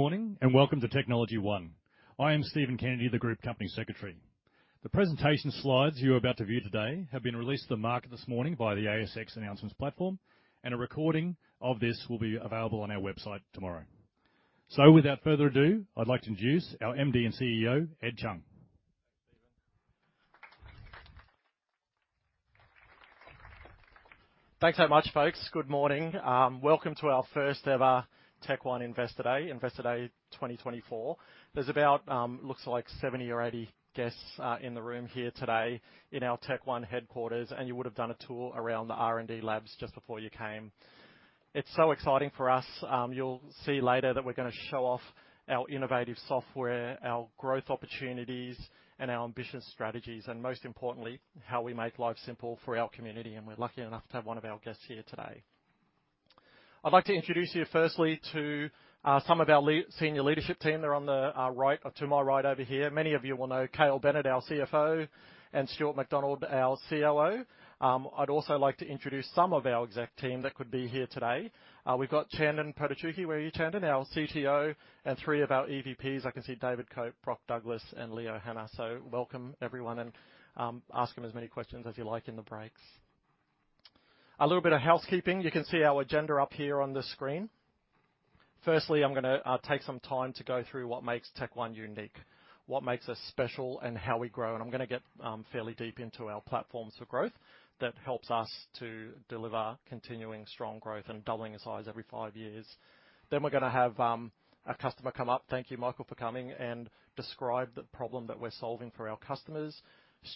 Good morning, and welcome to TechnologyOne. I am Stephen Kennedy, the Group Company Secretary. The presentation slides you are about to view today have been released to the market this morning via the ASX announcements platform, and a recording of this will be available on our website tomorrow. Without further ado, I'd like to introduce our MD and CEO, Ed Chung. Thanks so much, folks. Good morning. Welcome to our first ever TechOne Investor Day, Investor Day 2024. There's about, looks like 70 or 80 guests in the room here today in our TechOne headquarters, and you would have done a tour around the R&D labs just before you came. It's so exciting for us. You'll see later that we're going to show off our innovative software, our growth opportunities, and our ambitious strategies, and most importantly, how we make life simple for our community, and we're lucky enough to have one of our guests here today. I'd like to introduce you firstly to some of our senior leadership team. They're on the right, to my right over here. Many of you will know Cale Bennett, our CFO, and Stuart McDonald, our COO. I'd also like to introduce some of our exec team that could be here today. We've got Chandan Potukuchi. Where are you, Chandan? Our CTO, and three of our EVPs. I can see David Cope, Brock Douglas, and Leo Hanna. So welcome, everyone, and ask them as many questions as you like in the breaks. A little bit of housekeeping. You can see our agenda up here on the screen. Firstly, I'm going to take some time to go through what makes TechOne unique, what makes us special, and how we grow. And I'm going to get fairly deep into our platforms for growth that helps us to deliver continuing strong growth and doubling in size every five years. Then we're going to have a customer come up, thank you, Michael, for coming, and describe the problem that we're solving for our customers.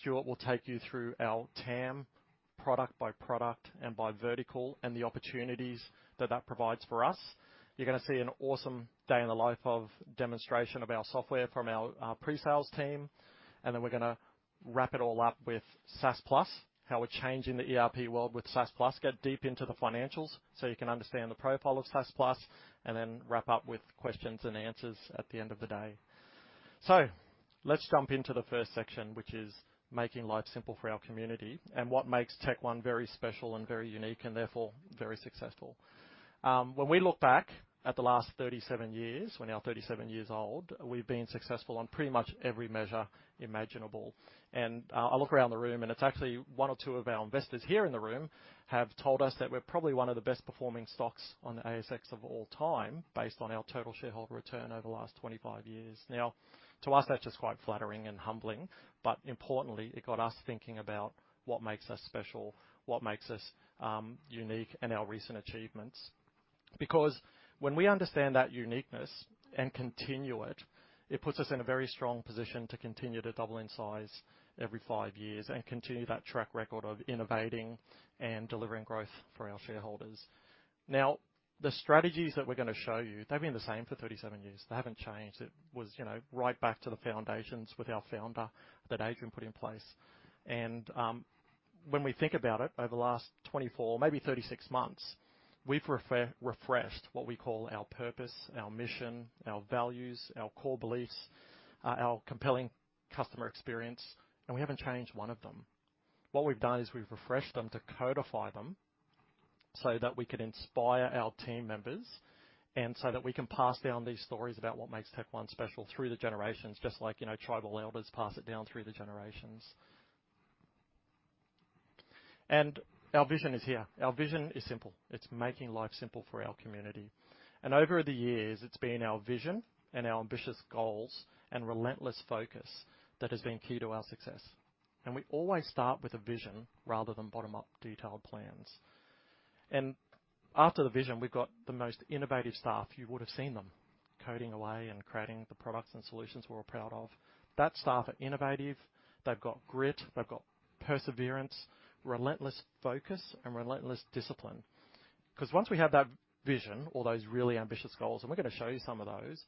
Stuart will take you through our TAM, product by product and by vertical, and the opportunities that that provides for us. You're going to see an awesome day-in-the-life-of demonstration of our software from our pre-sales team. And then we're going to wrap it all up with SaaS Plus, how we're changing the ERP world with SaaS Plus, get deep into the financials so you can understand the profile of SaaS Plus, and then wrap up with questions and answers at the end of the day. So let's jump into the first section, which is making life simple for our community and what makes TechOne very special and very unique and therefore very successful. When we look back at the last 37 years, we're now 37 years old, we've been successful on pretty much every measure imaginable. And, I look around the room, and it's actually one or two of our investors here in the room have told us that we're probably one of the best-performing stocks on the ASX of all time, based on our total shareholder return over the last 25 years. Now, to us, that's just quite flattering and humbling, but importantly, it got us thinking about what makes us special, what makes us unique, and our recent achievements. Because when we understand that uniqueness and continue it, it puts us in a very strong position to continue to double in size every five years and continue that track record of innovating and delivering growth for our shareholders. Now, the strategies that we're going to show you, they've been the same for 37 years. They haven't changed. It was, you know, right back to the foundations with our founder, that Adrian put in place. And, when we think about it, over the last 24, maybe 36 months, we've refreshed what we call our purpose, our mission, our values, our core beliefs, our compelling customer experience, and we haven't changed one of them. What we've done is we've refreshed them to codify them so that we can inspire our team members, and so that we can pass down these stories about what makes TechOne special through the generations, just like, you know, tribal elders pass it down through the generations. And our vision is here. Our vision is simple: It's making life simple for our community. And over the years, it's been our vision and our ambitious goals and relentless focus that has been key to our success. We always start with a vision rather than bottom-up detailed plans. After the vision, we've got the most innovative staff. You would have seen them coding away and creating the products and solutions we're all proud of. That staff are innovative, they've got grit, they've got perseverance, relentless focus, and relentless discipline. 'Cause once we have that vision, all those really ambitious goals, and we're going to show you some of those,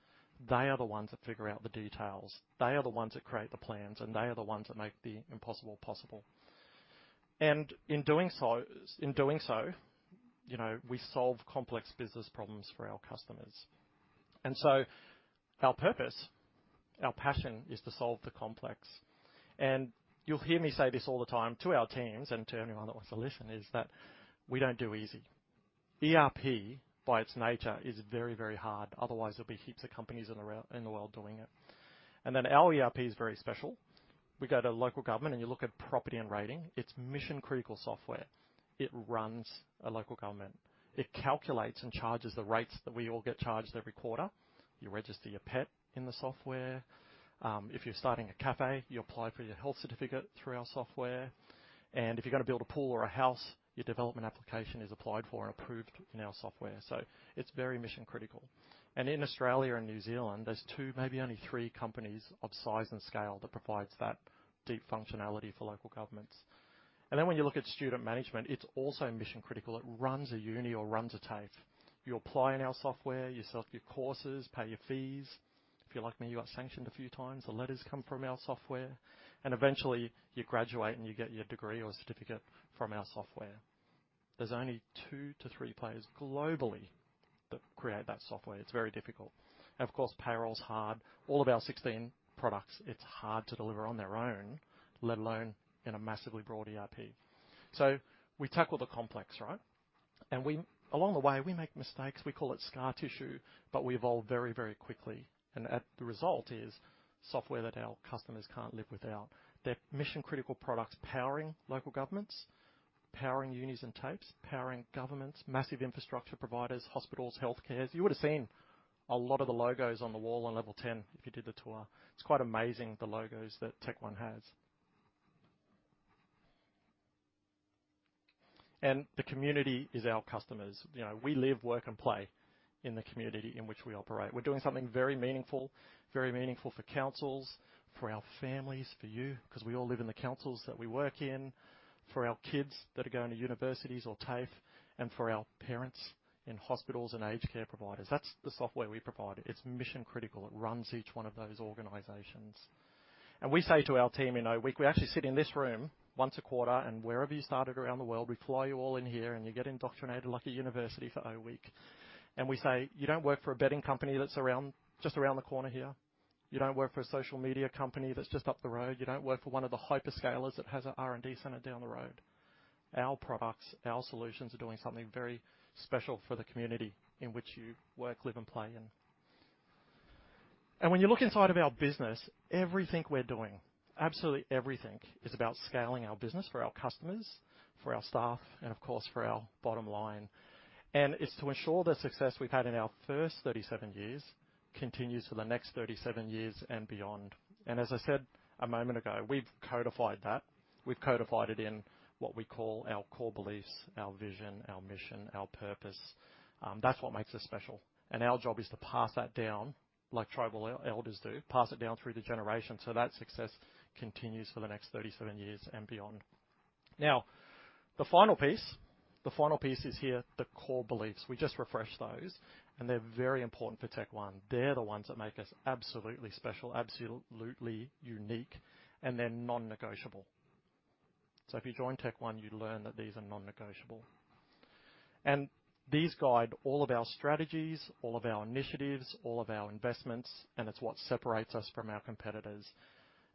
they are the ones that figure out the details. They are the ones that create the plans, and they are the ones that make the impossible possible. In doing so, in doing so, you know, we solve complex business problems for our customers. So our purpose, our passion, is to solve the complex. You'll hear me say this all the time to our teams and to anyone that wants to listen, is that we don't do easy. ERP, by its nature, is very, very hard. Otherwise, there'll be heaps of companies in the world doing it. And then our ERP is very special. We go to local government, and you Property and Rating, it's mission-critical software. It runs a local government. It calculates and charges the rates that we all get charged every quarter. You register your pet in the software. If you're starting a café, you apply for your health certificate through our software. And if you're going to build a pool or a house, your development application is applied for and approved in our software. So it's very mission critical. And in Australia and New Zealand, there's two, maybe only three, companies of size and scale that provides that deep functionality for local governments. And then when you look at Student Management, it's also mission critical. It runs a uni or runs a TAFE. You apply in our software, you select your courses, pay your fees. If you're like me, you got sanctioned a few times. The letters come from our software, and eventually, you graduate, and you get your degree or certificate from our software. There's only two to three players globally that create that software. It's very difficult. And of course, payroll is hard. All of our 16 products, it's hard to deliver on their own, let alone in a massively broad ERP. So we tackle the complex, right? And we. Along the way, we make mistakes. We call it scar tissue, but we evolve very, very quickly, and the result is software that our customers can't live without. They're mission-critical products, powering local governments, powering unis and TAFEs, powering governments, massive infrastructure providers, hospitals, health cares. You would have seen a lot of the logos on the wall on level 10 if you did the tour. It's quite amazing, the logos that TechOne has. And the community is our customers. You know, we live, work, and play in the community in which we operate. We're doing something very meaningful, very meaningful for councils, for our families, for you, because we all live in the councils that we work in, for our kids that are going to universities or TAFE, and for our parents in hospitals and aged care providers. That's the software we provide. It's mission-critical. It runs each one of those organizations. We say to our team in O-Week, we actually sit in this room once a quarter, and wherever you started around the world, we fly you all in here, and you get indoctrinated like a university for O-Week. And we say, "You don't work for a betting company that's around, just around the corner here. You don't work for a social media company that's just up the road. You don't work for one of the hyperscalers that has an R&D center down the road. Our products, our solutions, are doing something very special for the community in which you work, live, and play in." When you look inside of our business, everything we're doing, absolutely everything, is about scaling our business for our customers, for our staff, and, of course, for our bottom line. It's to ensure the success we've had in our first 37 years continues for the next 37 years and beyond. As I said a moment ago, we've codified that. We've codified it in what we call our core beliefs, our vision, our mission, our purpose. That's what makes us special. Our job is to pass that down, like tribal elders do, pass it down through the generations so that success continues for the next 37 years and beyond. Now, the final piece, the final piece is here, the core beliefs. We just refreshed those, and they're very important for TechOne. They're the ones that make us absolutely special, absolutely unique, and they're non-negotiable. So if you join TechOne, you learn that these are non-negotiable. These guide all of our strategies, all of our initiatives, all of our investments, and it's what separates us from our competitors.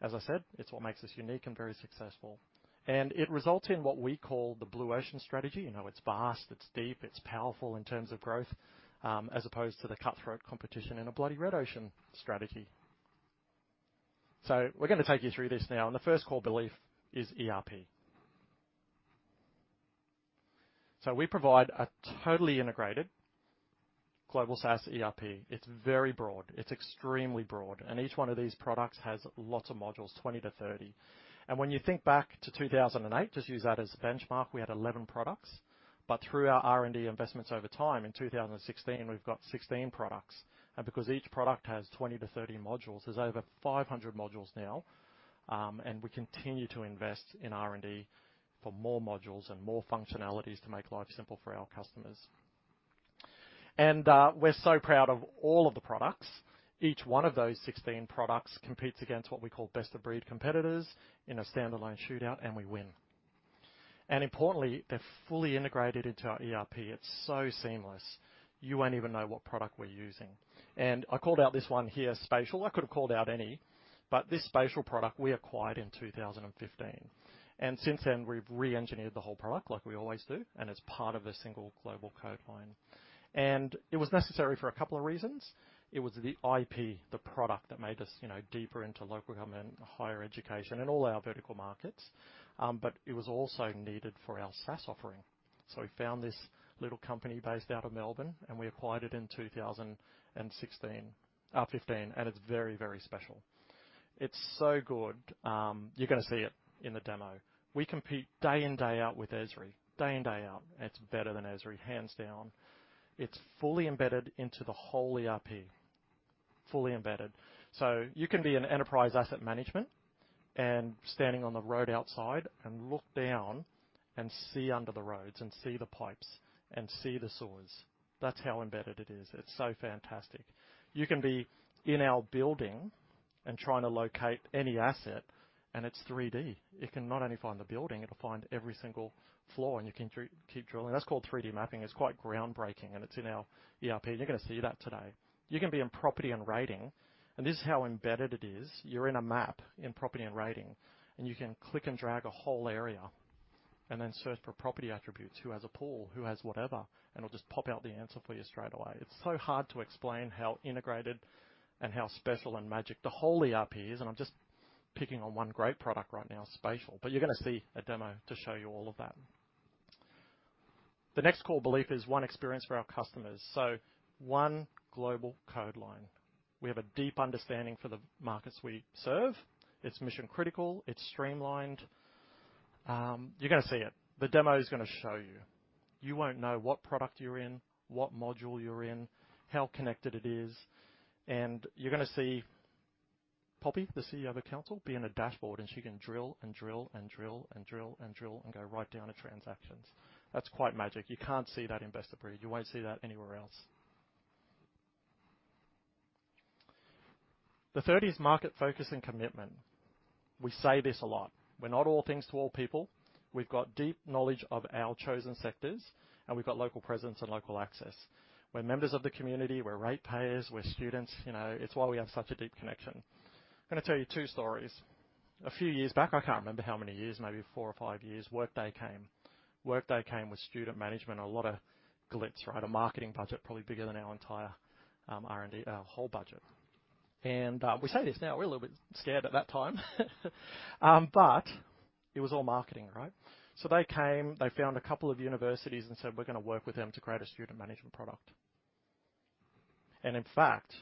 As I said, it's what makes us unique and very successful, and it results in what we call the Blue Ocean Strategy. You know, it's vast, it's deep, it's powerful in terms of growth, as opposed to the cutthroat competition in a bloody Red Ocean Strategy. So we're going to take you through this now, and the first core belief is ERP. So we provide a totally integrated global SaaS ERP. It's very broad. It's extremely broad, and each one of these products has lots of modules, 20-30. And when you think back to 2008, just use that as a benchmark, we had 11 products, but through our R&D investments over time, in 2016, we've got 16 products. And because each product has 20-30 modules, there's over 500 modules now, and we continue to invest in R&D for more modules and more functionalities to make life simple for our customers. And, we're so proud of all of the products. Each one of those 16 products competes against what we call best of breed competitors in a standalone shootout, and we win. And importantly, they're fully integrated into our ERP. It's so seamless you won't even know what product we're using. And I called out this one here, Spatial. I could have called out any, but this Spatial product we acquired in 2015, and since then, we've reengineered the whole product, like we always do, and it's part of a single global code line. And it was necessary for a couple of reasons. It was the IP, the product, that made us, you know, deeper into local government, higher education, and all our vertical markets, but it was also needed for our SaaS offering. So we found this little company based out of Melbourne, and we acquired it in 2015, and it's very, very special. It's so good, you're going to see it in the demo. We compete day in, day out with Esri, day in, day out. It's better than Esri, hands down. It's fully embedded into the whole ERP, fully embedded. So you can be in Enterprise Asset Management and standing on the road outside and look down and see under the roads and see the pipes and see the sewers. That's how embedded it is. It's so fantastic. You can be in our building and trying to locate any asset, and it's 3D. It can not only find the building, it'll find every single floor, and you can keep drilling. That's called 3D mapping. It's quite groundbreaking, and it's in our ERP, and you're going to see that today. You can Property and Rating, and this is how embedded it is. You're in a Property and Rating, and you can click and drag a whole area and then search for property attributes, who has a pool, who has whatever, and it'll just pop out the answer for you straight away. It's so hard to explain how integrated and how special and magic the whole ERP is, and I'm just picking on one great product right now, Spatial, but you're going to see a demo to show you all of that. The next core belief is one experience for our customers, so one global code line. We have a deep understanding for the markets we serve. It's mission-critical. It's streamlined. You're going to see it. The demo is going to show you. You won't know what product you're in, what module you're in, how connected it is, and you're going to see Poppy, the CEO of a council, be in a dashboard, and she can drill and drill and drill and drill and drill and go right down to transactions. That's quite magic. You can't see that in Best of Breed. You won't see that anywhere else.... The third is market focus and commitment. We say this a lot. We're not all things to all people. We've got deep knowledge of our chosen sectors, and we've got local presence and local access. We're members of the community, we're ratepayers, we're students. You know, it's why we have such a deep connection. I'm going to tell you two stories. A few years back, I can't remember how many years, maybe four or five years, Workday came. Workday came with Student Management and a lot of glitz, right? A marketing budget, probably bigger than our entire, R&D, our whole budget. And, we say this now, we were a little bit scared at that time. But it was all marketing, right? So they came, they found a couple of universities and said, "We're going to work with them to create a Student Management product." And in fact,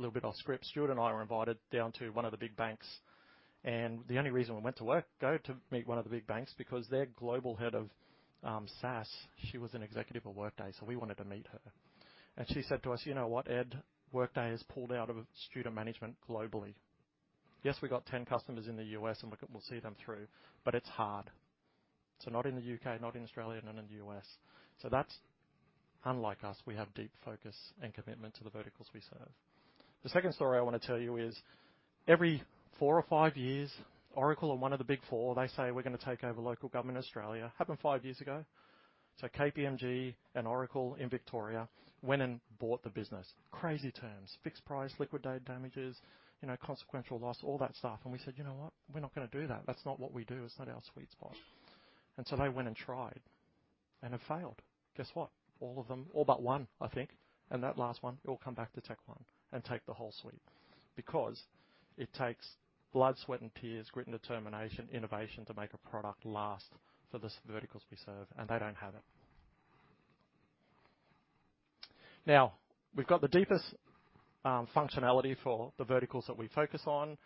a little bit off script, Stuart and I were invited down to one of the big banks, and the only reason we went to meet one of the big banks, because their global head of, SaaS, she was an executive of Workday, so we wanted to meet her. She said to us, "You know what, Ed? Workday has pulled out of Student Management globally. Yes, we got 10 customers in the U.S., and we'll see them through, but it's hard." So not in the U.K., not in Australia, not in the U.S. So that's unlike us. We have deep focus and commitment to the verticals we serve. The second story I want to tell you is, every four or five years, Oracle or one of the Big Four, they say, "We're going to take over local government Australia." Happened five years ago. So KPMG and Oracle in Victoria went and bought the business. Crazy terms, fixed price, liquidated damages, you know, consequential loss, all that stuff. We said, "You know what? We're not going to do that. That's not what we do. It's not our sweet spot." And so they went and tried and have failed. Guess what? All of them, all but one, I think, and that last one, it will come back to TechOne and take the whole suite, because it takes blood, sweat, and tears, grit and determination, innovation to make a product last for the verticals we serve, and they don't have it. Now, we've got the deepest functionality for the verticals that we focus on.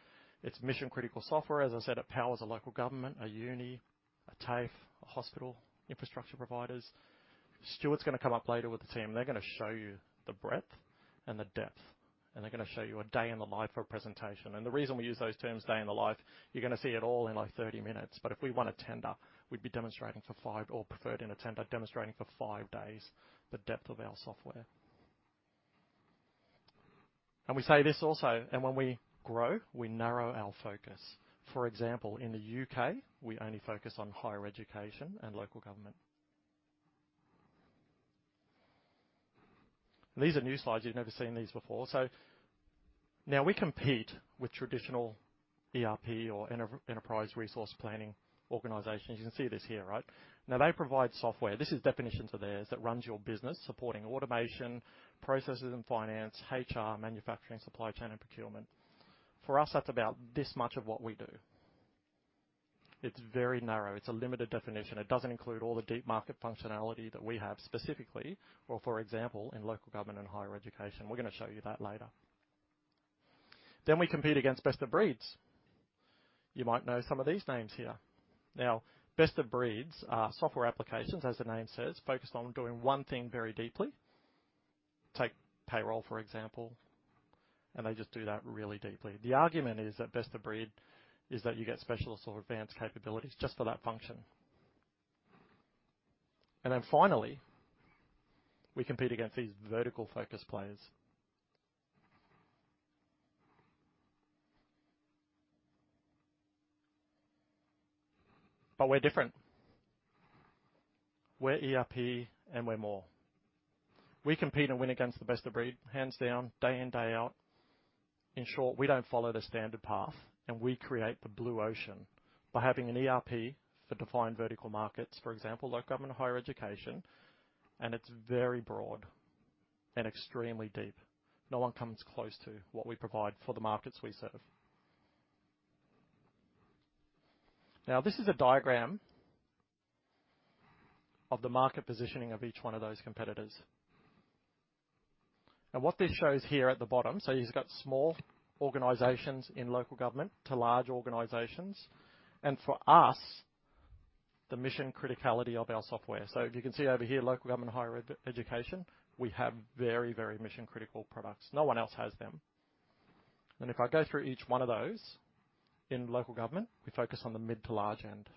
It's mission-critical software. As I said, it powers a local government, a uni, a TAFE, a hospital, infrastructure providers. Stuart's going to come up later with the team, and they're going to show you the breadth and the depth, and they're going to show you a day in the life of a presentation. And the reason we use those terms, day in the life, you're going to see it all in, like, 30 minutes, but if we won a tender, we'd be demonstrating for five, or preferred in a tender, demonstrating for five days the depth of our software. And we say this also, and when we grow, we narrow our focus. For example, in the U.K., we only focus on higher education and local government. These are new slides. You've never seen these before. So now we compete with traditional ERP or enterprise resource planning organizations. You can see this here, right? Now, they provide software. This is definitions of theirs, that runs your business, supporting automation, processes and finance, HR, manufacturing, Supply Chain, and procurement. For us, that's about this much of what we do. It's very narrow. It's a limited definition. It doesn't include all the deep market functionality that we have specifically, or for example, in local government and higher education. We're going to show you that later. Then we compete against best of breeds. You might know some of these names here. Now, best of breeds are software applications, as the name says, focused on doing one thing very deeply. Take payroll, for example, and they just do that really deeply. The argument is that best of breed is that you get specialist or advanced capabilities just for that function. And then finally, we compete against these vertical focus players. But we're different. We're ERP, and we're more. We compete and win against the best of breed, hands down, day in, day out. In short, we don't follow the standard path, and we create the blue ocean by having an ERP for defined vertical markets, for example, local government and higher education, and it's very broad and extremely deep. No one comes close to what we provide for the markets we serve. Now, this is a diagram of the market positioning of each one of those competitors. What this shows here at the bottom, so you've got small organizations in local government to large organizations, and for us, the mission criticality of our software. If you can see over here, local government and higher education, we have very, very mission-critical products. No one else has them. If I go through each one of those, in local government, we focus on the mid to large end.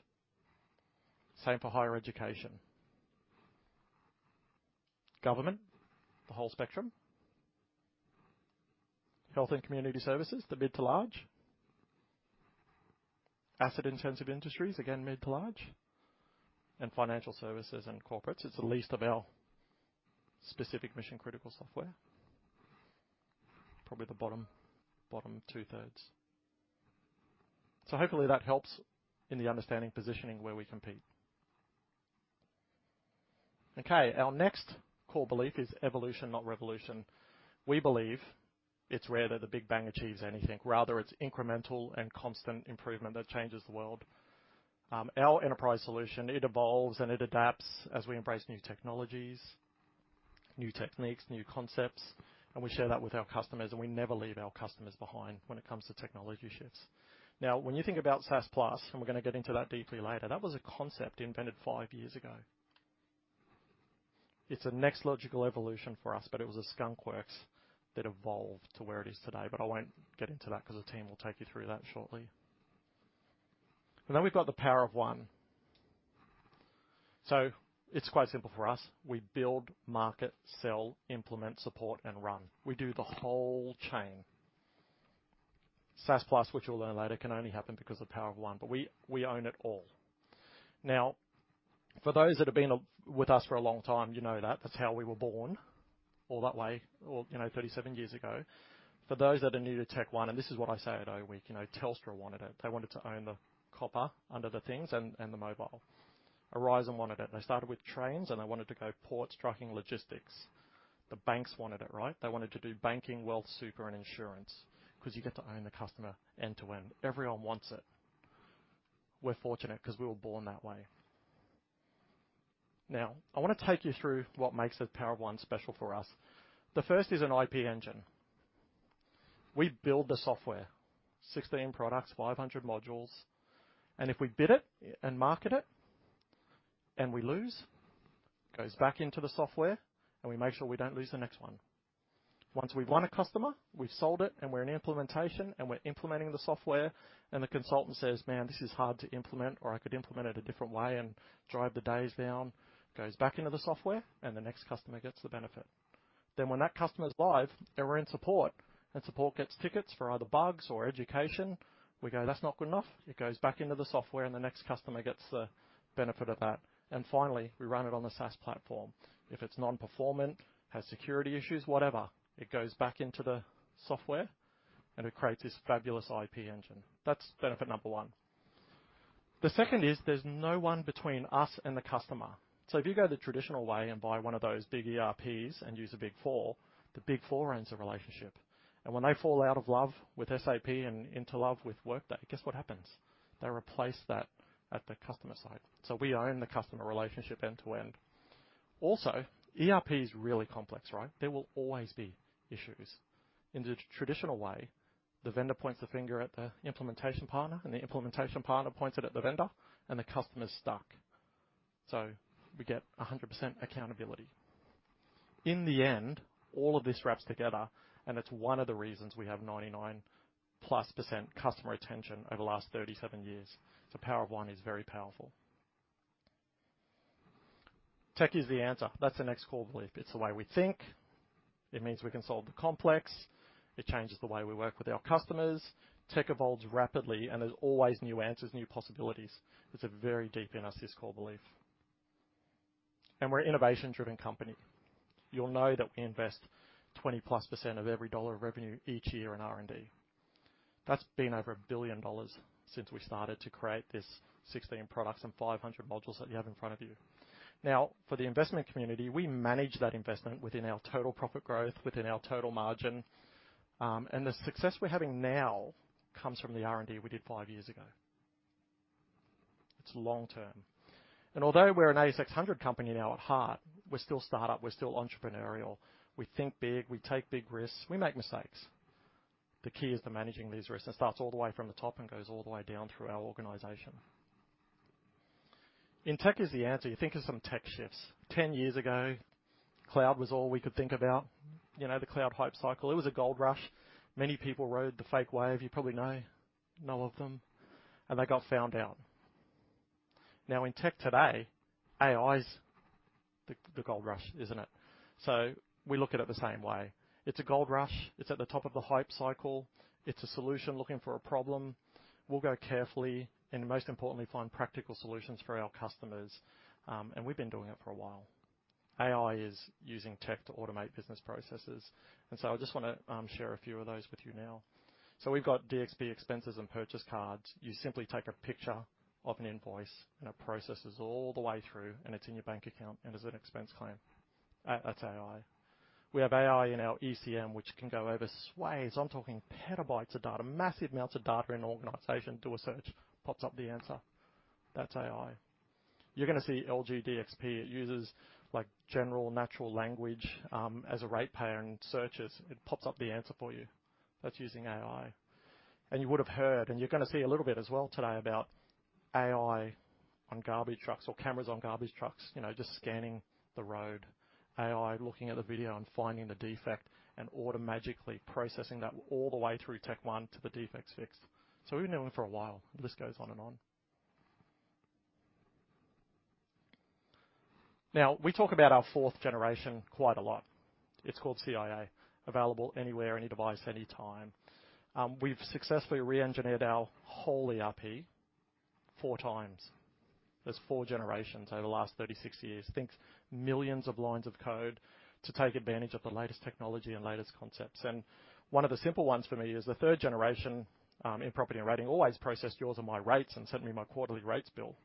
Same for higher education. Government, the whole spectrum. Health and community services, the mid to large. Asset-intensive industries, again, mid to large. And financial services and corporates, it's the least of our specific mission-critical software, probably the bottom, bottom 2/3. So hopefully that helps in the understanding positioning where we compete. Okay, our next core belief is evolution, not revolution. We believe it's rare that the Big Bang achieves anything. Rather, it's incremental and constant improvement that changes the world. Our enterprise solution, it evolves, and it adapts as we embrace new technologies, new techniques, new concepts, and we share that with our customers, and we never leave our customers behind when it comes to technology shifts. Now, when you think about SaaS Plus, and we're going to get into that deeply later, that was a concept invented five years ago. It's the next logical evolution for us, but it was a skunkworks that evolved to where it is today. But I won't get into that because the team will take you through that shortly. And then we've got Power of One. so it's quite simple for us. We build, market, sell, implement, support, and run. We do the whole chain. SaaS Plus, which you'll learn later, can only happen because of the Power of One, but we, we own it all. Now, for those that have been with us for a long time, you know that. That's how we were born, all that way, or, you know, 37 years ago. For those that are new to TechOne, and this is what I say at O-Week, you know, Telstra wanted it. They wanted to own the copper under the things and, and the mobile. Aurizon wanted it. They started with trains, and they wanted to go ports, trucking, logistics. The banks wanted it, right? They wanted to do banking, wealth, super, and insurance, 'cause you get to own the customer end to end. Everyone wants it. We're fortunate 'cause we were born that way. Now, I wanna take you through what makes the Power of One special for us. The first is an IP engine. We build the software, 16 products, 500 modules, and if we bid it and market it, and we lose, it goes back into the software, and we make sure we don't lose the next one. Once we've won a customer, we've sold it, and we're in implementation, and we're implementing the software, and the consultant says, "Man, this is hard to implement," or, "I could implement it a different way and drive the days down," it goes back into the software, and the next customer gets the benefit. Then, when that customer's live, and we're in support, and support gets tickets for either bugs or education, we go, "That's not good enough." It goes back into the software, and the next customer gets the benefit of that. And finally, we run it on the SaaS platform. If it's non-performant, has security issues, whatever, it goes back into the software, and it creates this fabulous IP engine. That's benefit number one. The second is there's no one between us and the customer. So if you go the traditional way and buy one of those big ERPs and use a Big Four, the Big Four ends the relationship. And when they fall out of love with SAP and into love with Workday, guess what happens? They replace that at the customer site. So we own the customer relationship end to end. Also, ERP is really complex, right? There will always be issues. In the traditional way, the vendor points the finger at the implementation partner, and the implementation partner points it at the vendor, and the customer's stuck. So we get 100% accountability. In the end, all of this wraps together, and it's one of the reasons we have 99%+ customer retention over the last 37 years. The Power of One is very powerful. Tech is the answer. That's the next core belief. It's the way we think. It means we can solve the complex. It changes the way we work with our customers. Tech evolves rapidly, and there's always new answers, new possibilities. It's a very deep in us, this core belief. We're an innovation-driven company. You'll know that we invest 20+% of every dollar of revenue each year in R&D. That's been over 1 billion dollars since we started to create this 16 products and 500 modules that you have in front of you. Now, for the investment community, we manage that investment within our total profit growth, within our total margin, and the success we're having now comes from the R&D we did 5 years ago. It's long term. Although we're an ASX 100 company now, at heart, we're still startup. We're still entrepreneurial. We think big. We take big risks. We make mistakes. The key is in managing these risks. It starts all the way from the top and goes all the way down through our organization. In tech is the answer. You think of some tech shifts. 10 years ago, cloud was all we could think about, you know, the cloud hype cycle. It was a gold rush. Many people rode the fake wave. You probably know of them, and they got found out. Now, in tech today, AI's the gold rush, isn't it? So we look at it the same way. It's a gold rush. It's at the top of the hype cycle. It's a solution looking for a problem. We'll go carefully and, most importantly, find practical solutions for our customers, and we've been doing it for a while. AI is using tech to automate business processes, and so I just wanna share a few of those with you now. So we've got DXP Expenses and purchase cards. You simply take a picture of an invoice, and it processes all the way through, and it's in your bank account and as an expense claim. That's AI. We have AI in our ECM, which can go over swathes, I'm talking petabytes of data, massive amounts of data in an organization, do a search, pops up the answer. That's AI. You're gonna see LG DXP. It uses, like, general natural language as a ratepayer and searches. It pops up the answer for you. That's using AI. You would have heard, and you're gonna see a little bit as well today, about AI on garbage trucks or cameras on garbage trucks, you know, just scanning the road, AI looking at the video and finding the defect and automatically processing that all the way through TechOne to the defects fixed. So we've been doing it for a while. The list goes on and on. Now, we talk about our fourth generation quite a lot. It's called CIA, Available Anywhere, Any Device, Anytime. We've successfully reengineered our whole ERP four times. That's four generations over the last 36 years. Think millions of lines of code to take advantage of the latest technology and latest concepts. And one of the simple ones for me is the third Property and Rating, always processed yours and my rates and sent me my quarterly rates bill.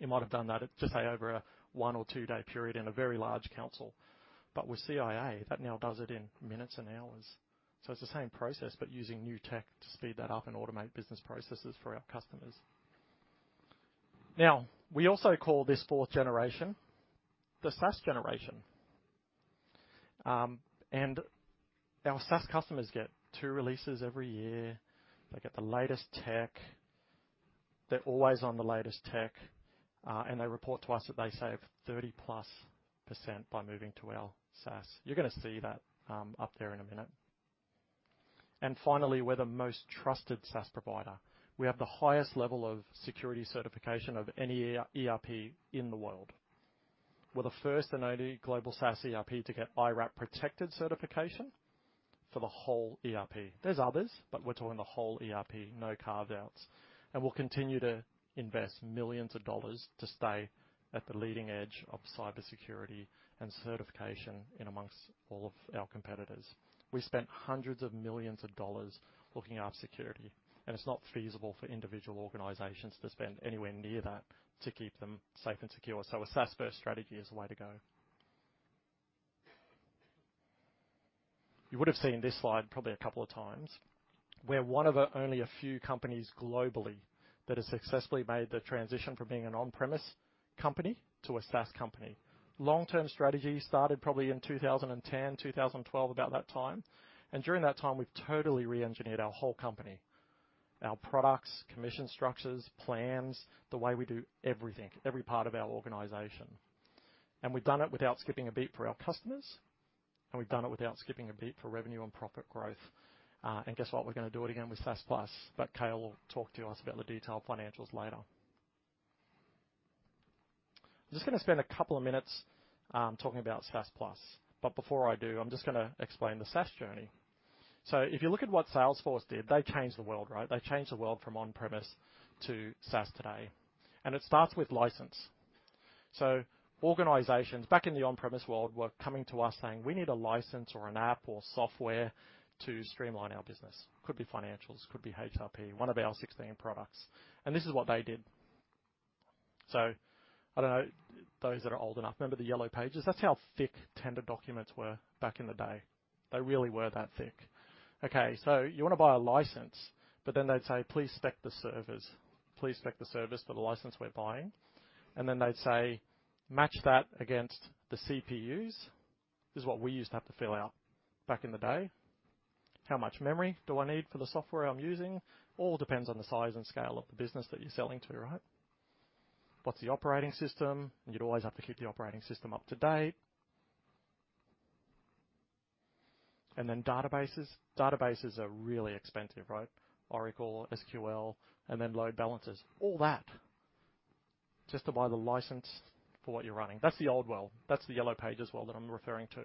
It might have done that at just say, over a one or two day period in a very large council. But with CiA, that now does it in minutes and hours. So it's the same process, but using new tech to speed that up and automate business processes for our customers. Now, we also call this fourth generation the SaaS generation. And our SaaS customers get two releases every year. They get the latest tech. They're always on the latest tech, and they report to us that they save 30%+ by moving to our SaaS. You're gonna see that, up there in a minute.... And finally, we're the most trusted SaaS provider. We have the highest level of security certification of any ER, ERP in the world. We're the first and only global SaaS ERP to get IRAP Protected Certification for the whole ERP. There's others, but we're talking the whole ERP, no carved outs. We'll continue to invest millions dollars to stay at the leading edge of cybersecurity and certification in amongst all of our competitors. We spent hundreds of millions dollars looking after security, and it's not feasible for individual organizations to spend anywhere near that to keep them safe and secure. So a SaaS-first strategy is the way to go. You would have seen this slide probably a couple of times. We're one of the only a few companies globally that has successfully made the transition from being an on-premise company to a SaaS company. Long-term strategy started probably in 2010, 2012, about that time, and during that time, we've totally reengineered our whole company, our products, commission structures, plans, the way we do everything, every part of our organization. We've done it without skipping a beat for our customers, and we've done it without skipping a beat for revenue and profit growth. Guess what? We're gonna do it again with SaaS Plus, but Cale will talk to us about the detailed financials later. I'm just gonna spend a couple of minutes talking about SaaS Plus, but before I do, I'm just gonna explain the SaaS journey. So if you look at what Salesforce did, they changed the world, right? They changed the world from on-premise to SaaS today, and it starts with license. So organizations back in the on-premise world were coming to us saying, "We need a license, or an app, or software to streamline our business." Could be financials, could be HRP, one of our 16 products, and this is what they did. So I don't know, those that are old enough, remember the Yellow Pages? That's how thick tender documents were back in the day. They really were that thick. Okay, so you want to buy a license, but then they'd say, "Please spec the servers. Please spec the service for the license we're buying." And then they'd say, "Match that against the CPUs." This is what we used to have to fill out back in the day. How much memory do I need for the software I'm using? All depends on the size and scale of the business that you're selling to, right? What's the operating system? And you'd always have to keep the operating system up to date. And then databases. Databases are really expensive, right? Oracle, SQL, and then load balancers. All that just to buy the license for what you're running. That's the old world. That's the Yellow Pages world that I'm referring to.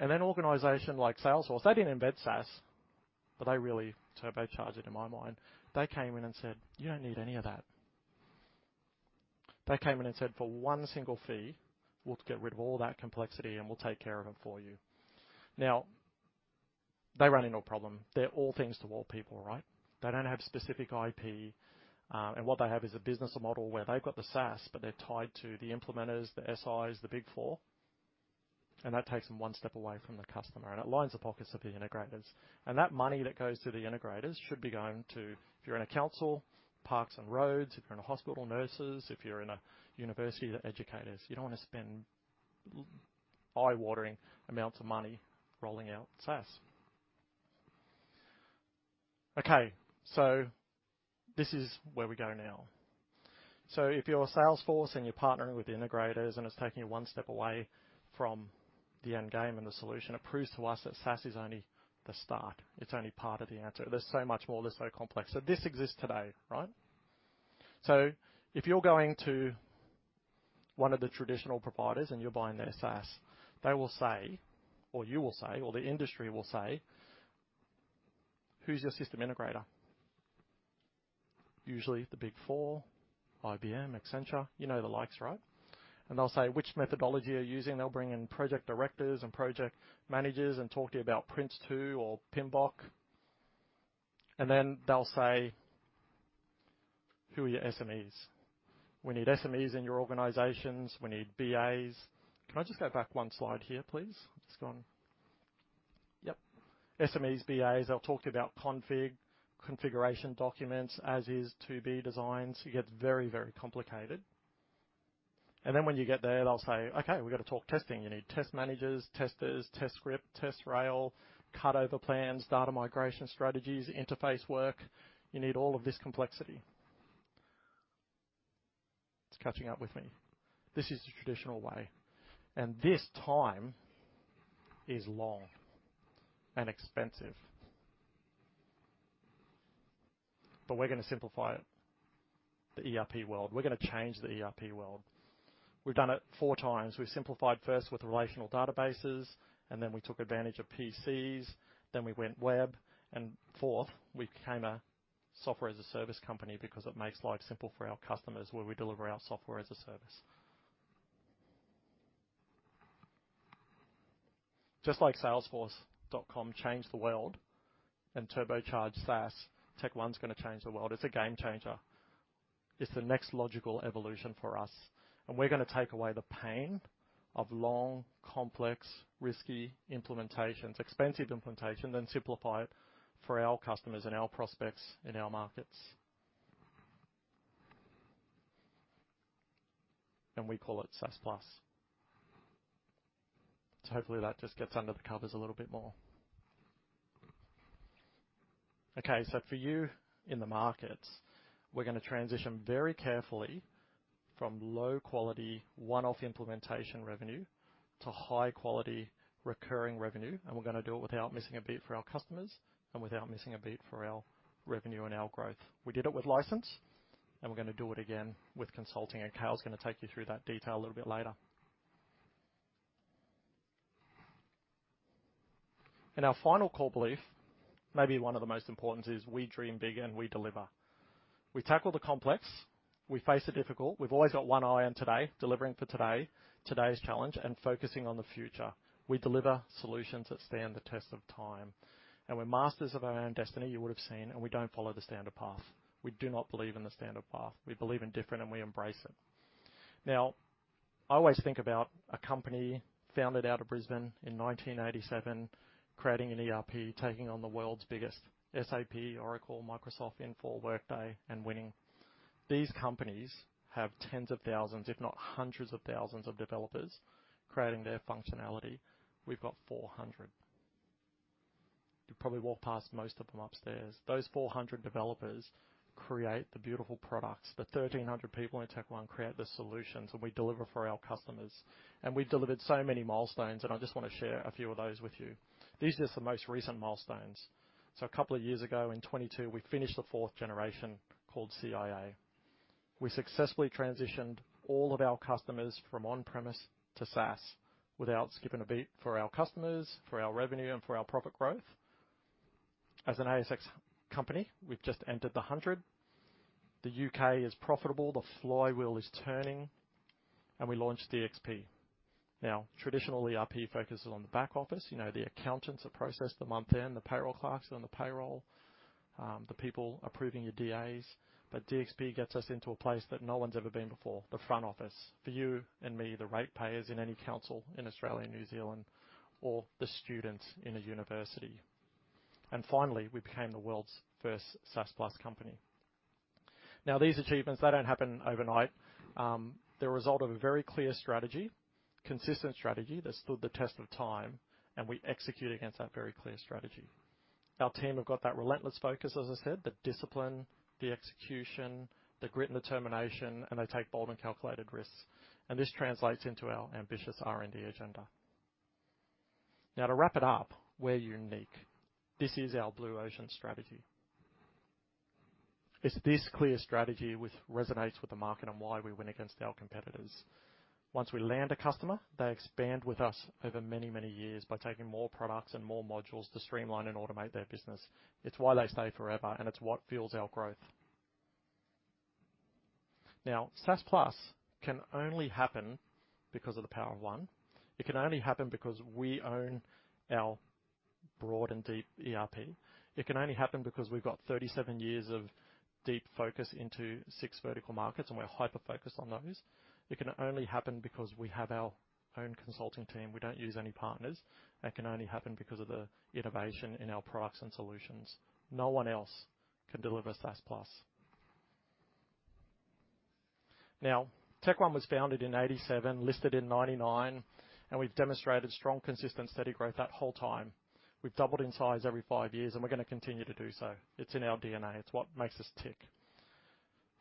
And then organization like Salesforce, they didn't invent SaaS, but they really turbocharged it, in my mind. They came in and said, "You don't need any of that." They came in and said, "For one single fee, we'll get rid of all that complexity, and we'll take care of it for you." Now, they ran into a problem. They're all things to all people, right? They don't have specific IP, and what they have is a business model where they've got the SaaS, but they're tied to the implementers, the SIs, the Big Four, and that takes them one step away from the customer, and it lines the pockets of the integrators. And that money that goes to the integrators should be going to, if you're in a council, parks and roads, if you're in a hospital, nurses, if you're in a university, the educators. You don't want to spend eye-watering amounts of money rolling out SaaS. Okay, so this is where we go now. So if you're a Salesforce and you're partnering with the integrators, and it's taking you one step away from the end game and the solution, it proves to us that SaaS is only the start. It's only part of the answer. There's so much more. There's so complex. So this exists today, right? So if you're going to one of the traditional providers and you're buying their SaaS, they will say, or you will say, or the industry will say, "Who's your system integrator?" Usually the Big Four, IBM, Accenture, you know the likes, right? And they'll say, "Which methodology are you using?" They'll bring in project directors and project managers and talk to you about PRINCE2 or PMBOK. And then they'll say, "Who are your SMEs? We need SMEs in your organizations. We need BAs." Can I just go back one slide here, please? It's gone. Yep. SMEs, BAs, they'll talk about config, configuration documents, as is, to-be designs. It gets very, very complicated. And then when you get there, they'll say, "Okay, we've got to talk testing. You need test managers, testers, test script, TestRail, cutover plans, data migration strategies, interface work. You need all of this complexity." It's catching up with me. This is the traditional way, and this time is long and expensive. But we're gonna simplify it, the ERP world. We're gonna change the ERP world. We've done it four times. We simplified first with relational databases, and then we took advantage of PCs, then we went web, and fourth, we became a software-as-a-service company because it makes life simple for our customers, where we deliver our software as a service. Just like Salesforce.com changed the world and turbocharged SaaS, TechOne's gonna change the world. It's a game changer. It's the next logical evolution for us, and we're gonna take away the pain of long, complex, risky implementations, expensive implementation, then simplify it for our customers and our prospects in our markets. And we call it SaaS Plus. So hopefully that just gets under the covers a little bit more. Okay, so for you in the markets, we're going to transition very carefully from low quality, one-off implementation revenue to high quality recurring revenue, and we're going to do it without missing a beat for our customers and without missing a beat for our revenue and our growth. We did it with license, and we're going to do it again with consulting, and Cale's going to take you through that detail a little bit later. And our final core belief, maybe one of the most important, is we dream big and we deliver. We tackle the complex, we face the difficult. We've always got one eye on today, delivering for today, today's challenge, and focusing on the future. We deliver solutions that stand the test of time, and we're masters of our own destiny, you would have seen, and we don't follow the standard path. We do not believe in the standard path. We believe in different, and we embrace it. Now, I always think about a company founded out of Brisbane in 1987, creating an ERP, taking on the world's biggest SAP, Oracle, Microsoft, Infor, Workday, and winning. These companies have tens of thousands, if not hundreds of thousands, of developers creating their functionality. We've got 400. You probably walk past most of them upstairs. Those 400 developers create the beautiful products. The 1,300 people in TechOne create the solutions, and we deliver for our customers. And we've delivered so many milestones, and I just want to share a few of those with you. These are just the most recent milestones. So a couple of years ago, in 2022, we finished the fourth generation called CIA. We successfully transitioned all of our customers from on-premise to SaaS without skipping a beat for our customers, for our revenue, and for our profit growth. As an ASX company, we've just entered the hundred. The U.K. is profitable, the flywheel is turning, and we launched DXP. Now, traditional ERP focuses on the back office, you know, the accountants that process the month end, the payroll clerks on the payroll, the people approving your DAs, but DXP gets us into a place that no one's ever been before, the front office. For you and me, the rate payers in any council in Australia and New Zealand or the students in a university. And finally, we became the world's first SaaS Plus company. Now, these achievements, they don't happen overnight. They're a result of a very clear strategy, consistent strategy that stood the test of time, and we execute against that very clear strategy. Our team have got that relentless focus, as I said, the discipline, the execution, the grit and determination, and they take bold and calculated risks, and this translates into our ambitious R&D agenda. Now, to wrap it up, we're unique. This is our Blue Ocean Strategy. It's this clear strategy which resonates with the market and why we win against our competitors. Once we land a customer, they expand with us over many, many years by taking more products and more modules to streamline and automate their business. It's why they stay forever, and it's what fuels our growth. Now, SaaS Plus can only happen because of the Power of One. It can only happen because we own our broad and deep ERP. It can only happen because we've got 37 years of deep focus into six vertical markets, and we're hyper-focused on those. It can only happen because we have our own consulting team. We don't use any partners. It can only happen because of the innovation in our products and solutions. No one else can deliver SaaS Plus. Now, TechOne was founded in 1987, listed in 1999, and we've demonstrated strong, consistent, steady growth that whole time. We've doubled in size every five years, and we're going to continue to do so. It's in our D&A. It's what makes us tick.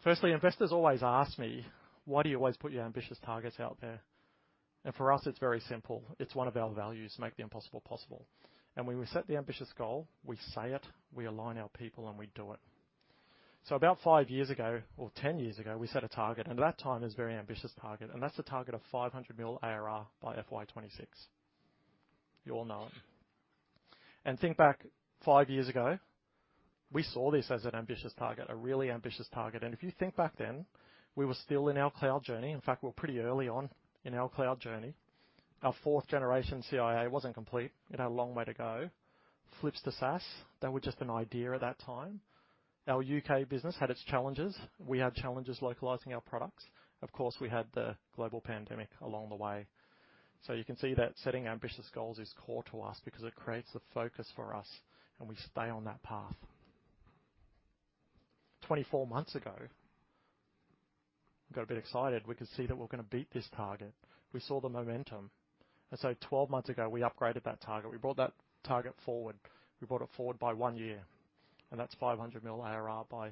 Firstly, investors always ask me, "Why do you always put your ambitious targets out there?" For us, it's very simple. It's one of our values, make the impossible possible. When we set the ambitious goal, we say it, we align our people, and we do it. So about five years ago, or 10 years ago, we set a target, and at that time, it was a very ambitious target, and that's the target of 500 million ARR by FY26. You all know it. Think back five years ago, we saw this as an ambitious target, a really ambitious target, and if you think back then, we were still in our cloud journey. In fact, we were pretty early on in our cloud journey. Our fourth generation, CIA, wasn't complete. It had a long way to go. Flips to SaaS, that was just an idea at that time. Our U.K. business had its challenges. We had challenges localizing our products. Of course, we had the global pandemic along the way. So you can see that setting ambitious goals is core to us because it creates the focus for us, and we stay on that path. 24 months ago, got a bit excited. We could see that we're going to beat this target. We saw the momentum, and so 12 months ago, we upgraded that target. We brought that target forward. We brought it forward by one year, and that's 500 million ARR by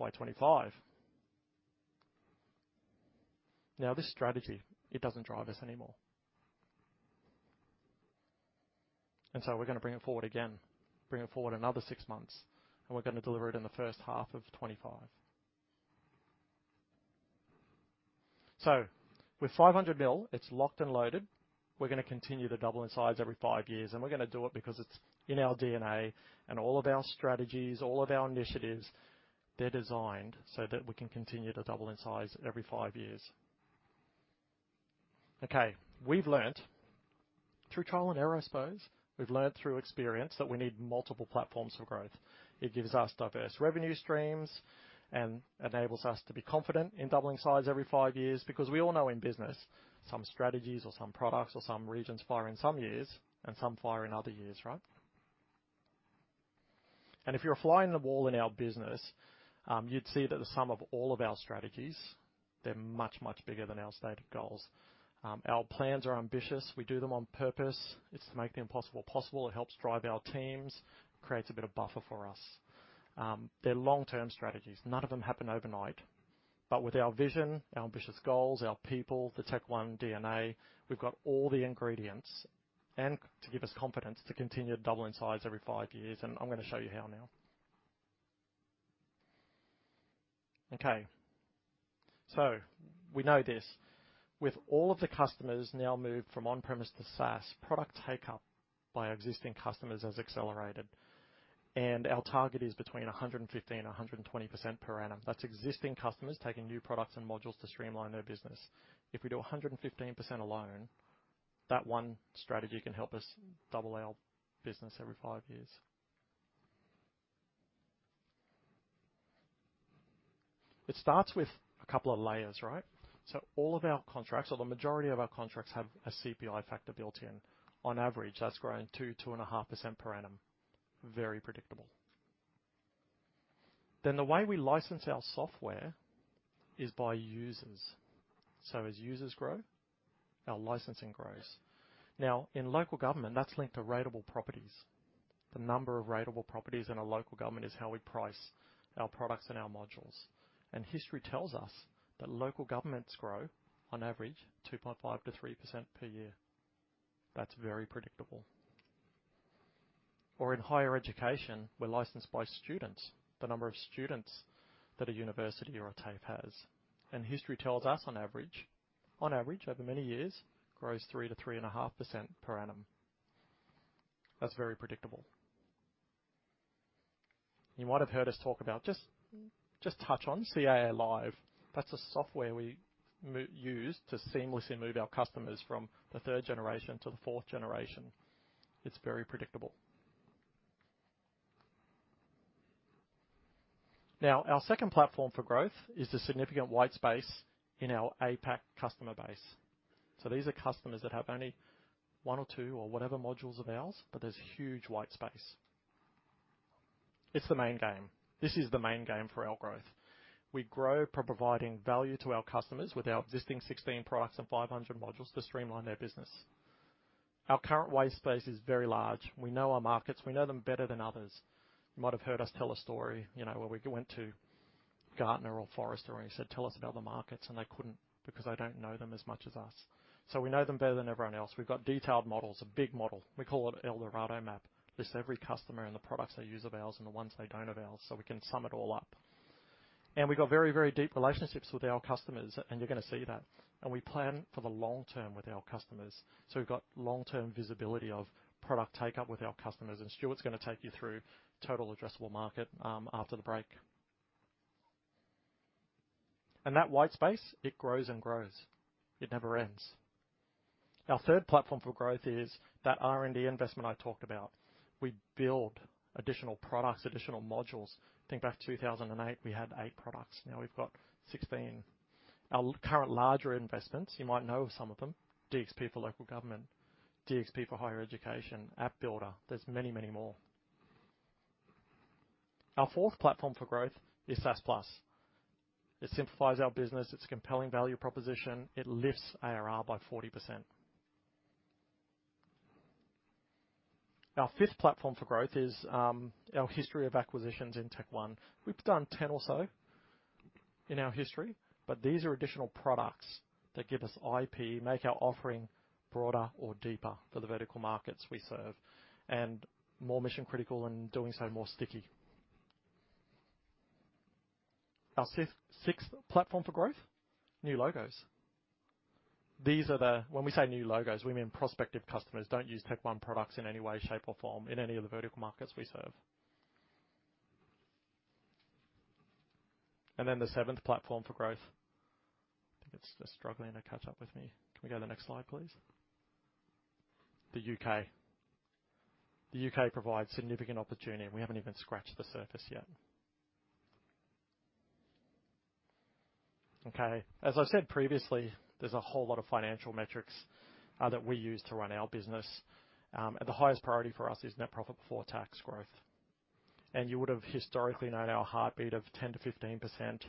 FY25. Now, this strategy, it doesn't drive us anymore. And so we're going to bring it forward again, bring it forward another six months, and we're going to deliver it in the first half of 2025. So with 500 million, it's locked and loaded. We're going to continue to double in size every five years, and we're going to do it because it's in our D&A and all of our strategies, all of our initiatives, they're designed so that we can continue to double in size every five years. Okay. We've learned, through trial and error, I suppose, we've learned through experience that we need multiple platforms for growth. It gives us diverse revenue streams and enables us to be confident in doubling size every five years, because we all know in business, some strategies or some products or some regions fire in some years and some fire in other years, right? And if you're a fly on the wall in our business, you'd see that the sum of all of our strategies. They're much, much bigger than our stated goals. Our plans are ambitious. We do them on purpose. It's to make the impossible possible. It helps drive our teams, creates a bit of buffer for us. They're long-term strategies. None of them happen overnight. But with our vision, our ambitious goals, our people, the TechOne D&A, we've got all the ingredients and to give us confidence to continue doubling in size every five years, and I'm going to show you how now. Okay, so we know this. With all of the customers now moved from on-premise to SaaS, product take-up by our existing customers has accelerated, and our target is between 115% and 120% per annum. That's existing customers taking new products and modules to streamline their business. If we do 115% alone, that one strategy can help us double our business every five years. It starts with a couple of layers, right? So all of our contracts, or the majority of our contracts, have a CPI factor built in. On average, that's growing 2, 2.5% per annum. Very predictable. Then, the way we license our software is by users. So as users grow, our licensing grows. Now, in local government, that's linked to ratable properties. The number of ratable properties in a local government is how we price our products and our modules. And history tells us that local governments grow on average 2.5%-3% per year. That's very predictable. Or in higher education, we're licensed by students, the number of students that a university or a TAFE has. And history tells us, on average, on average, over many years, grows 3%-3.5% per annum. That's very predictable. You might have heard us talk about, just touch on CiA Live. That's a software we use to seamlessly move our customers from the third generation to the fourth generation. It's very predictable. Now, our second platform for growth is the significant white space in our APAC customer base. So these are customers that have only one or two or whatever modules of ours, but there's huge white space. It's the main game. This is the main game for our growth. We grow by providing value to our customers with our existing 16 products and 500 modules to streamline their business. Our current white space is very large. We know our markets. We know them better than others. You might have heard us tell a story, you know, where we went to Gartner or Forrester, and we said, "Tell us about the markets," and they couldn't, because they don't know them as much as us. So we know them better than everyone else. We've got detailed models, a big model. We call it Eldorado Map. Lists every customer and the products they use of ours and the ones they don't of ours, so we can sum it all up. And we've got very, very deep relationships with our customers, and you're going to see that. And we plan for the long term with our customers. So we've got long-term visibility of product take-up with our customers, and Stuart's going to take you through total addressable market, after the break. And that white space, it grows and grows. It never ends. Our third platform for growth is that R&D investment I talked about. We build additional products, additional modules. Think back to 2008, we had eight products. Now we've got 16. Our larger current investments, you might know of some of them, DXP for local government, DXP for higher education, App Builder. There's many, many more. Our fourth platform for growth is SaaS Plus. It simplifies our business. It's a compelling value proposition. It lifts ARR by 40%. Our fifth platform for growth is our history of acquisitions in TechOne. We've done 10 or so in our history, but these are additional products that give us IP, make our offering broader or deeper for the vertical markets we serve, and more mission-critical, and in doing so, more sticky. Our sixth platform for growth, new logos. These are the... When we say new logos, we mean prospective customers, don't use TechOne products in any way, shape, or form in any of the vertical markets we serve. And then the seventh platform for growth, I think it's, they're struggling to catch up with me. Can we go to the next slide, please? The U.K. The U.K. provides significant opportunity, and we haven't even scratched the surface yet. Okay. As I said previously, there's a whole lot of financial metrics that we use to run our business. And the highest priority for us is net profit before tax growth. And you would've historically known our heartbeat of 10%-15%.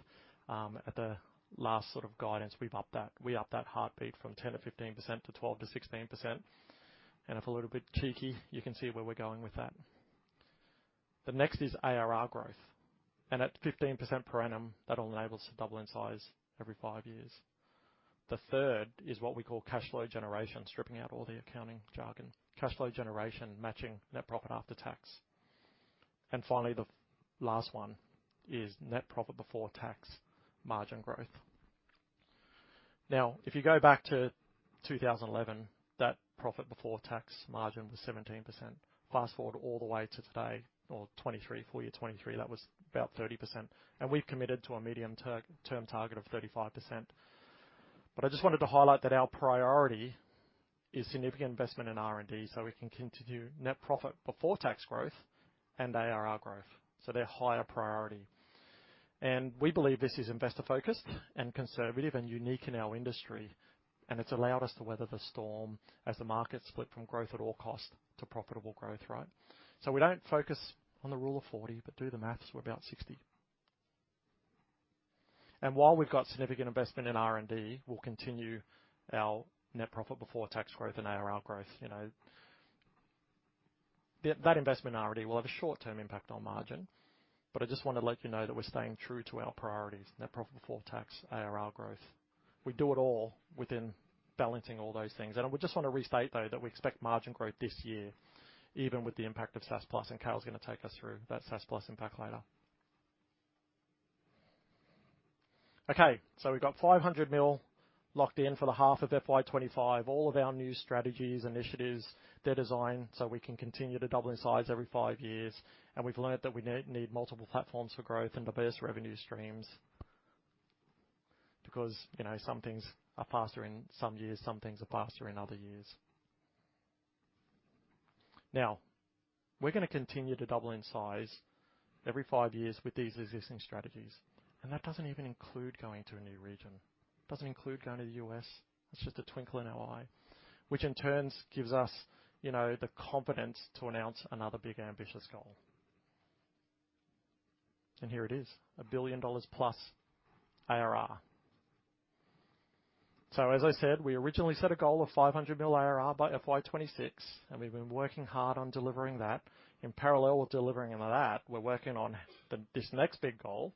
At the last sort of guidance, we've upped that. We upped that heartbeat from 10%-15% to 12%-16%, and if a little bit cheeky, you can see where we're going with that. The next is ARR growth, and at 15% per annum, that'll enable us to double in size every five years. The third is what we call cash flow generation, stripping out all the accounting jargon. Cash flow generation, matching net profit after tax. And finally, the last one is net profit before tax margin growth. Now, if you go back to 2011, that profit before tax margin was 17%. Fast-forward all the way to today, or 2023, full year 2023, that was about 30%, and we've committed to a medium-term target of 35%. But I just wanted to highlight that our priority is significant investment in R&D, so we can continue net profit before tax growth and ARR growth, so they're higher priority. And we believe this is investor focused and conservative and unique in our industry. And it's allowed us to weather the storm as the market split from growth at all costs to profitable growth, right? So we don't focus on the rule of forty, but do the math, we're about sixty. And while we've got significant investment in R&D, we'll continue our net profit before tax growth and ARR growth. You know, that, that investment in R&D will have a short-term impact on margin, but I just want to let you know that we're staying true to our priorities, net profit before tax, ARR growth. We do it all within balancing all those things. And we just want to restate, though, that we expect margin growth this year, even with the impact of SaaS Plus, and Cale's going to take us through that SaaS Plus impact later. Okay, so we've got 500 million locked in for the half of FY25. All of our new strategies, initiatives, they're designed so we can continue to double in size every five years. We've learned that we need multiple platforms for growth and diverse revenue streams because, you know, some things are faster in some years, some things are faster in other years. Now, we're going to continue to double in size every five years with these existing strategies, and that doesn't even include going to a new region. It doesn't include going to the U.S. It's just a twinkle in our eye, which in turn gives us, you know, the confidence to announce another big, ambitious goal. And here it is, 1 billion dollars+ ARR. So, as I said, we originally set a goal of 500 million ARR by FY26, and we've been working hard on delivering that. In parallel with delivering on that, we're working on this next big goal,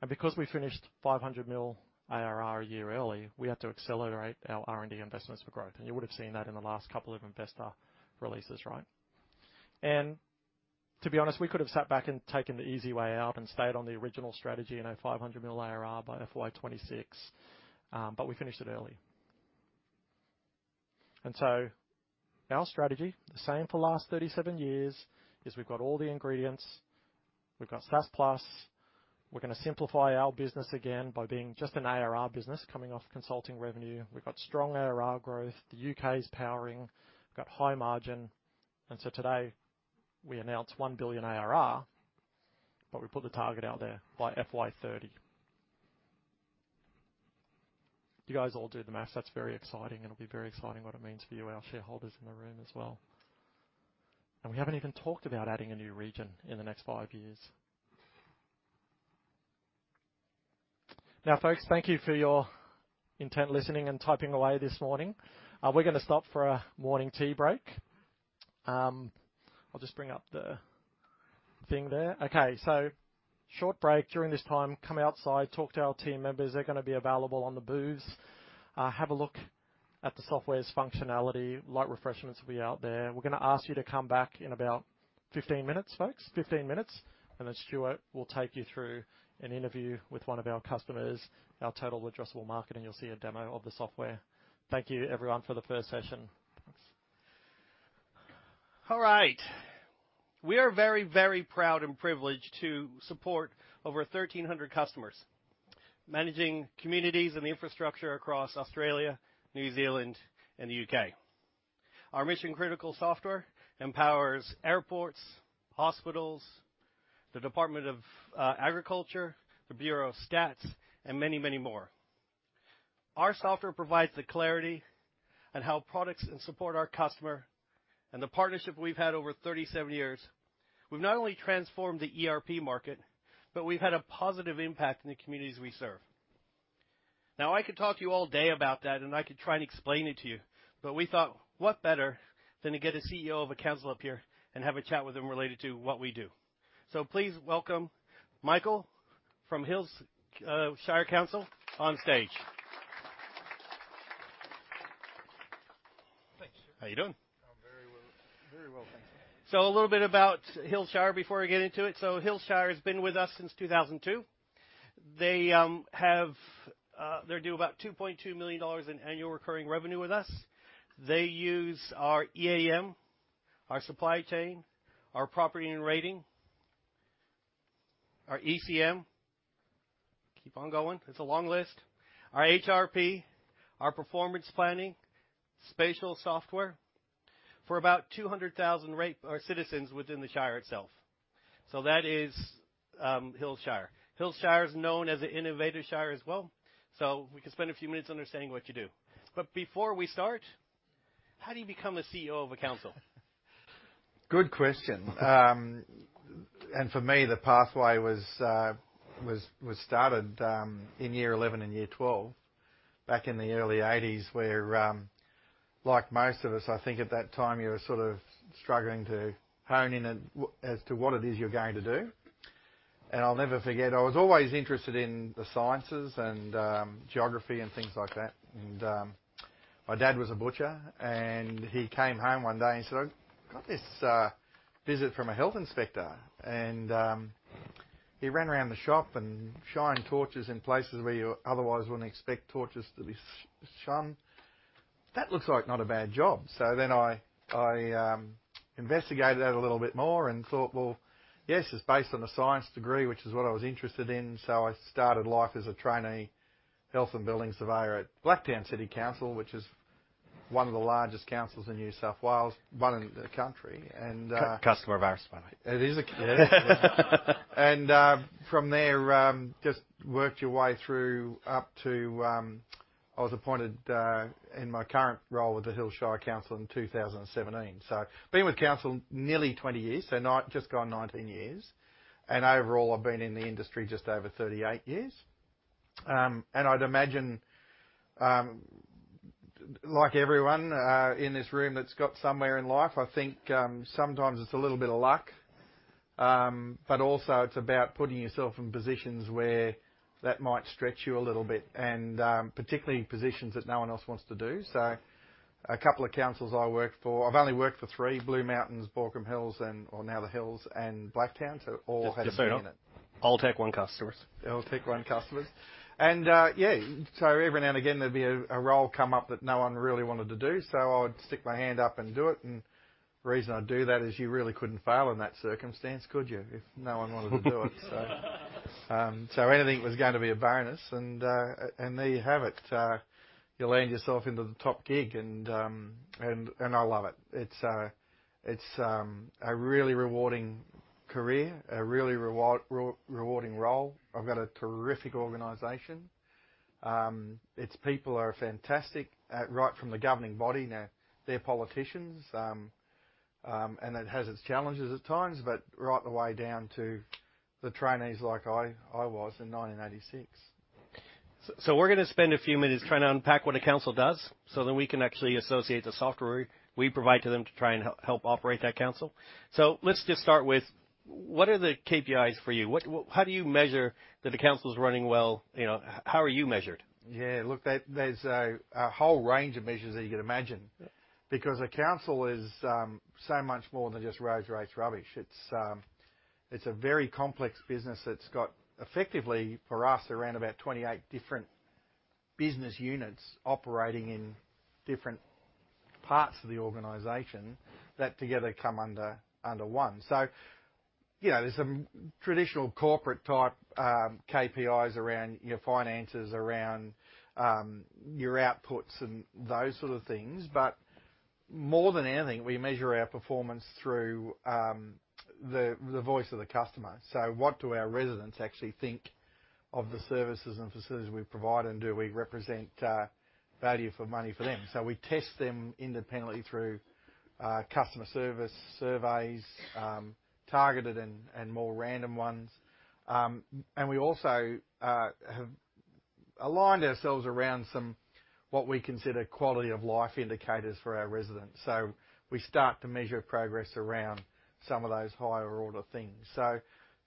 and because we finished 500 million ARR a year early, we had to accelerate our R&D investments for growth. And you would have seen that in the last couple of investor releases, right? And to be honest, we could have sat back and taken the easy way out and stayed on the original strategy, you know, 500 million ARR by FY26, but we finished it early. And so our strategy, the same for the last 37 years, is we've got all the ingredients, we've got SaaS Plus. We're going to simplify our business again by being just an ARR business coming off consulting revenue. We've got strong ARR growth. The U.K. is powering. We've got high margin. So today, we announce 1 billion ARR, but we put the target out there by FY30. You guys all do the math. That's very exciting, and it'll be very exciting what it means for you, our shareholders in the room as well. We haven't even talked about adding a new region in the next five years. Now, folks, thank you for your intent listening and typing away this morning. We're going to stop for a morning tea break. I'll just bring up the thing there. Okay, so short break. During this time, come outside, talk to our team members. They're going to be available on the booths. Have a look at the software's functionality. Light refreshments will be out there. We're going to ask you to come back in about 15 minutes, folks. 15 minutes, and then Stuart will take you through an interview with one of our customers, our total addressable market. You'll see a demo of the software. Thank you, everyone, for the first session. All right. We are very, very proud and privileged to support over 1,300 customers, managing communities and infrastructure across Australia, New Zealand, and the U.K. Our mission-critical software empowers airports, hospitals, the Department of Agriculture, the Bureau of Stats, and many, many more. Our software provides the clarity on how products and support our customer, and the partnership we've had over 37 years, we've not only transformed the ERP market, but we've had a positive impact in the communities we serve. Now, I could talk to you all day about that, and I could try and explain it to you, but we thought, what better than to get a CEO of a council up here and have a chat with him related to what we do? So please welcome Michael from Hills Shire Council on stage. Thanks, Stuart. How you doing? I'm very well. Very well, thanks. So a little bit about Hills Shire before I get into it. So Hills Shire has been with us since 2002. They have, they do about 2.2 million dollars in annual recurring revenue with us. They use our EAM, our supply Property and Rating, our ECM. Keep on going. It's a long list. Our HRP, our Performance Planning, Spatial software for about 200,000 rate or citizens within the shire itself. So that is Hills Shire. Hills Shire is known as an innovative shire as well, so we can spend a few minutes understanding what you do. But before we start, how do you become a CEO of a council? Good question. And for me, the pathway was started in year eleven and year twelve, back in the early 1980s, where, like most of us, I think at that time, you were sort of struggling to hone in on as to what it is you're going to do. And I'll never forget, I was always interested in the sciences and geography and things like that. And my dad was a butcher, and he came home one day, and he said, "I got this visit from a health inspector, and he ran around the shop and shined torches in places where you otherwise wouldn't expect torches to be shone." That looks like not a bad job. So then I investigated that a little bit more and thought, well, yes, it's based on a science degree, which is what I was interested in. So I started life as a trainee health and building surveyor at Blacktown City Council, which is one of the largest councils in New South Wales, one in the country, and Customer of ours, by the way. From there, just worked your way through up to I was appointed in my current role with the Hills Shire Council in 2017. So been with council nearly 20 years, so nine, just gone 19 years, and overall, I've been in the industry just over 38 years. And I'd imagine, like everyone in this room that's got somewhere in life, I think, sometimes it's a little bit of luck, but also it's about putting yourself in positions where that might stretch you a little bit, and particularly positions that no one else wants to do. So a couple of councils I worked for, I've only worked for three, Blue Mountains, Baulkham Hills, and, or now the Hills and Blacktown, so all had- Just so you know, all TechOne customers. All TechOne customers. And, yeah, so every now and again, there'd be a role come up that no one really wanted to do, so I would stick my hand up and do it. And the reason I'd do that is you really couldn't fail in that circumstance, could you, if no one wanted to do it? So anything was going to be a bonus, and there you have it. You land yourself into the top gig, and I love it. It's a really rewarding career, a really rewarding role. I've got a terrific organization. Its people are fantastic, right from the governing body. Now, they're politicians, and it has its challenges at times, but right the way down to the trainees like I was in 1986. So we're gonna spend a few minutes trying to unpack what a council does, so then we can actually associate the software we provide to them to try and help operate that council. So let's just start with what are the KPIs for you? What, how do you measure that the council is running well, you know, how are you measured? Yeah, look, there's a whole range of measures that you can imagine. Yeah. Because a council is so much more than just roads, rates, rubbish. It's a very complex business that's got, effectively for us, around about 28 different business units operating in different parts of the organization that together come under one. So, you know, there's some traditional corporate type KPIs around your finances, around your outputs and those sort of things, but more than anything, we measure our performance through the voice of the customer. So what do our residents actually think of the services and facilities we provide, and do we represent value for money for them? So we test them independently through customer service surveys, targeted and more random ones. And we also have aligned ourselves around some, what we consider, quality of life indicators for our residents. So we start to measure progress around some of those higher order things.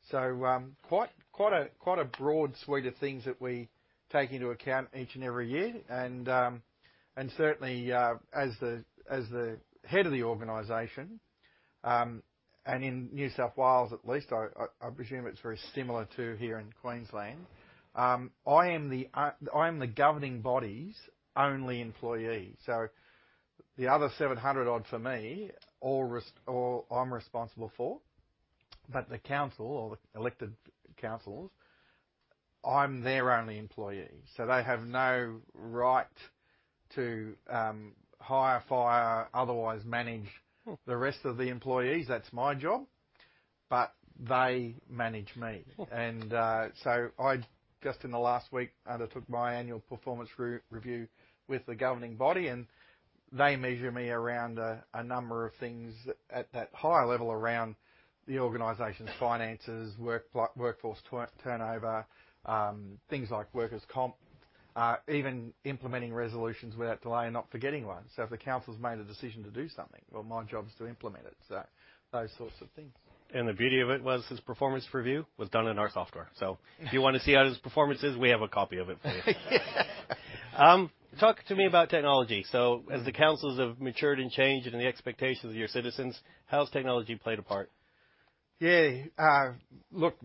Quite a broad suite of things that we take into account each and every year, and certainly as the head of the organization and in New South Wales, at least, I presume it's very similar to here in Queensland. I am the governing body's only employee, so the other 700 odd for me, all res-- or I'm responsible for, but the council, or the elected councillors, I'm their only employee, so they have no right to hire, fire, otherwise manage the rest of the employees, that's my job, but they manage me. I just, in the last week, undertook my annual performance review with the governing body, and they measure me around a number of things at that higher level around the organization's finances, workforce turnover, things like workers' comp, even implementing resolutions without delay and not forgetting one. So if the council's made a decision to do something, well, my job is to implement it, so those sorts of things. The beauty of it was, his performance review was done in our software. So, if you want to see how his performance is, we have a copy of it for you. Talk to me about technology. So as the councils have matured and changed and the expectations of your citizens, how has technology played a part? Yeah, look,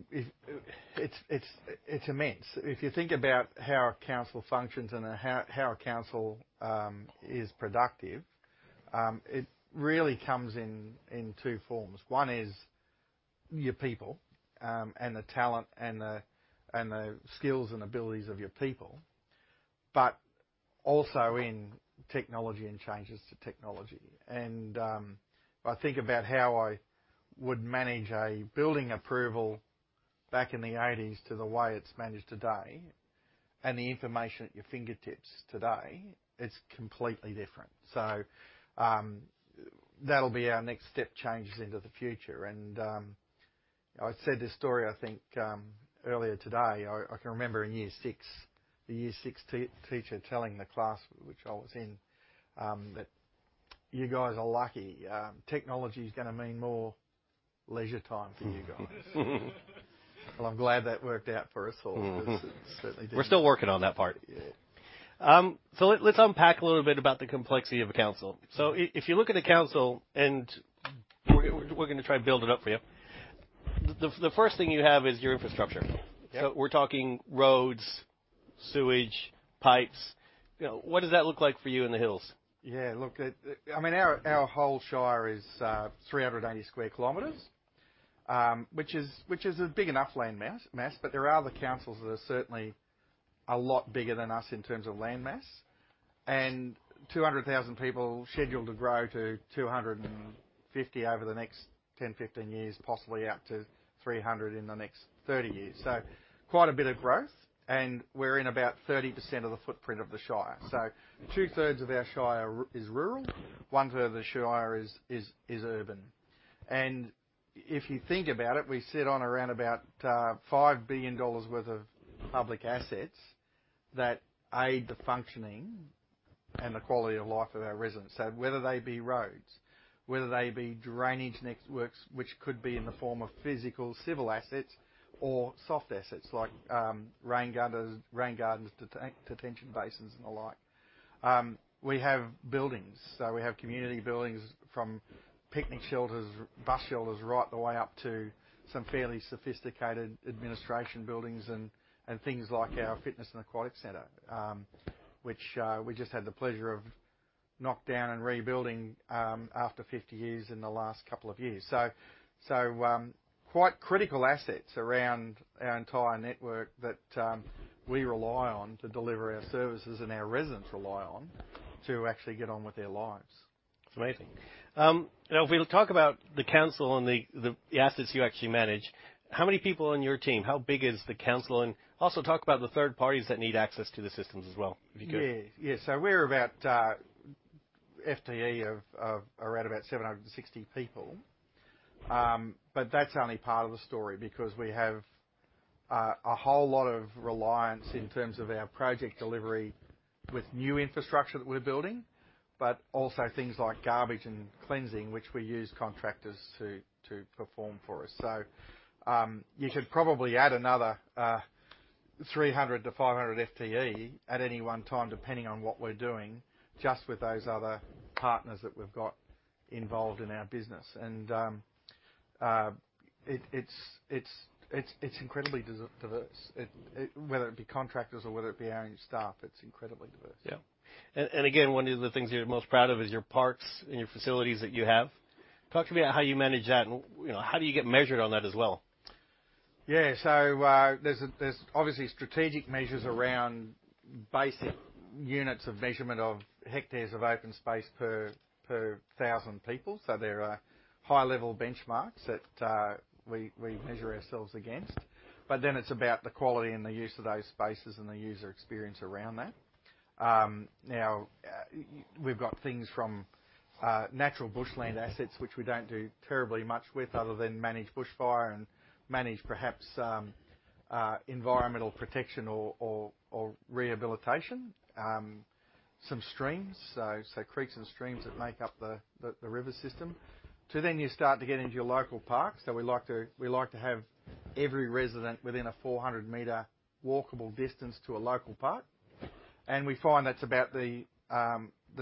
it's immense. If you think about how our council functions and how our council is productive, it really comes in two forms. One is your people, and the talent and the skills and abilities of your people, but also in technology and changes to technology. If I think about how I would manage a building approval back in the eighties to the way it's managed today, and the information at your fingertips today, it's completely different. So, that'll be our next step, changes into the future. I said this story, I think, earlier today. I can remember in year six, the year six teacher telling the class, which I was in, that, "You guys are lucky, technology is gonna mean more leisure time for you guys." Well, I'm glad that worked out for us all because it certainly did. We're still working on that part. Yeah. So, let's unpack a little bit about the complexity of a council. So if you look at a council, and we're gonna try to build it up for you. The first thing you have is your infrastructure. Yep. We're talking roads, sewage, pipes, you know, what does that look like for you in the Hills? Yeah, look, I mean, our whole shire is 380 square kilometers, which is a big enough land mass, but there are other councils that are certainly a lot bigger than us in terms of land mass. And 200,000 people scheduled to grow to 250 over the next 10-15 years, possibly out to 300 in the next 30 years. So quite a bit of growth, and we're in about 30% of the footprint of the shire. So 2/3 of our shire is rural, 1/3 of the shire is urban. And if you think about it, we sit on around about 5 billion dollars worth of public assets that aid the functioning and the quality of life of our residents. So whether they be roads, whether they be drainage networks, which could be in the form of physical, civil assets or soft assets like rain gutters, rain gardens, detention basins, and the like. We have buildings, so we have community buildings from picnic shelters, bus shelters, right the way up to some fairly sophisticated administration buildings and things like our fitness and aquatic center, which we just had the pleasure of knock down and rebuilding after 50 years in the last couple of years. So quite critical assets around our entire network that we rely on to deliver our services and our residents rely on to actually get on with their lives. It's amazing. Now, if we talk about the council and the assets you actually manage, how many people are on your team? How big is the council? And also talk about the third parties that need access to the systems as well, if you could. Yeah. Yeah. So we're about FTE of around about 760 people. But that's only part of the story because we have a whole lot of reliance in terms of our project delivery with new infrastructure that we're building, but also things like garbage and cleansing, which we use contractors to perform for us. So you could probably add another 300-500 FTE at any one time, depending on what we're doing, just with those other partners that we've got involved in our business. And it's incredibly diverse, whether it be contractors or whether it be our own staff, it's incredibly diverse. Yeah. And again, one of the things you're most proud of is your parks and your facilities that you have. Talk to me about how you manage that and, you know, how do you get measured on that as well? Yeah. So, there's obviously strategic measures around basic units of measurement of hectares of open space per 1,000 people. So there are high-level benchmarks that we measure ourselves against. But then it's about the quality and the use of those spaces and the user experience around that. Now, we've got things from natural bushland assets, which we don't do terribly much with other than manage bushfire and manage perhaps environmental protection or rehabilitation. Some streams, so creeks and streams that make up the river system. To then you start to get into your local parks. So we like to have every resident within a 400-meter walkable distance to a local park. And we find that's about the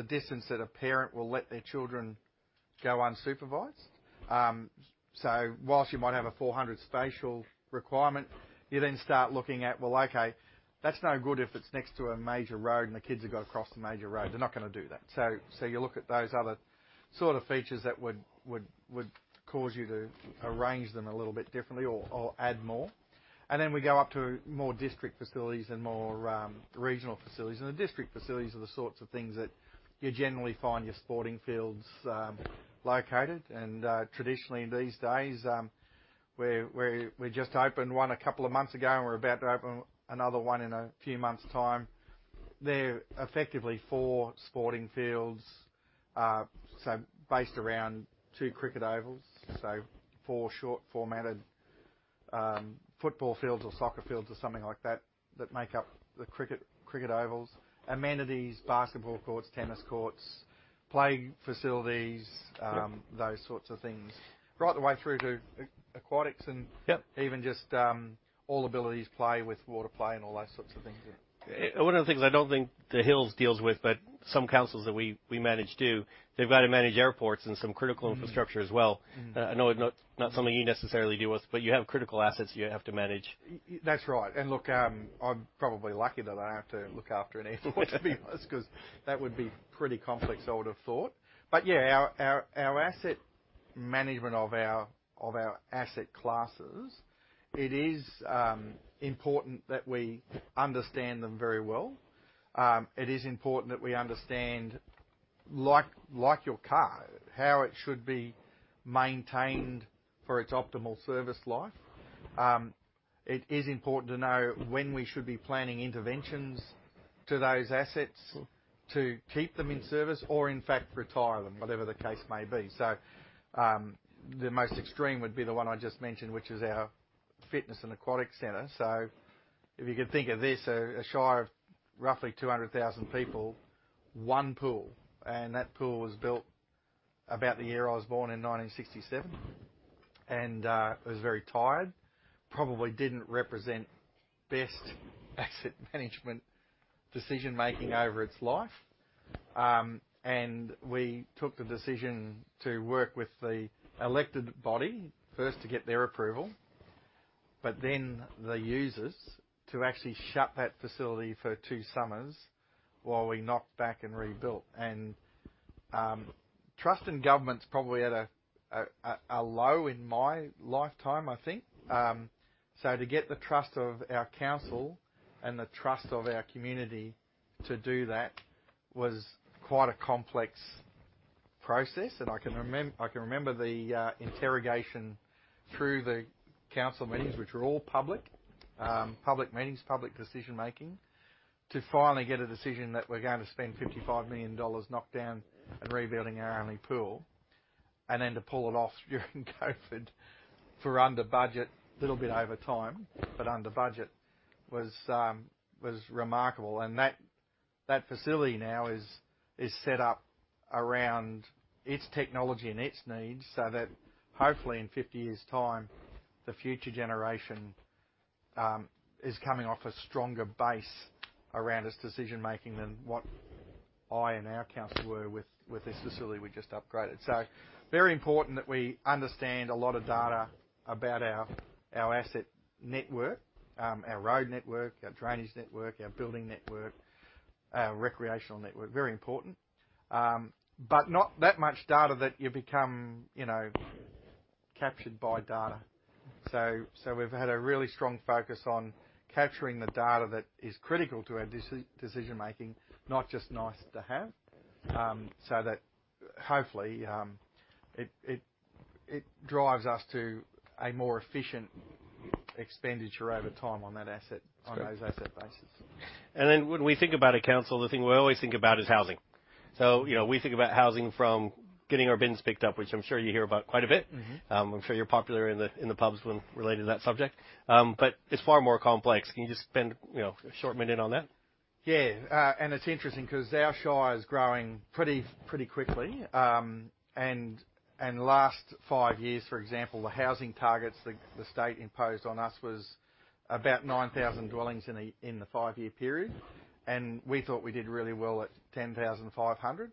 distance that a parent will let their children go unsupervised. So while you might have a 400 Spatial requirement, you then start looking at, well, okay, that's no good if it's next to a major road and the kids have got to cross the major road. They're not gonna do that. So you look at those other sort of features that would cause you to arrange them a little bit differently or add more. And then we go up to more district facilities and more regional facilities. And the district facilities are the sorts of things that you generally find your sporting fields located. And traditionally, these days, we just opened one a couple of months ago, and we're about to open another one in a few months' time. They're effectively four sporting fields, so based around two cricket ovals, so four short-formatted football fields or soccer fields or something like that, that make up the cricket, cricket ovals, amenities, basketball courts, tennis courts, play facilities- Yep. - those sorts of things. Right the way through to aquatics and- Yep... even just, all abilities play with water play and all those sorts of things, yeah. One of the things I don't think The Hills deals with, but some councils that we manage do, they've got to manage airports and some critical infrastructure as well. I know it's not something you necessarily deal with, but you have critical assets you have to manage. That's right. And look, I'm probably lucky that I don't have to look after an airport, to be honest, 'cause that would be pretty complex, I would have thought. But yeah, our asset management of our asset classes, it is important that we understand them very well. It is important that we understand, like your car, how it should be maintained for its optimal service life. It is important to know when we should be planning interventions to those assets to keep them in service or, in fact, retire them, whatever the case may be. So, the most extreme would be the one I just mentioned, which is our fitness and aquatic center. If you could think of this, a shire of roughly 200,000 people, one pool, and that pool was built about the year I was born in 1967, and it was very tired. Probably didn't represent best asset management decision-making over its life. We took the decision to work with the elected body first to get their approval, but then they use us to actually shut that facility for two summers while we knocked back and rebuilt. Trust in government's probably at a low in my lifetime, I think. To get the trust of our council and the trust of our community to do that was quite a complex process. I can remember the interrogation through the council meetings, which were all public, public meetings, public decision-making, to finally get a decision that we're going to spend 55 million dollars knock down and rebuilding our only pool, and then to pull it off during COVID for under budget, little bit over time, but under budget, was remarkable. And that facility now is set up around its technology and its needs, so that hopefully in 50 years' time, the future generation is coming off a stronger base around its decision making than what I and our council were with this facility we just upgraded. So very important that we understand a lot of data about our asset network, our road network, our drainage network, our building network, our recreational network. Very important. But not that much data that you become, you know, captured by data. So we've had a really strong focus on capturing the data that is critical to our decision making, not just nice to have. So that hopefully, it drives us to a more efficient expenditure over time on that asset- Great. On those asset bases. And then when we think about a council, the thing we always think about is housing. So, you know, we think about housing from getting our bins picked up, which I'm sure you hear about quite a bit. I'm sure you're popular in the pubs when related to that subject, but it's far more complex. Can you just spend, you know, a short minute on that? Yeah, and it's interesting because our shire is growing pretty, pretty quickly. And, and the last five years, for example, the housing targets the, the state imposed on us was about 9,000 dwellings in a, in the five-year period, and we thought we did really well at 10,500. And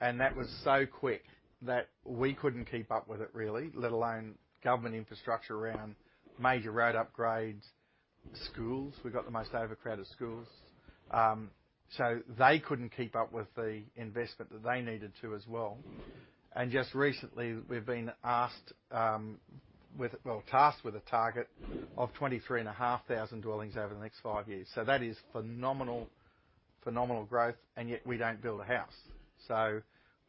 that was so quick that we couldn't keep up with it, really, let alone government infrastructure around major road upgrades, schools. We got the most overcrowded schools. So they couldn't keep up with the investment that they needed to as well. And just recently, we've been asked, with... well, tasked with a target of 23,500 dwellings over the next five years. So that is phenomenal, phenomenal growth, and yet we don't build a house. So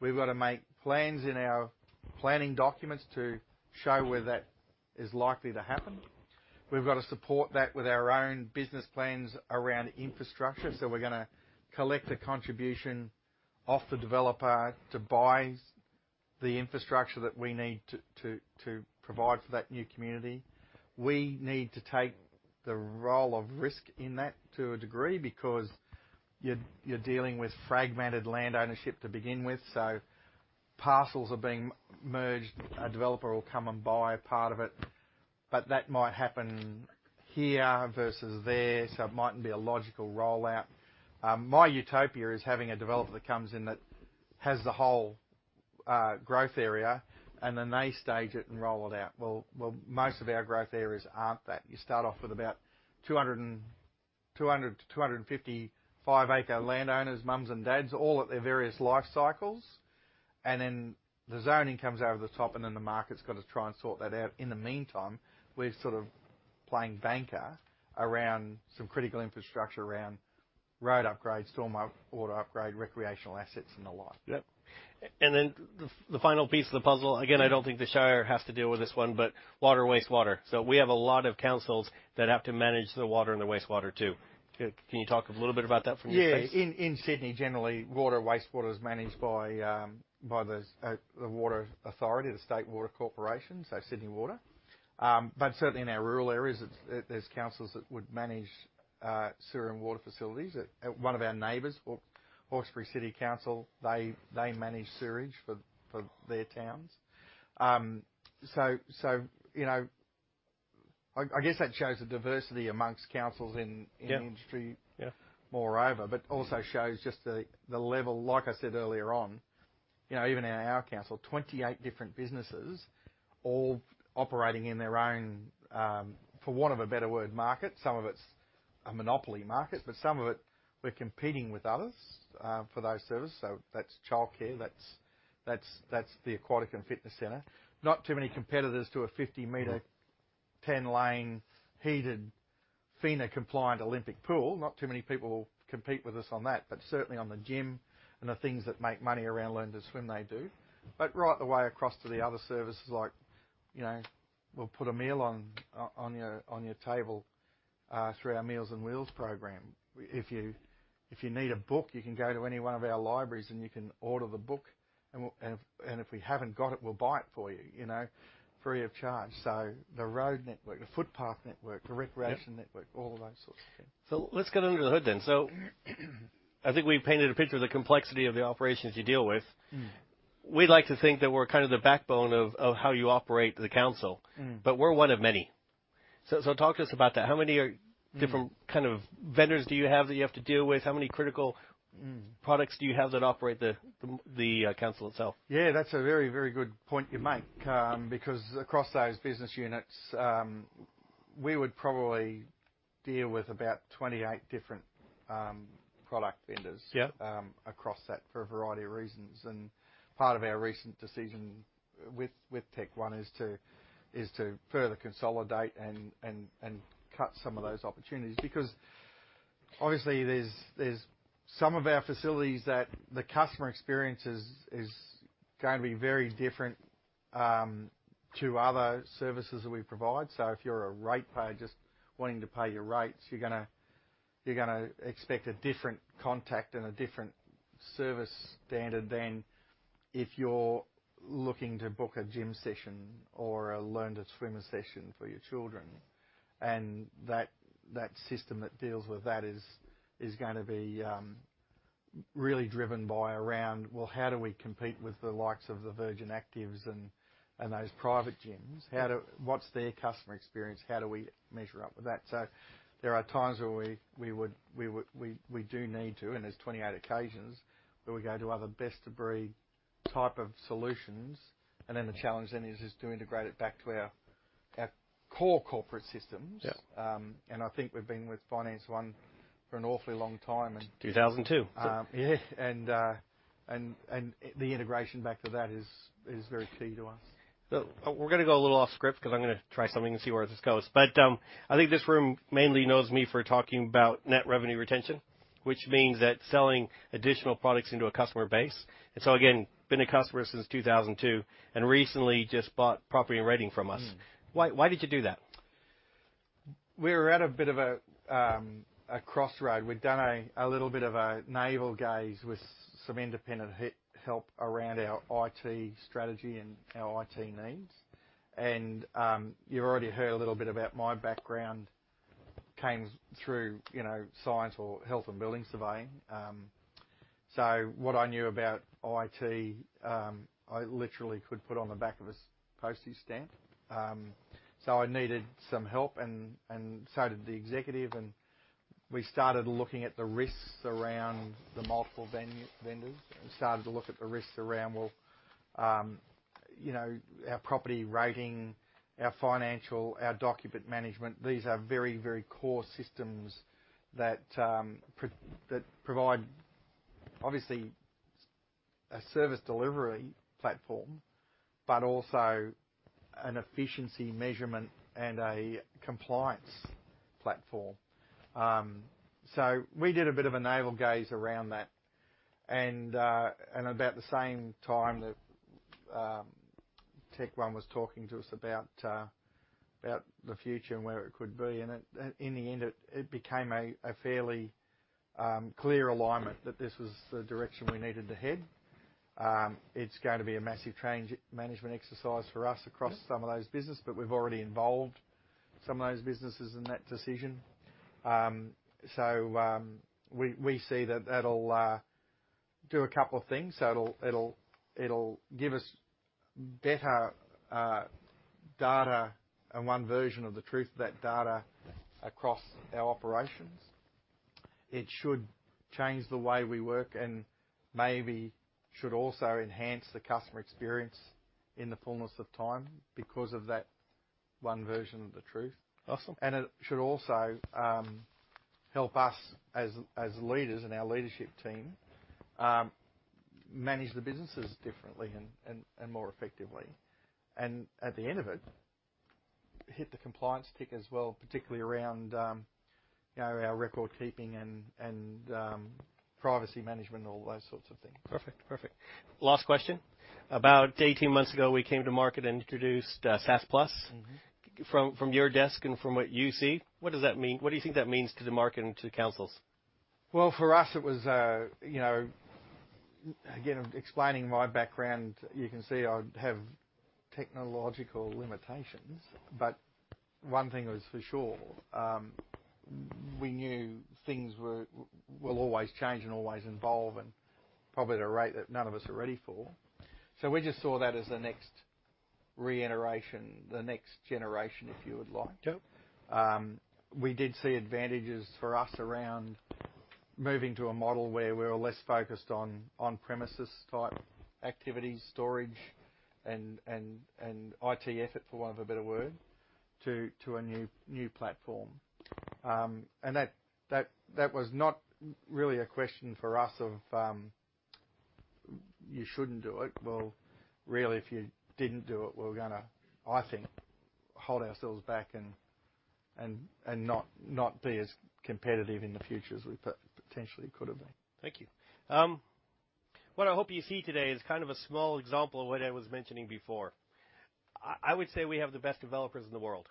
we've got to make plans in our planning documents to show where that is likely to happen. We've got to support that with our own business plans around infrastructure, so we're gonna collect a contribution off the developer to buy the infrastructure that we need to provide for that new community. We need to take the role of risk in that to a degree, because you're dealing with fragmented landownership to begin with, so parcels are being merged. A developer will come and buy a part of it, but that might happen here versus there, so it mightn't be a logical rollout. My utopia is having a developer that comes in, that has the whole growth area, and then they stage it and roll it out. Well, most of our growth areas aren't that. You start off with about 200 and... 200-255 acre landowners, mums and dads, all at their various life cycles, and then the zoning comes over the top, and then the market's got to try and sort that out. In the meantime, we're sort of playing banker around some critical infrastructure, around road upgrades, stormwater upgrade, recreational assets, and the like. Yep. And then the final piece of the puzzle, again, I don't think the shire has to deal with this one, but water, wastewater. So we have a lot of councils that have to manage the water and the wastewater, too. Can you talk a little bit about that from your perspective? Yeah. In Sydney, generally, water, wastewater is managed by the water authority, the State Water Corporation, so Sydney Water. But certainly in our rural areas, there are councils that would manage sewer and water facilities. At one of our neighbors, Hawkesbury City Council, they manage sewerage for their towns. So, you know, I guess that shows the diversity among councils in- Yeah... industry- Yeah Moreover, but also shows just the level, like I said earlier on, you know, even in our council, 28 different businesses all operating in their own, for want of a better word, market. Some of it's a monopoly market, but some of it, we're competing with others, for those services. So that's childcare, that's the aquatic and fitness center. Not too many competitors to a 50-meter ten-lane, heated, FINA-compliant Olympic pool. Not too many people compete with us on that, but certainly on the gym and the things that make money around learn to swim, they do. But right the way across to the other services, like, you know, we'll put a meal on your table through our Meals on Wheels program. If you need a book, you can go to any one of our libraries, and you can order the book, and if we haven't got it, we'll buy it for you, you know, free of charge. So the road network, the footpath network- Yep... the recreation network, all of those sorts of things. Let's get under the hood then. I think we've painted a picture of the complexity of the operations you deal with. We'd like to think that we're kind of the backbone of how you operate the council but we're one of many. So, talk to us about that. How many are different kind of vendors do you have that you have to deal with? How many critical products do you have that operate the council itself? Yeah, that's a very, very good point you make, because across those business units, we would probably deal with about 28 different product vendors- Yep. Across that for a variety of reasons. And part of our recent decision with TechOne is to further consolidate and cut some of those opportunities. Because obviously, there's some of our facilities that the customer experience is going to be very different to other services that we provide. So if you're a rate payer just wanting to pay your rates, you're gonna expect a different contact and a different service standard than if you're looking to book a gym session or a learn-to-swim session for your children. And that system that deals with that is gonna be really driven by around, well, how do we compete with the likes of the Virgin Active and those private gyms? What's their customer experience? How do we measure up with that? So there are times where we do need to, and there's 28 occasions, where we go to other best-of-breed type of solutions. And then, the challenge then is just to integrate it back to our core corporate systems. Yep. I think we've been with Finance One for an awfully long time, and- 2002. Yeah, and the integration back to that is very key to us. So we're gonna go a little off script 'cause I'm gonna try something and see where this goes. But, I think this room mainly knows me for talking about net revenue retention, which means that selling additional products into a customer base. And so again, been a customer since 2002, and recently Property and Rating from us. Why, why did you do that? We were at a bit of a crossroad. We'd done a little bit of a navel gaze with some independent help around our IT strategy and our IT needs. You've already heard a little bit about my background came through, you know, science or health and building surveying. So what I knew about IT, I literally could put on the back of a postage stamp. So I needed some help, and so did the executive, and we started looking at the risks around the multiple vendors. We started to look at the risks around, well, you know, our property rating, our financial, our document management. These are very, very core systems that provide obviously a service delivery platform, but also an efficiency measurement and a compliance platform. So we did a bit of a navel gaze around that. And, and about the same time that, TechOne was talking to us about, about the future and where it could be, and it... In the end, it, it became a, a fairly, clear alignment that this was the direction we needed to head. It's going to be a massive change management exercise for us across- Yep... some of those businesses, but we've already involved some of those businesses in that decision. So, we see that that'll do a couple of things. So it'll give us better data and one version of the truth of that data across our operations. It should change the way we work and maybe should also enhance the customer experience in the fullness of time because of that one version of the truth. Awesome. And it should also help us as leaders in our leadership team manage the businesses differently and more effectively. And at the end of it, hit the compliance tick as well, particularly around you know, our record keeping and privacy management and all those sorts of things. Perfect. Perfect. Last question: about 18 months ago, we came to market and introduced, SaaS Plus. From your desk and from what you see, what does that mean? What do you think that means to the market and to the councils? Well, for us, it was, you know. Again, explaining my background, you can see I have technological limitations, but one thing was for sure, we knew things will always change and always evolve and probably at a rate that none of us are ready for. So we just saw that as the next reiteration, the next generation, if you would like. Yep. We did see advantages for us around moving to a model where we're less focused on on-premises type activities, storage and IT effort, for want of a better word, to a new platform. And that was not really a question for us of, "You shouldn't do it." Well, really, if you didn't do it, we're gonna, I think, hold ourselves back and not be as competitive in the future as we potentially could have been. Thank you. What I hope you see today is kind of a small example of what I was mentioning before. I would say we have the best developers in the world,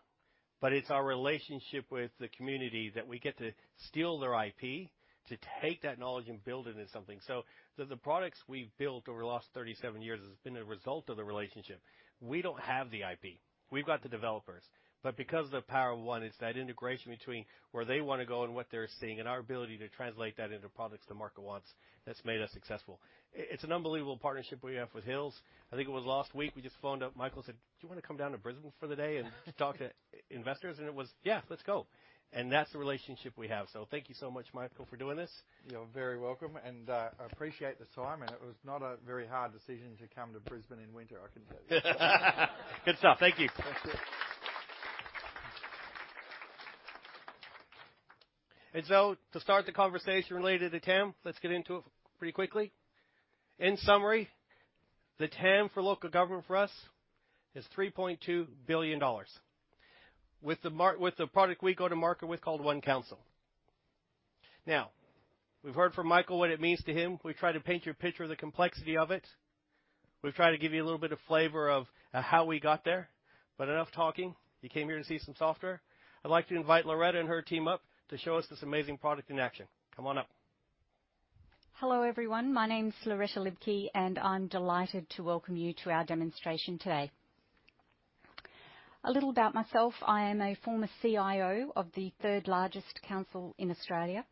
but it's our relationship with the community, that we get to steal their IP, to take that knowledge and build it into something. So, the products we've built over the last 37 years has been a result of the relationship. We don't have the IP. We've got the developers, but because of the Power of One, it's that integration between where they wanna go and what they're seeing and our ability to translate that into products the market wants, that's made us successful. It's an unbelievable partnership we have with Hills. I think it was last week, we just phoned up Michael and said, "Do you wanna come down to Brisbane for the day and talk to investors?" And it was, "Yeah, let's go." And that's the relationship we have. So thank you so much, Michael, for doing this. You're very welcome, and I appreciate the time, and it was not a very hard decision to come to Brisbane in winter, I can tell you. Good stuff. Thank you. Thank you. And so to start the conversation related to TAM, let's get into it pretty quickly. In summary, the TAM for local government for us is 3.2 billion dollars with the product we go to market with, called OneCouncil. Now, we've heard from Michael what it means to him. We've tried to paint you a picture of the complexity of it. We've tried to give you a little bit of flavor of how we got there, but enough talking. You came here to see some software. I'd like to invite Loretta and her team up to show us this amazing product in action. Come on up. Hello, everyone. My name's Loretta Libke, and I'm delighted to welcome you to our demonstration today. A little about myself. I am a former CIO of the third largest council in Australia,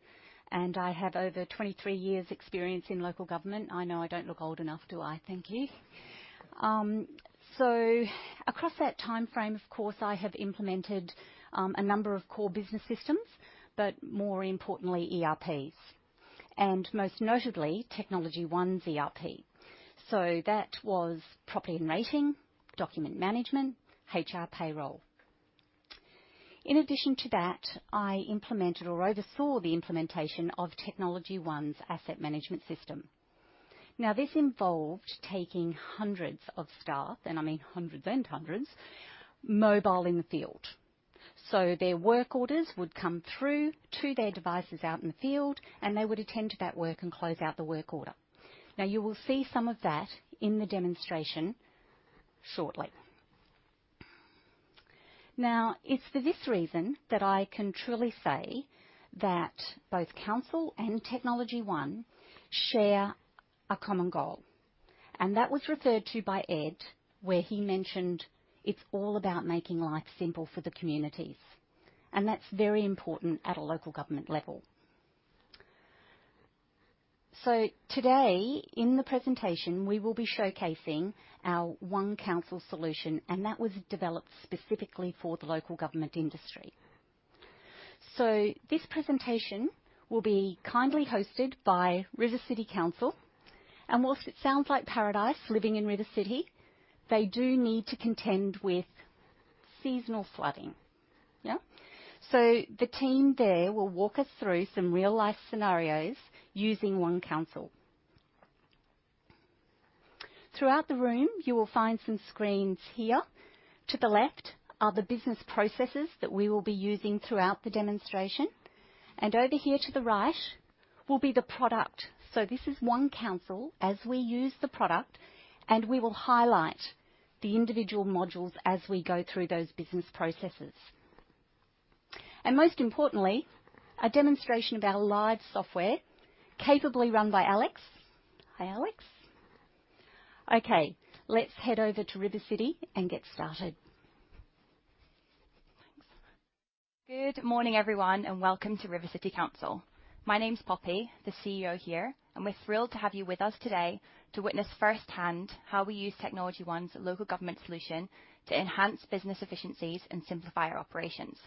and I have over 23 years' experience in local government. I know I don't look old enough, do I? Thank you. So across that timeframe, of course, I have implemented a number of core business systems, but more importantly, ERPs, and most notably, TechnologyOne's ERP. So Property and Rating, document management, HR payroll. In addition to that, I implemented or oversaw the implementation of TechnologyOne's asset management system. Now, this involved taking hundreds of staff, and I mean hundreds and hundreds, mobile in the field. So their work orders would come through to their devices out in the field, and they would attend to that work and close out the work order. Now, you will see some of that in the demonstration shortly. Now, it's for this reason that I can truly say that both council and TechnologyOne share a common goal, and that was referred to by Ed, where he mentioned, "It's all about making life simple for the communities." That's very important at a local government level. Today in the presentation, we will be showcasing our OneCouncil solution, and that was developed specifically for the local government industry. This presentation will be kindly hosted by River City Council, and while it sounds like paradise living in River City, they do need to contend with seasonal flooding. Yeah? The team there will walk us through some real-life scenarios using OneCouncil. Throughout the room, you will find some screens here. To the left are the business processes that we will be using throughout the demonstration, and over here to the right will be the product. This is OneCouncil as we use the product, and we will highlight the individual modules as we go through those business processes. Most importantly, a demonstration of our live software, capably run by Alex. Hi, Alex. Okay, let's head over to River City and get started. Thanks. Good morning, everyone, and welcome to River City Council. My name's Poppy, the CEO here, and we're thrilled to have you with us today to witness firsthand how we use TechnologyOne's local government solution to enhance business efficiencies and simplify our operations.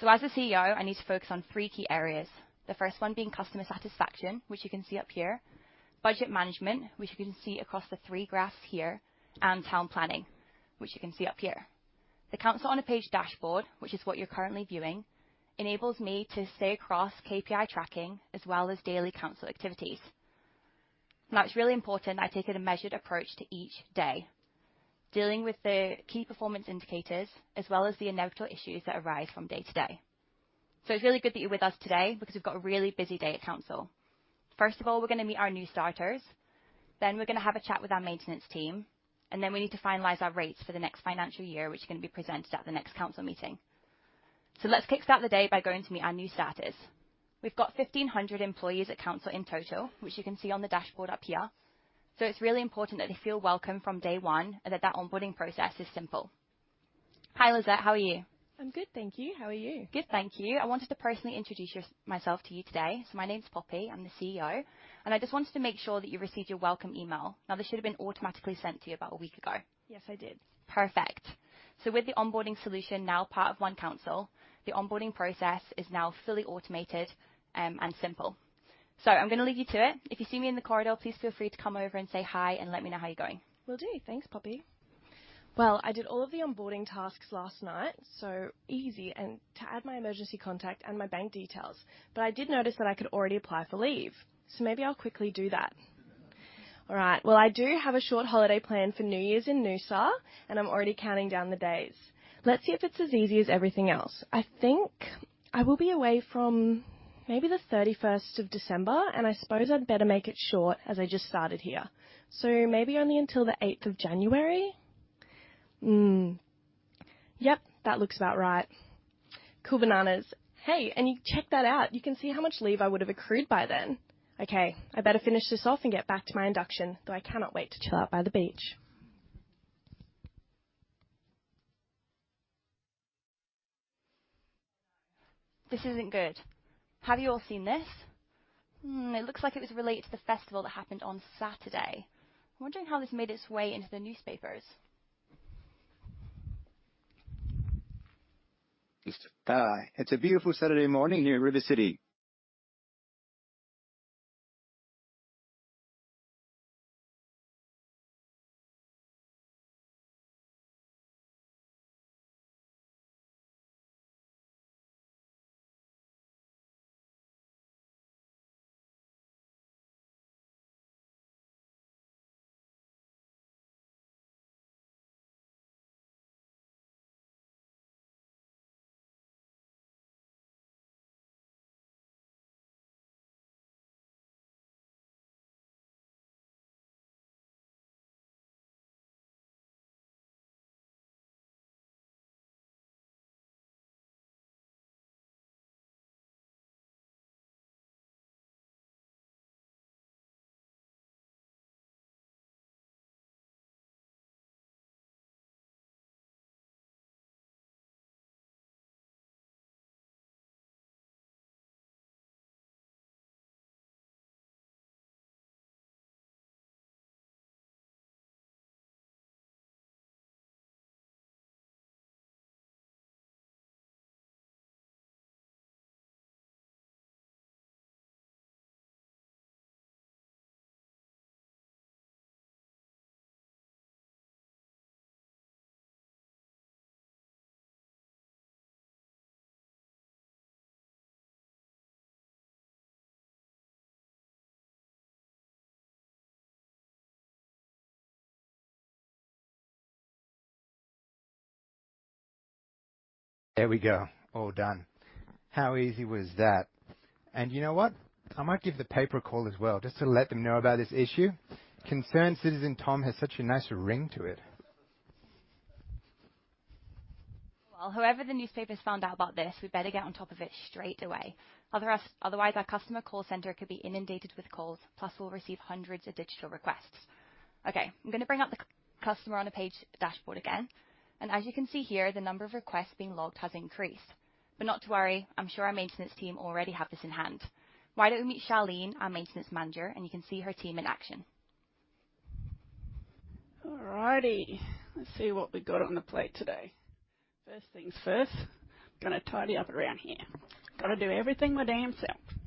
So as the CEO, I need to focus on three key areas. The first one being customer satisfaction, which you can see up here. Budget management, which you can see across the three graphs here, and town planning, which you can see up here. The Council on a Page dashboard, which is what you're currently viewing, enables me to stay across KPI tracking as well as daily council activities. Now, it's really important I take a measured approach to each day, dealing with the key performance indicators as well as the inevitable issues that arise from day-to-day. It's really good that you're with us today, because we've got a really busy day at council. First of all, we're going to meet our new starters, then we're going to have a chat with our maintenance team, and then we need to finalize our rates for the next financial year, which are going to be presented at the next council meeting. Let's kickstart the day by going to meet our new starters. We've got 1,500 employees at council in total, which you can see on the dashboard up here. It's really important that they feel welcome from day one and that that onboarding process is simple. Hi, Lisette. How are you? I'm good, thank you. How are you? Good, thank you. I wanted to personally introduce myself to you today. So my name's Poppy. I'm the CEO, and I just wanted to make sure that you received your welcome email. Now, this should have been automatically sent to you about a week ago. Yes, I did. Perfect. So with the onboarding solution now part of OneCouncil, the onboarding process is now fully automated, and simple. So I'm going to leave you to it. If you see me in the corridor, please feel free to come over and say hi, and let me know how you're going. Will do. Thanks, Poppy. Well, I did all of the onboarding tasks last night, so easy, and to add my emergency contact and my bank details. But I did notice that I could already apply for leave, so maybe I'll quickly do that. All right. Well, I do have a short holiday plan for New Year's in Noosa, and I'm already counting down the days. Let's see if it's as easy as everything else. I think I will be away from maybe the 31st of December, and I suppose I'd better make it short, as I just started here. So maybe only until the 8th of January. Mm. Yep, that looks about right. Cool bananas! Hey, and you check that out. You can see how much leave I would have accrued by then. Okay, I better finish this off and get back to my induction, though I cannot wait to chill out by the beach. This isn't good. Have you all seen this? Hmm, it looks like it was related to the festival that happened on Saturday. I'm wondering how this made its way into the newspapers. Just... It's a beautiful Saturday morning here in River City. There we go. All done. How easy was that? And you know what? I might give the paper a call as well, just to let them know about this issue. Concerned Citizen Tom has such a nice ring to it. Well, whoever the newspapers found out about this, we better get on top of it straight away. Otherwise, our customer call center could be inundated with calls, plus we'll receive hundreds of digital requests. Okay, I'm gonna bring up the Council on a Page dashboard again, and as you can see here, the number of requests being logged has increased. But not to worry, I'm sure our maintenance team already have this in hand. Why don't we meet Charlene, our maintenance manager, and you can see her team in action? All righty, let's see what we've got on the plate today. First things first, gonna tidy up around here. Gotta do everything my damn self.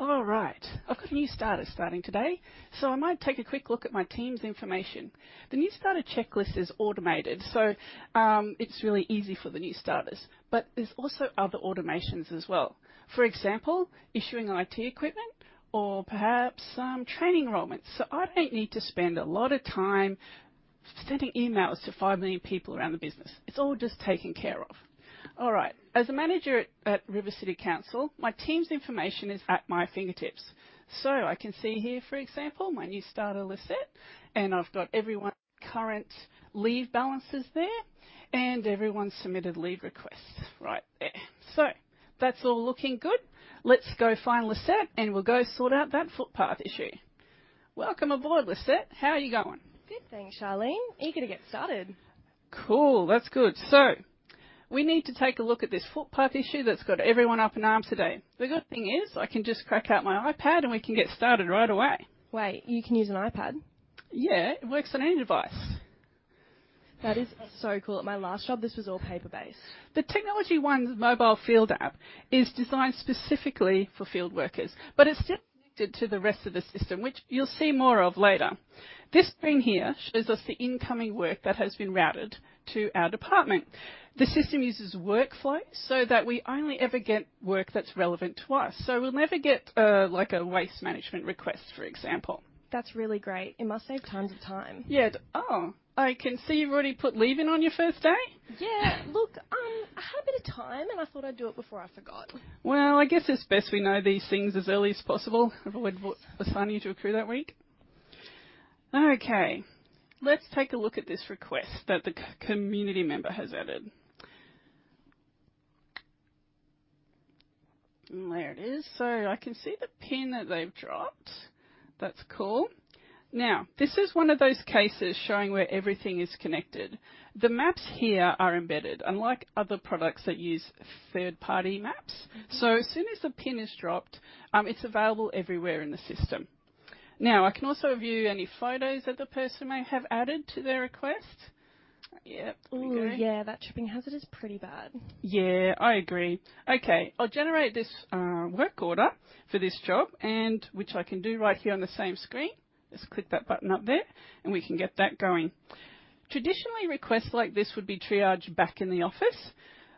All right, I've got a new starter starting today, so I might take a quick look at my team's information. The new starter checklist is automated, so, it's really easy for the new starters, but there's also other automations as well. For example, issuing IT equipment or perhaps some training enrollments. So I don't need to spend a lot of time sending emails to 5 million people around the business. It's all just taken care of. All right. As a manager at River City Council, my team's information is at my fingertips. So I can see here, for example, my new starter, Lisette, and I've got everyone's current leave balances there, and everyone's submitted leave requests right there. So that's all looking good. Let's go find Lisette, and we'll go sort out that footpath issue. Welcome aboard, Lisette. How are you going? Good, thanks, Charlene. Eager to get started. Cool. That's good. So we need to take a look at this footpath issue that's got everyone up in arms today. The good thing is, I can just crack out my iPad, and we can get started right away. Wait, you can use an iPad? Yeah, it works on any device. That is so cool. At my last job, this was all paper-based. The TechnologyOne's mobile field app is designed specifically for field workers, but it's still connected to the rest of the system, which you'll see more of later. This screen here shows us the incoming work that has been routed to our department. The system uses workflow so that we only ever get work that's relevant to us, so we'll never get, like a waste management request, for example. That's really great. It must save tons of time. Yeah. Oh, I can see you've already put leave in on your first day? Yeah. Look, I had a bit of time, and I thought I'd do it before I forgot. Well, I guess it's best we know these things as early as possible. Otherwise, I would assign you to a crew that week. Okay, let's take a look at this request that the community member has added. And there it is. So I can see the pin that they've dropped. That's cool. Now, this is one of those cases showing where everything is connected. The maps here are embedded, unlike other products that use third-party maps. So as soon as the pin is dropped, it's available everywhere in the system. Now, I can also view any photos that the person may have added to their request. Yep, there we go. Ooh, yeah, that tripping hazard is pretty bad. Yeah, I agree. Okay, I'll generate this work order for this job and which I can do right here on the same screen. Just click that button up there, and we can get that going. Traditionally, requests like this would be triaged back in the office.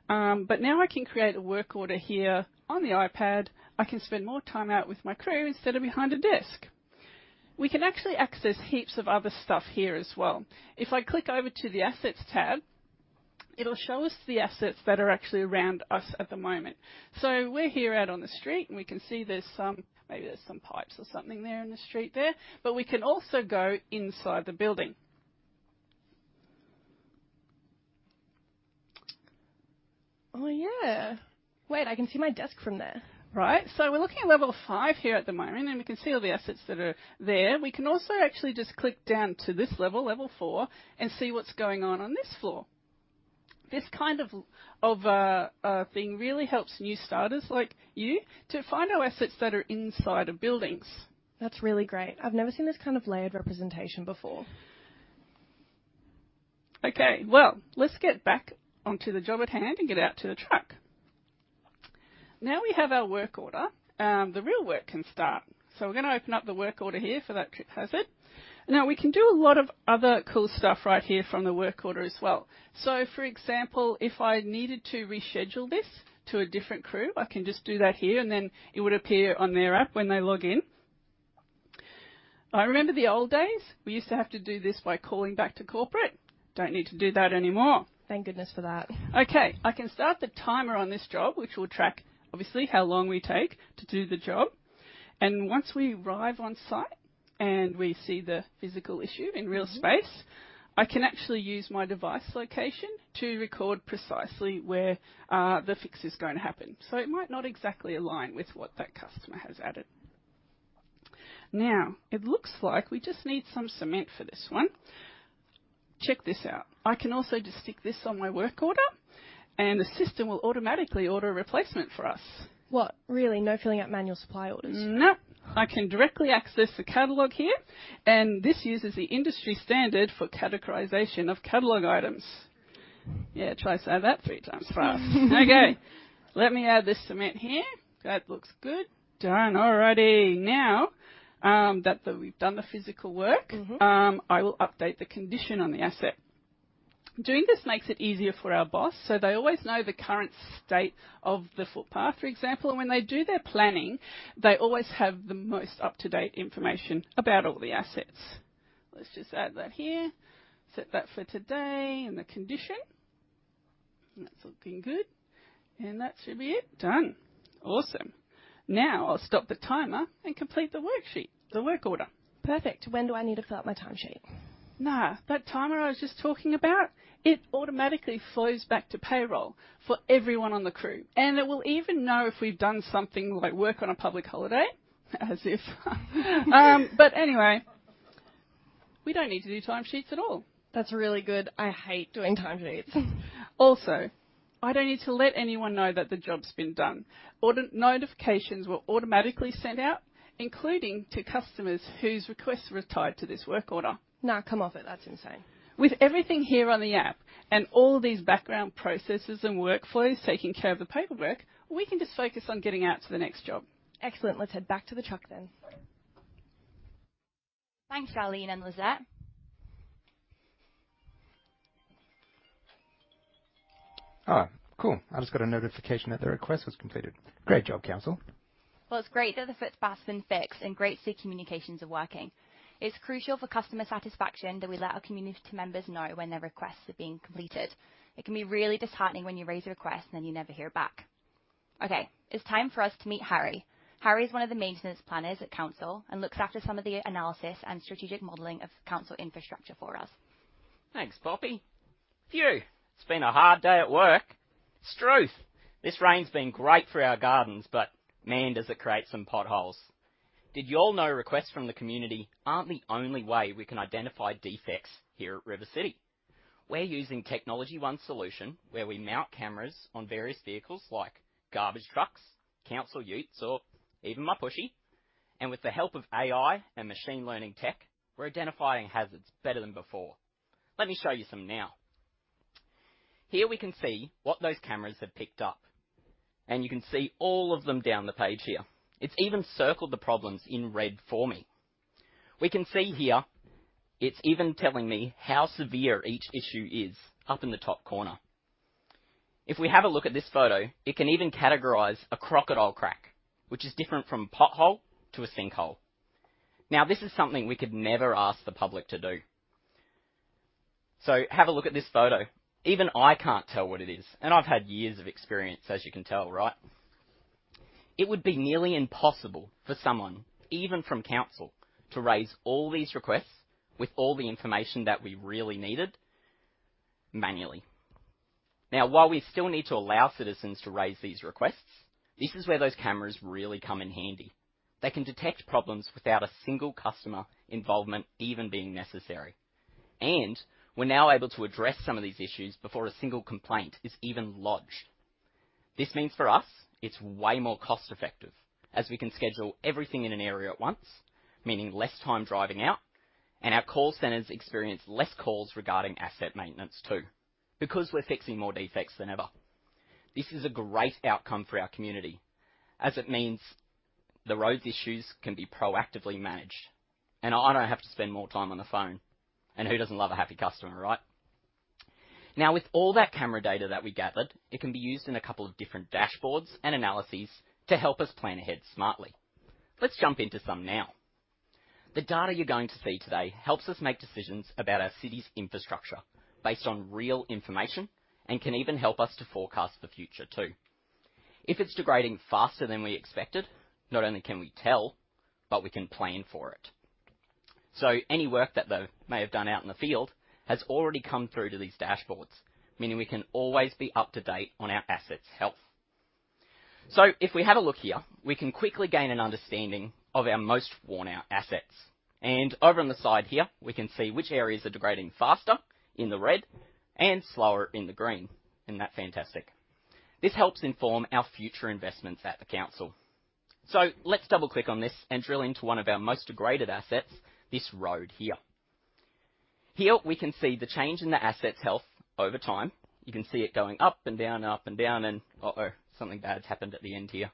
But now I can create a work order here on the iPad. I can spend more time out with my crew instead of behind a desk. We can actually access heaps of other stuff here as well. If I click over to the Assets tab, it'll show us the assets that are actually around us at the moment. So we're here out on the street, and we can see there's some, maybe there's some pipes or something there in the street there, but we can also go inside the building. Oh, yeah. Wait, I can see my desk from there. Right. So we're looking at level 5 here at the moment, and we can see all the assets that are there. We can also actually just click down to this level, level 4, and see what's going on on this floor. This kind of thing really helps new starters like you to find our assets that are inside of buildings. That's really great. I've never seen this kind of layered representation before. Okay, well, let's get back onto the job at hand and get out to the truck. Now we have our work order, the real work can start. So we're gonna open up the work order here for that trip hazard. Now, we can do a lot of other cool stuff right here from the work order as well. So for example, if I needed to reschedule this to a different crew, I can just do that here, and then it would appear on their app when they log in. I remember the old days, we used to have to do this by calling back to corporate. Don't need to do that anymore. Thank goodness for that. Okay, I can start the timer on this job, which will track obviously how long we take to do the job. And once we arrive on site, and we see the physical issue in real space, I can actually use my device location to record precisely where the fix is going to happen. So it might not exactly align with what that customer has added. Now, it looks like we just need some cement for this one. Check this out. I can also just stick this on my work order, and the system will automatically order a replacement for us. What? Really, no filling out manual supply orders? Nope. I can directly access the catalog here, and this uses the industry standard for categorization of catalog items. Yeah, try say that three times fast. Okay, let me add this cement here. That looks good. Done. All righty. Now, that we've done the physical work. I will update the condition on the asset. Doing this makes it easier for our boss, so they always know the current state of the footpath, for example, and when they do their planning, they always have the most up-to-date information about all the assets. Let's just add that here. Set that for today and the condition. That's looking good, and that should be it. Done. Awesome. Now, I'll stop the timer and complete the worksheet, the work order. Perfect. When do I need to fill out my timesheet? Nah, that timer I was just talking about, it automatically flows back to payroll for everyone on the crew, and it will even know if we've done something like work on a public holiday, as if. But anyway, we don't need to do time sheets at all. That's really good. I hate doing time sheets. Also, I don't need to let anyone know that the job's been done. Order notifications were automatically sent out, including to customers whose requests were tied to this work order. Nah, come off it. That's insane. With everything here on the app and all these background processes and workflows taking care of the paperwork, we can just focus on getting out to the next job. Excellent. Let's head back to the truck then. Thanks, Arlene and Lisette. Ah, cool. I just got a notification that the request was completed. Great job, council. Well, it's great that the footpath's been fixed and great to see communications are working. It's crucial for customer satisfaction that we let our community members know when their requests are being completed. It can be really disheartening when you raise a request and then you never hear back. Okay, it's time for us to meet Harry. Harry is one of the maintenance planners at council and looks after some of the analysis and strategic modeling of council infrastructure for us. Thanks, Poppy. Phew! It's been a hard day at work. Struth, this rain's been great for our gardens, but, man, does it create some potholes. Did you all know requests from the community aren't the only way we can identify defects here at River City? We're using TechnologyOne solution, where we mount cameras on various vehicles like garbage trucks, council utes, or even my pushy. And with the help of AI and machine learning tech, we're identifying hazards better than before. Let me show you some now. Here we can see what those cameras have picked up, and you can see all of them down the page here. It's even circled the problems in red for me. We can see here, it's even telling me how severe each issue is, up in the top corner. If we have a look at this photo, it can even categorize a crocodile crack, which is different from pothole to a sinkhole. Now, this is something we could never ask the public to do. So have a look at this photo. Even I can't tell what it is, and I've had years of experience, as you can tell, right? It would be nearly impossible for someone, even from council, to raise all these requests with all the information that we really needed manually. Now, while we still need to allow citizens to raise these requests, this is where those cameras really come in handy. They can detect problems without a single customer involvement even being necessary. And we're now able to address some of these issues before a single complaint is even lodged. This means for us, it's way more cost-effective, as we can schedule everything in an area at once, meaning less time driving out, and our call centers experience less calls regarding asset maintenance, too, because we're fixing more defects than ever. This is a great outcome for our community, as it means the roads issues can be proactively managed, and I don't have to spend more time on the phone. Who doesn't love a happy customer, right? Now, with all that camera data that we gathered, it can be used in a couple of different dashboards and analyses to help us plan ahead smartly. Let's jump into some now. The data you're going to see today helps us make decisions about our city's infrastructure based on real information, and can even help us to forecast the future, too. If it's degrading faster than we expected, not only can we tell, but we can plan for it. So any work that they may have done out in the field has already come through to these dashboards, meaning we can always be up to date on our assets' health. So if we have a look here, we can quickly gain an understanding of our most worn out assets. Over on the side here, we can see which areas are degrading faster in the red and slower in the green. Isn't that fantastic? This helps inform our future investments at the council. So let's double-click on this and drill into one of our most degraded assets, this road here.... Here we can see the change in the asset's health over time. You can see it going up and down, up and down, and uh-oh, something bad's happened at the end here.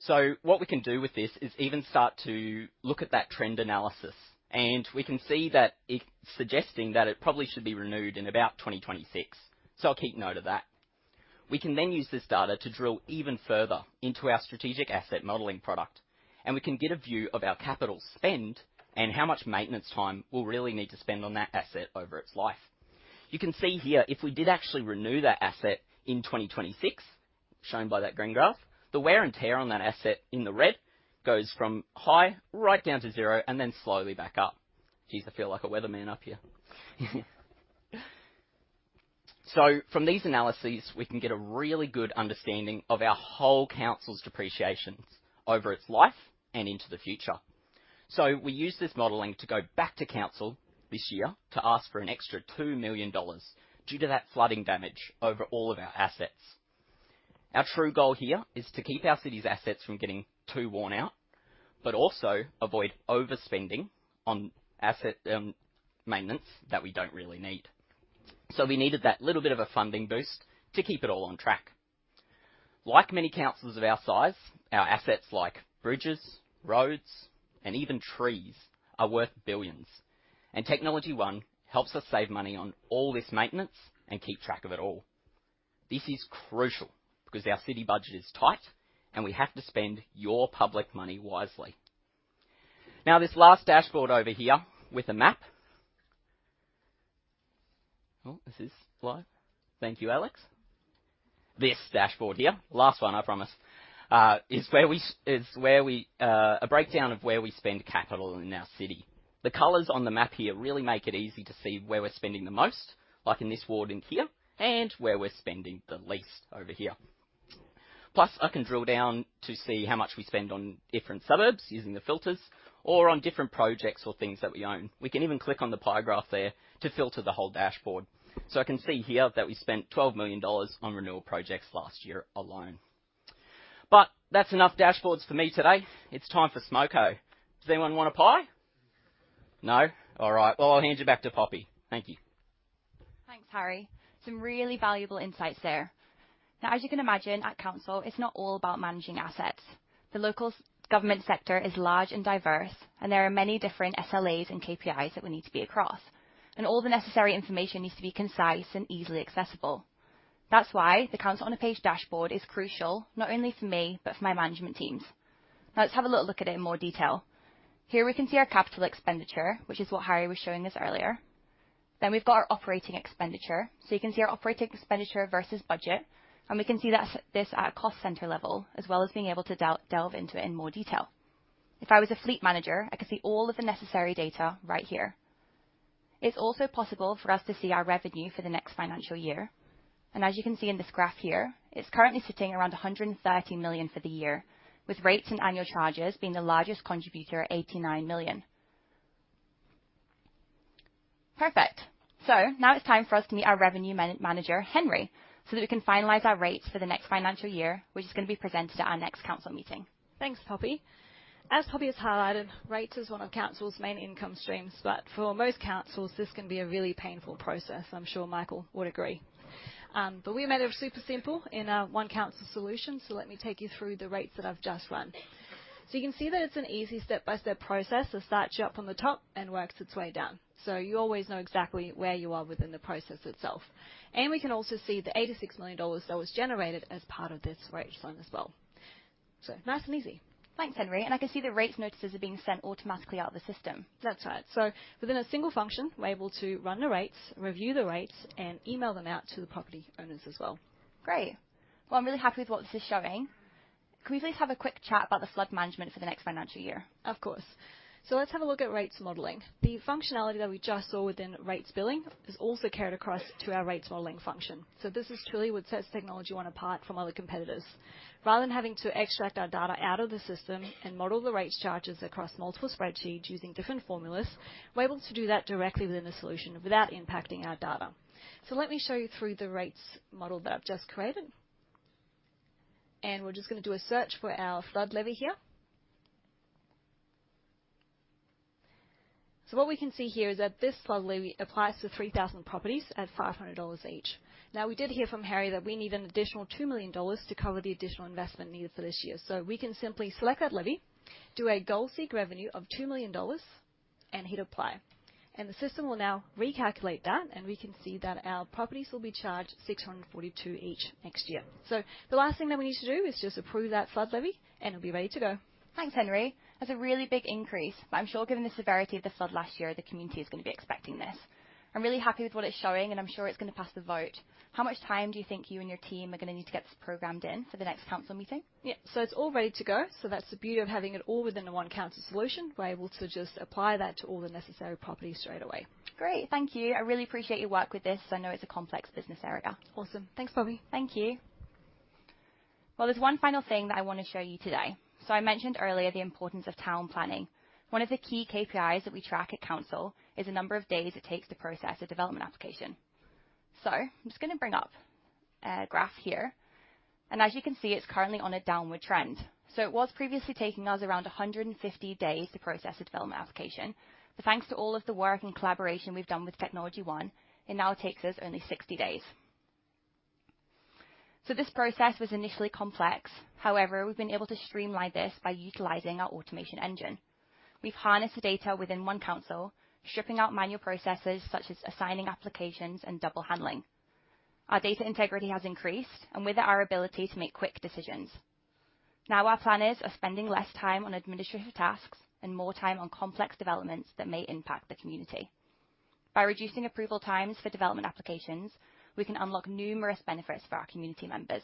So what we can do with this is even start to look at that trend analysis, and we can see that it's suggesting that it probably should be renewed in about 2026. So I'll keep note of that. We can then use this data to drill even further into our strategic asset modeling product, and we can get a view of our capital spend and how much maintenance time we'll really need to spend on that asset over its life. You can see here, if we did actually renew that asset in 2026, shown by that green graph, the wear and tear on that asset in the red goes from high right down to zero and then slowly back up. Geez, I feel like a weatherman up here. From these analyses, we can get a really good understanding of our whole council's depreciations over its life and into the future. We used this modeling to go back to council this year to ask for an extra 2 million dollars due to that flooding damage over all of our assets. Our true goal here is to keep our city's assets from getting too worn out, but also avoid overspending on asset maintenance that we don't really need. We needed that little bit of a funding boost to keep it all on track. Like many councils of our size, our assets, like bridges, roads, and even trees, are worth billions, and TechnologyOne helps us save money on all this maintenance and keep track of it all. This is crucial because our city budget is tight, and we have to spend your public money wisely. Now, this last dashboard over here with a map... Oh, is this live? Thank you, Alex. This dashboard here, last one, I promise, is where we... A breakdown of where we spend capital in our city. The colors on the map here really make it easy to see where we're spending the most, like in this ward in here, and where we're spending the least, over here. Plus, I can drill down to see how much we spend on different suburbs using the filters or on different projects or things that we own. We can even click on the pie graph there to filter the whole dashboard. So I can see here that we spent 12 million dollars on renewal projects last year alone. But that's enough dashboards for me today. It's time for smoko. Does anyone want a pie? No? All right, well, I'll hand you back to Poppy. Thank you. Thanks, Harry. Some really valuable insights there. Now, as you can imagine, at council, it's not all about managing assets. The local government sector is large and diverse, and there are many different SLAs and KPIs that we need to be across, and all the necessary information needs to be concise and easily accessible. That's why the Council on a Page dashboard is crucial, not only for me but for my management teams. Now let's have a little look at it in more detail. Here we can see our capital expenditure, which is what Harry was showing us earlier. Then we've got our operating expenditure. So you can see our operating expenditure versus budget, and we can see that this at a cost center level, as well as being able to delve into it in more detail. If I was a fleet manager, I could see all of the necessary data right here. It's also possible for us to see our revenue for the next financial year, and as you can see in this graph here, it's currently sitting around 130 million for the year, with rates and annual charges being the largest contributor at 89 million. Perfect. So now it's time for us to meet our revenue manager, Henry, so that we can finalize our rates for the next financial year, which is going to be presented at our next council meeting. Thanks, Poppy. As Poppy has highlighted, rates is one of council's main income streams, but for most councils, this can be a really painful process. I'm sure Michael would agree. But we made it super simple in our OneCouncil solution. So let me take you through the rates that I've just run. So you can see that it's an easy step-by-step process that starts you up on the top and works its way down, so you always know exactly where you are within the process itself. And we can also see the 86 million dollars that was generated as part of this rate run as well. So nice and easy. Thanks, Henry. And I can see the rates notices are being sent automatically out of the system. That's right. So within a single function, we're able to run the rates, review the rates, and email them out to the property owners as well. Great! Well, I'm really happy with what this is showing. Can we please have a quick chat about the flood management for the next financial year? Of course. So let's have a look at rates modeling. The functionality that we just saw within rates billing is also carried across to our rates modeling function. So this is truly what sets TechnologyOne apart from other competitors. Rather than having to extract our data out of the system and model the rates charges across multiple spreadsheets using different formulas, we're able to do that directly within the solution without impacting our data. So let me show you through the rates model that I've just created. And we're just gonna do a search for our flood levy here. So what we can see here is that this flood levy applies to 3,000 properties at 500 dollars each. Now, we did hear from Harry that we need an additional 2 million dollars to cover the additional investment needed for this year. So we can simply select that levy, do a goal-seek revenue of 2 million dollars, and hit Apply. And the system will now recalculate that, and we can see that our properties will be charged 642 each next year. So the last thing that we need to do is just approve that flood levy, and it'll be ready to go. Thanks, Henry. That's a really big increase, but I'm sure given the severity of the flood last year, the community is going to be expecting this. I'm really happy with what it's showing, and I'm sure it's going to pass the vote. How much time do you think you and your team are going to need to get this programmed in for the next council meeting? Yeah. It's all ready to go. That's the beauty of having it all within the OneCouncil solution. We're able to just apply that to all the necessary properties straight away. Great. Thank you. I really appreciate your work with this. I know it's a complex business area. Awesome. Thanks, Poppy. Thank you. Well, there's one final thing that I want to show you today. I mentioned earlier the importance of town planning. One of the key KPIs that we track at council is the number of days it takes to process a development application. I'm just gonna bring up a graph here, and as you can see, it's currently on a downward trend. It was previously taking us around 150 days to process a development application. But thanks to all of the work and collaboration we've done with TechnologyOne, it now takes us only 60 days. This process was initially complex. However, we've been able to streamline this by utilizing our automation engine. We've harnessed the data within OneCouncil, stripping out manual processes such as assigning applications and double handling. Our data integrity has increased, and with it, our ability to make quick decisions. Now, our planners are spending less time on administrative tasks and more time on complex developments that may impact the community. By reducing approval times for development applications, we can unlock numerous benefits for our community members.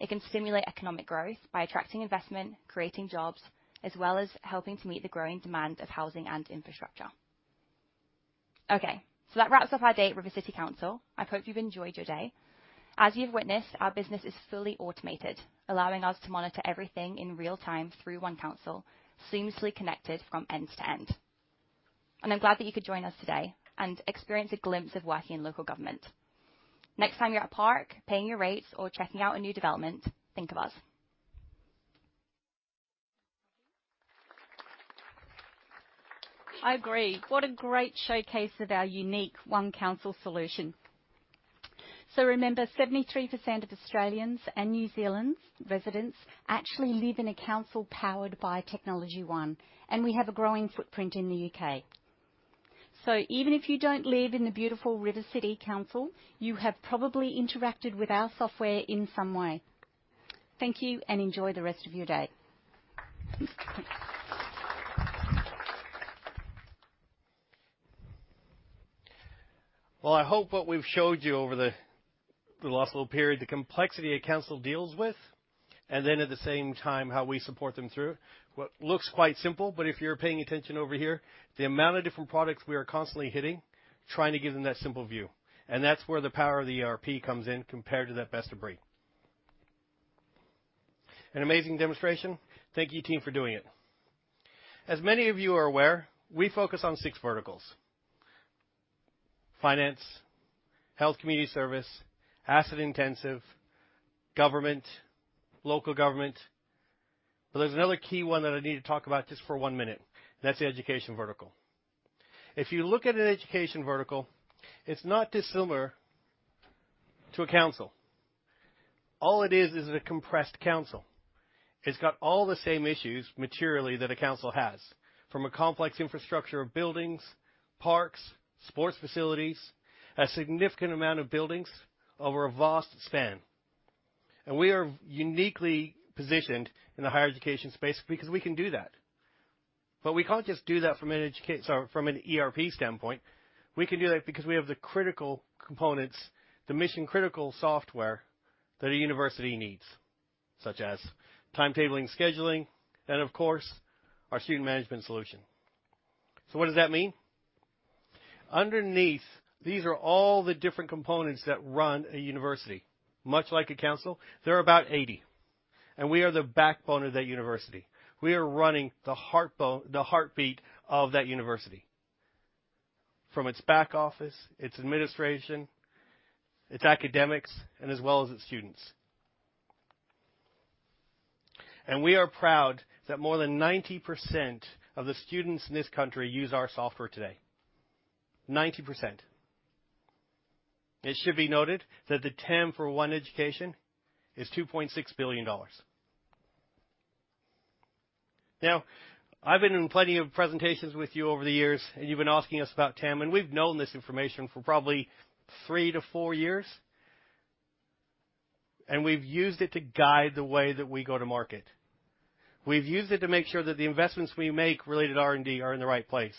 It can stimulate economic growth by attracting investment, creating jobs, as well as helping to meet the growing demand of housing and infrastructure. Okay, so that wraps up our day at River City Council. I hope you've enjoyed your day. As you've witnessed, our business is fully automated, allowing us to monitor everything in real time through OneCouncil, seamlessly connected from end to end. And I'm glad that you could join us today and experience a glimpse of working in local government. Next time you're at a park, paying your rates or checking out a new development, think of us. I agree. What a great showcase of our unique OneCouncil solution. Remember, 73% of Australians and New Zealand's residents actually live in a council powered by TechnologyOne, and we have a growing footprint in the U.K. Even if you don't live in the beautiful River City Council, you have probably interacted with our software in some way. Thank you, and enjoy the rest of your day. Well, I hope what we've showed you over the last little period, the complexity a council deals with, and then at the same time, how we support them through what looks quite simple, but if you're paying attention over here, the amount of different products we are constantly hitting, trying to give them that simple view. And that's where the power of the ERP comes in compared to that best of breed. An amazing demonstration. Thank you, team, for doing it. As many of you are aware, we focus on six verticals: finance, health, community service, asset intensive, government, local government. But there's another key one that I need to talk about just for one minute. That's the education vertical. If you look at an education vertical, it's not dissimilar to a council. All it is, is a compressed council. It's got all the same issues, materially, that a council has, from a complex infrastructure of buildings, parks, sports facilities, a significant amount of buildings over a vast span. We are uniquely positioned in the higher education space because we can do that. But we can't just do that from an educa— So from an ERP standpoint, we can do that because we have the critical components, the mission-critical software that a university needs, such as timetabling, scheduling, and of course, our Student Management solution. So what does that mean? Underneath, these are all the different components that run a university. Much like a council, there are about 80, and we are the backbone of that university. We are running the heartbeat of that university, from its back office, its administration, its academics, and as well as its students. We are proud that more than 90% of the students in this country use our software today. 90%. It should be noted that the TAM for OneEducation is AUD 2.6 billion. Now, I've been in plenty of presentations with you over the years, and you've been asking us about TAM, and we've known this information for probably three-four years, and we've used it to guide the way that we go to market. We've used it to make sure that the investments we make related to R&D are in the right place.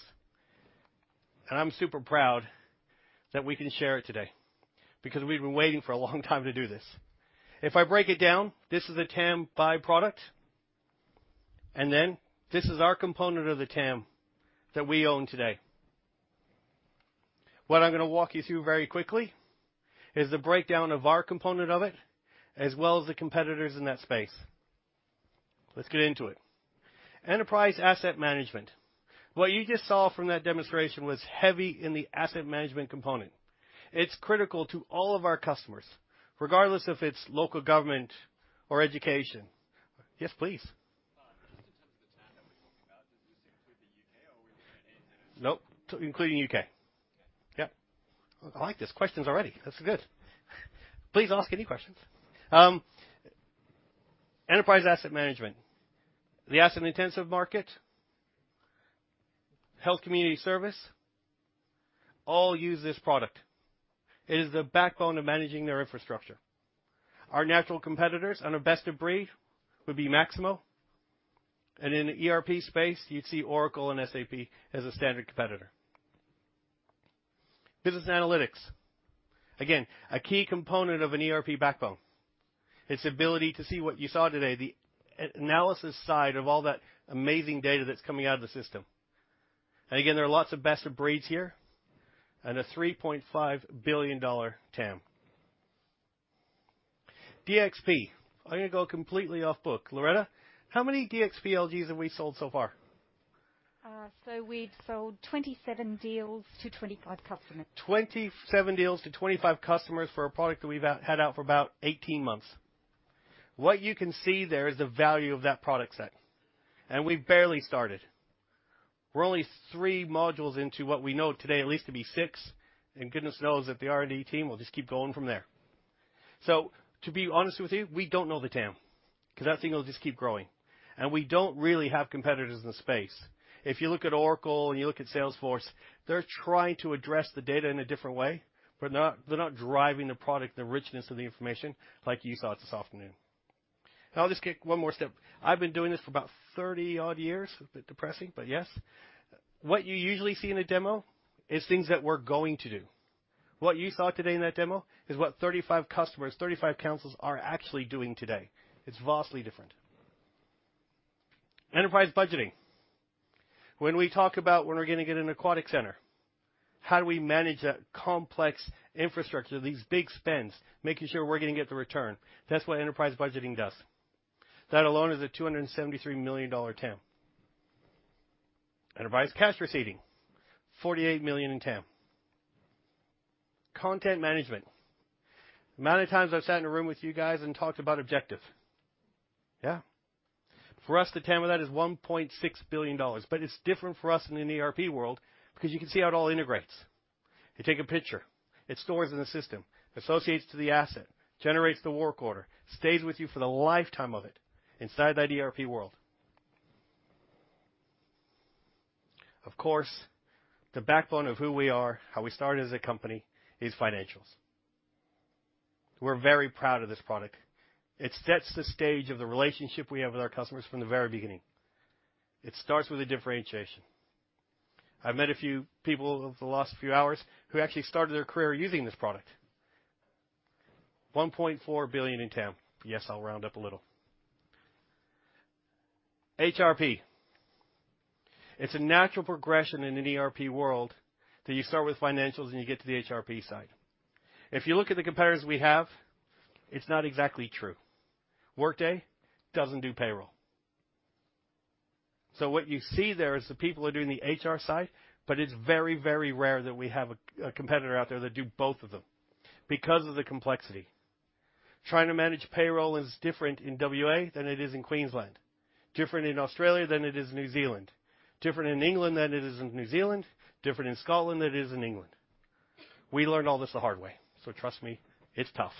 And I'm super proud that we can share it today because we've been waiting for a long time to do this. If I break it down, this is a TAM by product, and then this is our component of the TAM that we own today. What I'm gonna walk you through very quickly is the breakdown of our component of it, as well as the competitors in that space. Let's get into it. Enterprise Asset Management. What you just saw from that demonstration was heavy in the asset management component. It's critical to all of our customers, regardless if it's local government or education. Yes, please. Just in terms of the time that we talked about, does this include the U.K., or are we looking at- Nope, including U.K. Okay. Yep. I like this. Questions already. That's good. Please ask any questions. Enterprise Asset Management, the asset-intensive market, health community service, all use this product. It is the backbone of managing their infrastructure. Our natural competitors and our best of breed would be Maximo, and in the ERP space, you'd see Oracle and SAP as a standard competitor. Business Analytics. Again, a key component of an ERP backbone. Its ability to see what you saw today, the analysis side of all that amazing data that's coming out of the system. Again, there are lots of best of breeds here and a $3.5 billion TAM. DXP, I'm going to go completely off book. Loretta, how many DXP LGs have we sold so far? We've sold 27 deals to 25 customers. 27 deals to 25 customers for a product that we've had out for about 18 months. What you can see there is the value of that product set, and we've barely started. We're only three modules into what we know today, at least to be six, and goodness knows that the R&D team will just keep going from there. To be honest with you, we don't know the TAM, because that thing will just keep growing, and we don't really have competitors in the space. If you look at Oracle and you look at Salesforce, they're trying to address the data in a different way, but not—they're not driving the product, the richness of the information, like you saw this afternoon. I'll just take one more step. I've been doing this for about 30-odd years. A bit depressing, but yes. What you usually see in a demo is things that we're going to do. What you saw today in that demo is what 35 customers, 35 councils are actually doing today. It's vastly different. Enterprise Budgeting. When we talk about when we're going to get an aquatic center, how do we manage that complex infrastructure, these big spends, making sure we're going to get the return? That's what Enterprise Budgeting does. That alone is a 273 million dollar TAM. Enterprise Cash Receiving, 48 million in TAM. Content Management. The amount of times I've sat in a room with you guys and talked about objective. Yeah. For us, the TAM of that is 1.6 billion dollars. But it's different for us in an ERP world because you can see how it all integrates. You take a picture, it stores in the system, associates to the asset, generates the work order, stays with you for the lifetime of it inside that ERP world. Of course, the backbone of who we are, how we started as a company, is financials. We're very proud of this product. It sets the stage of the relationship we have with our customers from the very beginning. It starts with a differentiation. I've met a few people over the last few hours who actually started their career using this product. 1.4 billion in TAM. Yes, I'll round up a little. HRP. It's a natural progression in an ERP world that you start with financials, and you get to the HRP side. If you look at the competitors we have, it's not exactly true. Workday doesn't do payroll. So what you see there is the people are doing the HR side, but it's very, very rare that we have a competitor out there that do both of them because of the complexity. Trying to manage payroll is different in WA than it is in Queensland, different in Australia than it is in New Zealand, different in England than it is in New Zealand, different in Scotland than it is in England. We learned all this the hard way, so trust me, it's tough.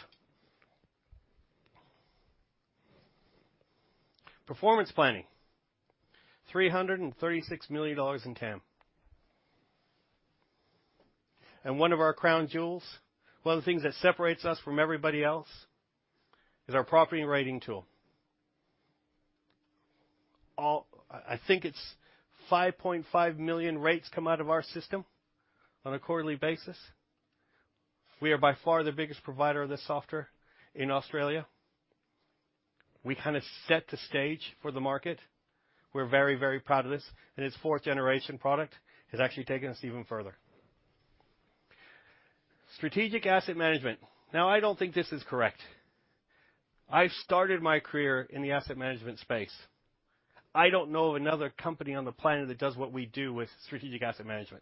Performance Planning, AUD 336 million in TAM. And one of our crown jewels, one of the things that separates us from everybody else, Property and Rating tool. all, I think it's 5.5 million rates come out of our system on a quarterly basis. We are by far the biggest provider of this software in Australia. We kind of set the stage for the market. We're very, very proud of this, and its fourth generation product has actually taken us even further. Strategic Asset Management. Now, I don't think this is correct. I started my career in the asset management space. I don't know of another company on the planet that does what we do with Strategic Asset Management.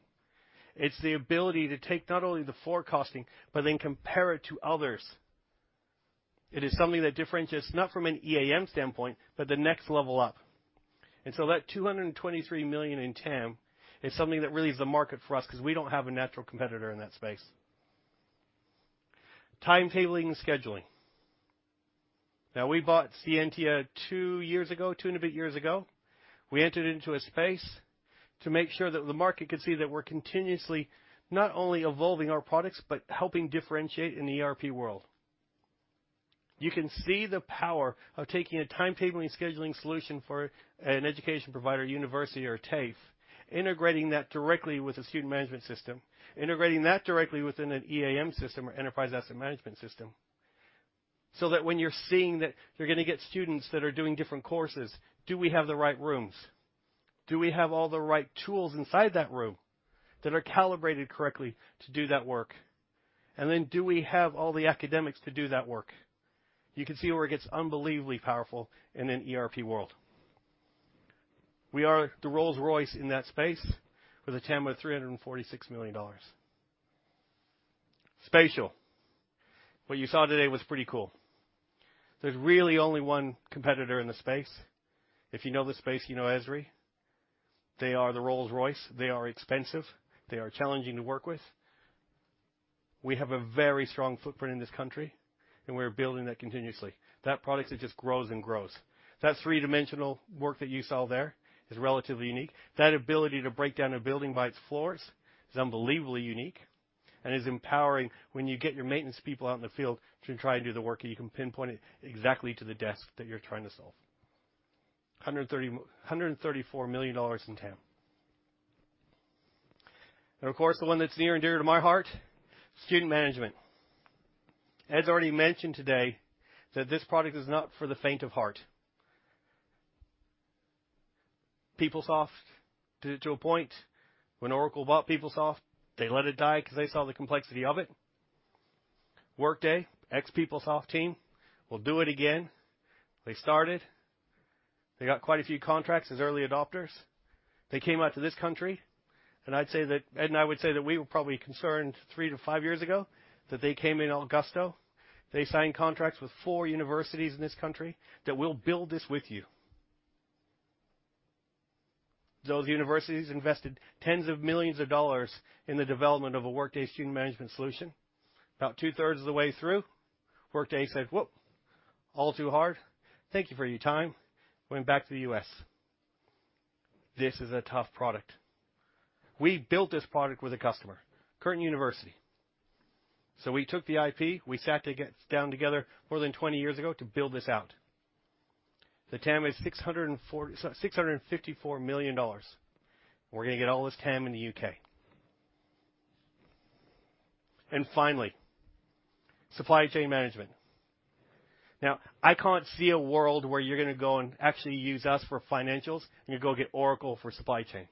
It's the ability to take not only the forecasting, but then compare it to others. It is something that differentiates, not from an EAM standpoint, but the next level up. And so that 223 million in TAM is something that really is the market for us, because we don't have a natural competitor in that space. Timetabling and Scheduling. Now, we bought Scientia two years ago, two and a bit years ago. We entered into a space to make sure that the market could see that we're continuously not only evolving our products, but helping differentiate in the ERP world. You can see the power of taking a timetabling and scheduling solution for an education provider, university, or TAFE, integrating that directly with a Student Management system, integrating that directly within an EAM system or Enterprise Asset Management system, so that when you're seeing that you're going to get students that are doing different courses, do we have the right rooms? Do we have all the right tools inside that room that are calibrated correctly to do that work? And then do we have all the academics to do that work? You can see where it gets unbelievably powerful in an ERP world. We are the Rolls-Royce in that space with a TAM of AUD 346 million. Spatial. What you saw today was pretty cool. There's really only one competitor in the space. If you know the space, you know Esri. They are the Rolls-Royce, they are expensive, they are challenging to work with. We have a very strong footprint in this country, and we're building that continuously. That product it just grows and grows. That three-dimensional work that you saw there is relatively unique. That ability to break down a building by its floors is unbelievably unique and is empowering when you get your maintenance people out in the field to try and do the work, and you can pinpoint it exactly to the desk that you're trying to solve. 134 million dollars in TAM. And of course, the one that's near and dear to my heart, Student Management. Ed's already mentioned today that this product is not for the faint of heart.... PeopleSoft did it to a point. When Oracle bought PeopleSoft, they let it die because they saw the complexity of it. Workday, ex-PeopleSoft team, will do it again. They started. They got quite a few contracts as early adopters. They came out to this country, and I'd say that, Ed and I would say that we were probably concerned three-five years ago, that they came in all gusto. They signed contracts with four universities in this country that, "We'll build this with you." Those universities invested tens of millions AUD in the development of a Workday Student Management solution. About two-thirds of the way through, Workday said, "Whoa! All too hard. Thank you for your time." Went back to the U.S. This is a tough product. We built this product with a customer, Curtin University. So we took the IP, we sat down together more than 20 years ago to build this out. The TAM is 654 million dollars. We're going to get all this TAM in the U.K. And finally, Supply Chain Management. Now, I can't see a world where you're going to go and actually use us for financials, and you go get Oracle for Supply Chain,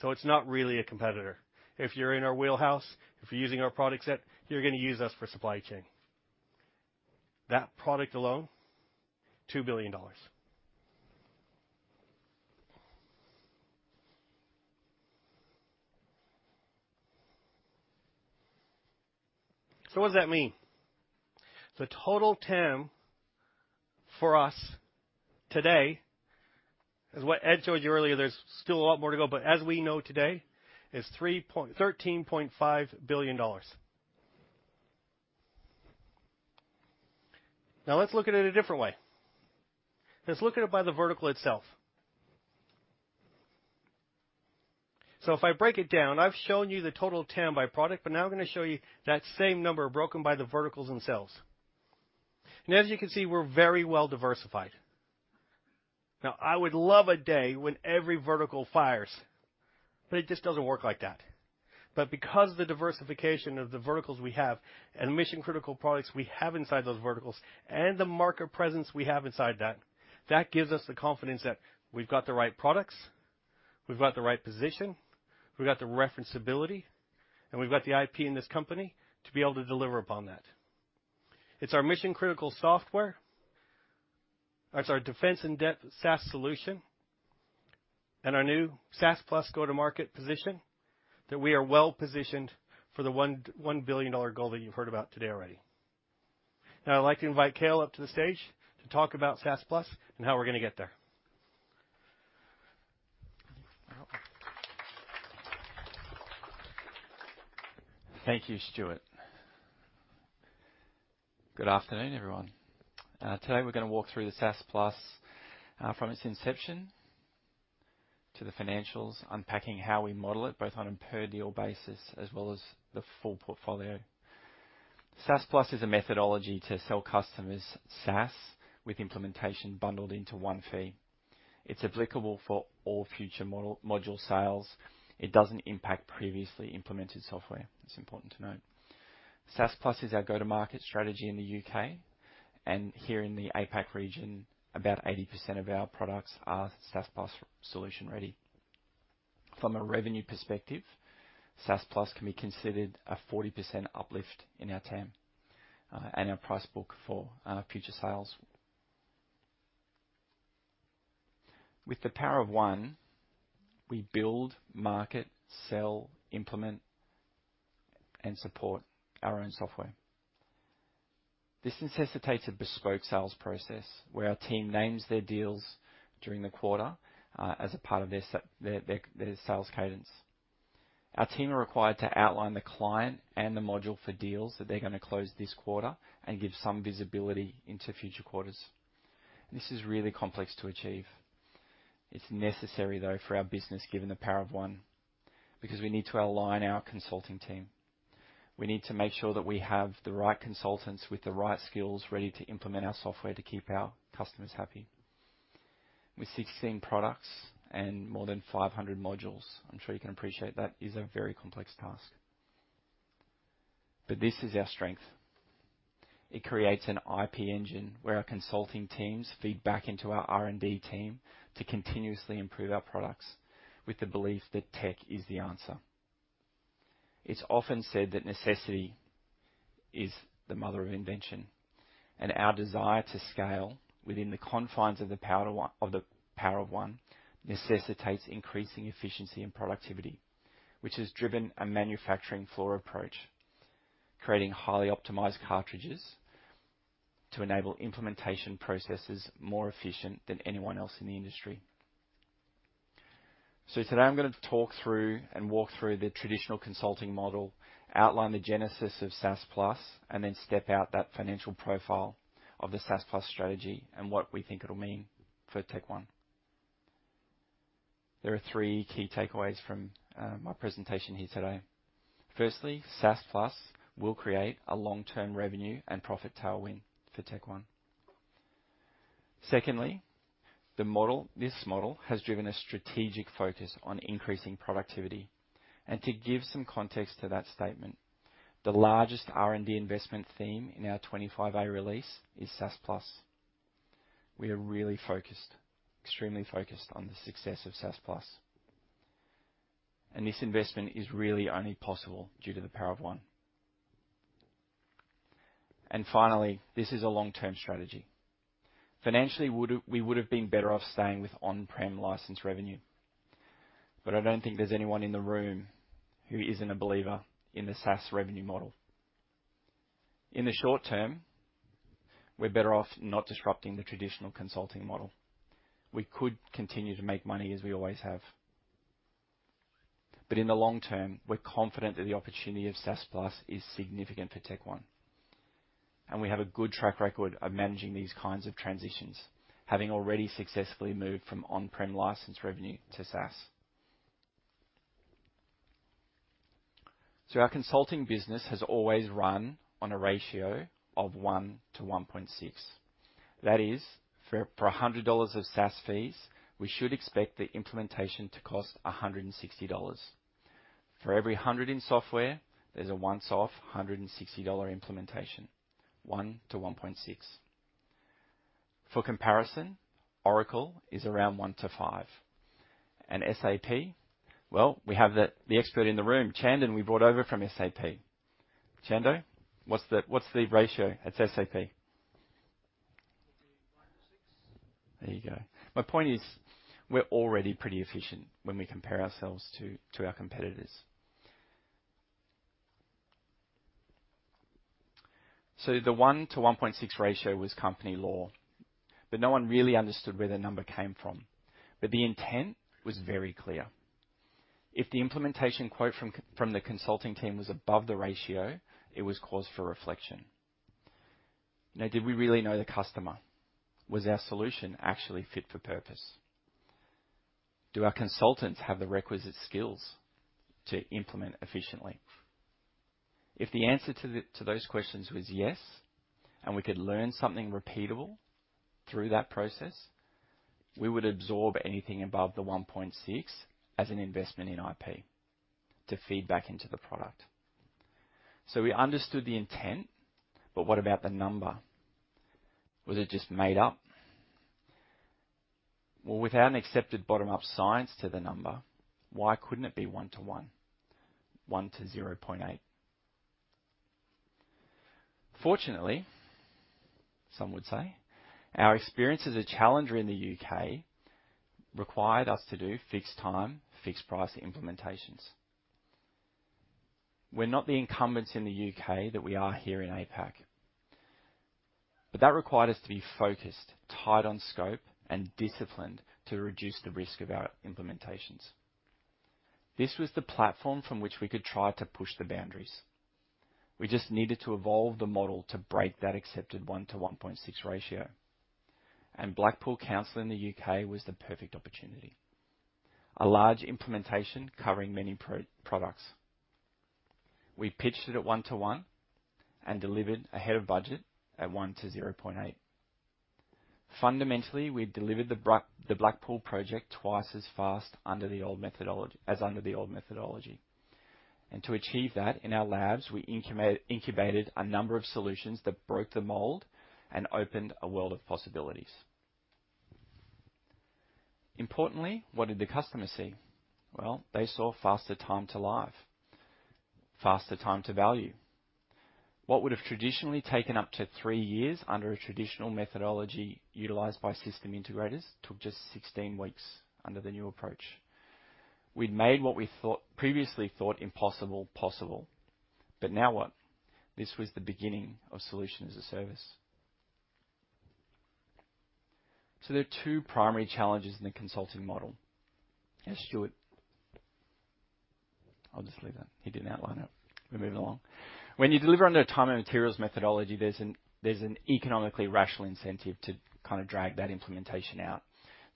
so it's not really a competitor. If you're in our wheelhouse, if you're using our product set, you're going to use us for Supply Chain. That product alone, AUD 2 billion. So what does that mean? The total TAM for us today, as what Ed showed you earlier, there's still a lot more to go, but as we know today, is 13.5 billion dollars. Now, let's look at it a different way. Let's look at it by the vertical itself. So if I break it down, I've shown you the total TAM by product, but now I'm going to show you that same number broken by the verticals themselves. And as you can see, we're very well diversified. Now, I would love a day when every vertical fires, but it just doesn't work like that. But because of the diversification of the verticals we have and the mission-critical products we have inside those verticals and the market presence we have inside that, that gives us the confidence that we've got the right products, we've got the right position, we've got the reference ability, and we've got the IP in this company to be able to deliver upon that. It's our mission-critical software, it's our defense in-depth SaaS solution, and our new SaaS Plus go-to-market position, that we are well positioned for the 1 billion dollar goal that you've heard about today already. Now, I'd like to invite Cale up to the stage to talk about SaaS Plus and how we're going to get there. Thank you, Stuart. Good afternoon, everyone. Today, we're going to walk through the SaaS Plus from its inception to the financials, unpacking how we model it, both on a per-deal basis as well as the full portfolio. SaaS Plus is a methodology to sell customers SaaS with implementation bundled into one fee. It's applicable for all future module sales. It doesn't impact previously implemented software. It's important to note. SaaS Plus is our go-to-market strategy in the U.K., and here in the APAC region, about 80% of our products are SaaS Plus solution ready. From a revenue perspective, SaaS Plus can be considered a 40% uplift in our TAM, and our price book for future sales. With the Power of One, we build, market, sell, implement, and support our own software. This necessitates a bespoke sales process, where our team names their deals during the quarter, as a part of their sales cadence. Our team are required to outline the client and the module for deals that they're going to close this quarter and give some visibility into future quarters. This is really complex to achieve. It's necessary, though, for our business, given the Power of One, because we need to align our consulting team. We need to make sure that we have the right consultants, with the right skills, ready to implement our software to keep our customers happy. With 16 products and more than 500 modules, I'm sure you can appreciate that is a very complex task. But this is our strength. It creates an IP engine, where our consulting teams feed back into our R&D team to continuously improve our products with the belief that tech is the answer. It's often said that necessity is the mother of invention, and our desire to scale within the confines of the power of of the Power of One necessitates increasing efficiency and productivity, which has driven a manufacturing floor approach, creating highly optimized cartridges to enable implementation processes more efficient than anyone else in the industry. So today, I'm going to talk through and walk through the traditional consulting model, outline the genesis of SaaS Plus, and then step out that financial profile of the SaaS Plus strategy and what we think it'll mean for TechOne. There are three key takeaways from my presentation here today. Firstly, SaaS Plus will create a long-term revenue and profit tailwind for TechOne. Secondly, this model has driven a strategic focus on increasing productivity. And to give some context to that statement... The largest R&D investment theme in our 25A release is SaaS Plus. We are really focused, extremely focused on the success of SaaS Plus, and this investment is really only possible due to the Power of One. And finally, this is a long-term strategy. Financially, we would have been better off staying with on-prem license revenue, but I don't think there's anyone in the room who isn't a believer in the SaaS revenue model. In the short term, we're better off not disrupting the traditional consulting model. We could continue to make money as we always have. But in the long term, we're confident that the opportunity of SaaS Plus is significant for TechOne, and we have a good track record of managing these kinds of transitions, having already successfully moved from on-prem license revenue to SaaS. So our consulting business has always run on a ratio of 1:1.6. That is, for a hundred dollars of SaaS fees, we should expect the implementation to cost 160 dollars. For every 100 in software, there's a once-off 160 dollar implementation, 1:1.6. For comparison, Oracle is around 1:5, and SAP, well, we have the expert in the room, Chandan, we brought over from SAP. Chung, what's the ratio at SAP? It would be 5:6. There you go. My point is, we're already pretty efficient when we compare ourselves to our competitors. So the 1:1.6 ratio was company lore, but no one really understood where the number came from, but the intent was very clear. If the implementation quote from the consulting team was above the ratio, it was cause for reflection. Now, did we really know the customer? Was our solution actually fit for purpose? Do our consultants have the requisite skills to implement efficiently? If the answer to those questions was yes, and we could learn something repeatable through that process, we would absorb anything above the 1.6 as an investment in IP to feed back into the product. So we understood the intent, but what about the number? Was it just made up? Well, without an accepted bottom-up science to the number, why couldn't it be 1:1, 1:0.8? Fortunately, some would say, our experience as a challenger in the U.K. required us to do fixed time, fixed price implementations. We're not the incumbents in the U.K. that we are here in APAC, but that required us to be focused, tight on scope, and disciplined to reduce the risk of our implementations. This was the platform from which we could try to push the boundaries. We just needed to evolve the model to break that accepted 1:1.6 ratio, and Blackpool Council in the U.K. was the perfect opportunity. A large implementation covering many pro- products. We pitched it at 1:1 and delivered ahead of budget at 1:0.8. Fundamentally, we delivered the Blackpool project twice as fast as under the old methodology. And to achieve that, in our labs, we incubated a number of solutions that broke the mold and opened a world of possibilities. Importantly, what did the customer see? Well, they saw faster time to live, faster time to value. What would have traditionally taken up to three years under a traditional methodology utilized by system integrators took just 16 weeks under the new approach. We'd made what we previously thought impossible, possible. But now what? This was the beginning of solution as a service. So there are two primary challenges in the consulting model. Yes, Stuart? I'll just leave that. He didn't outline it. We're moving along. When you deliver under a time and materials methodology, there's an economically rational incentive to kind of drag that implementation out,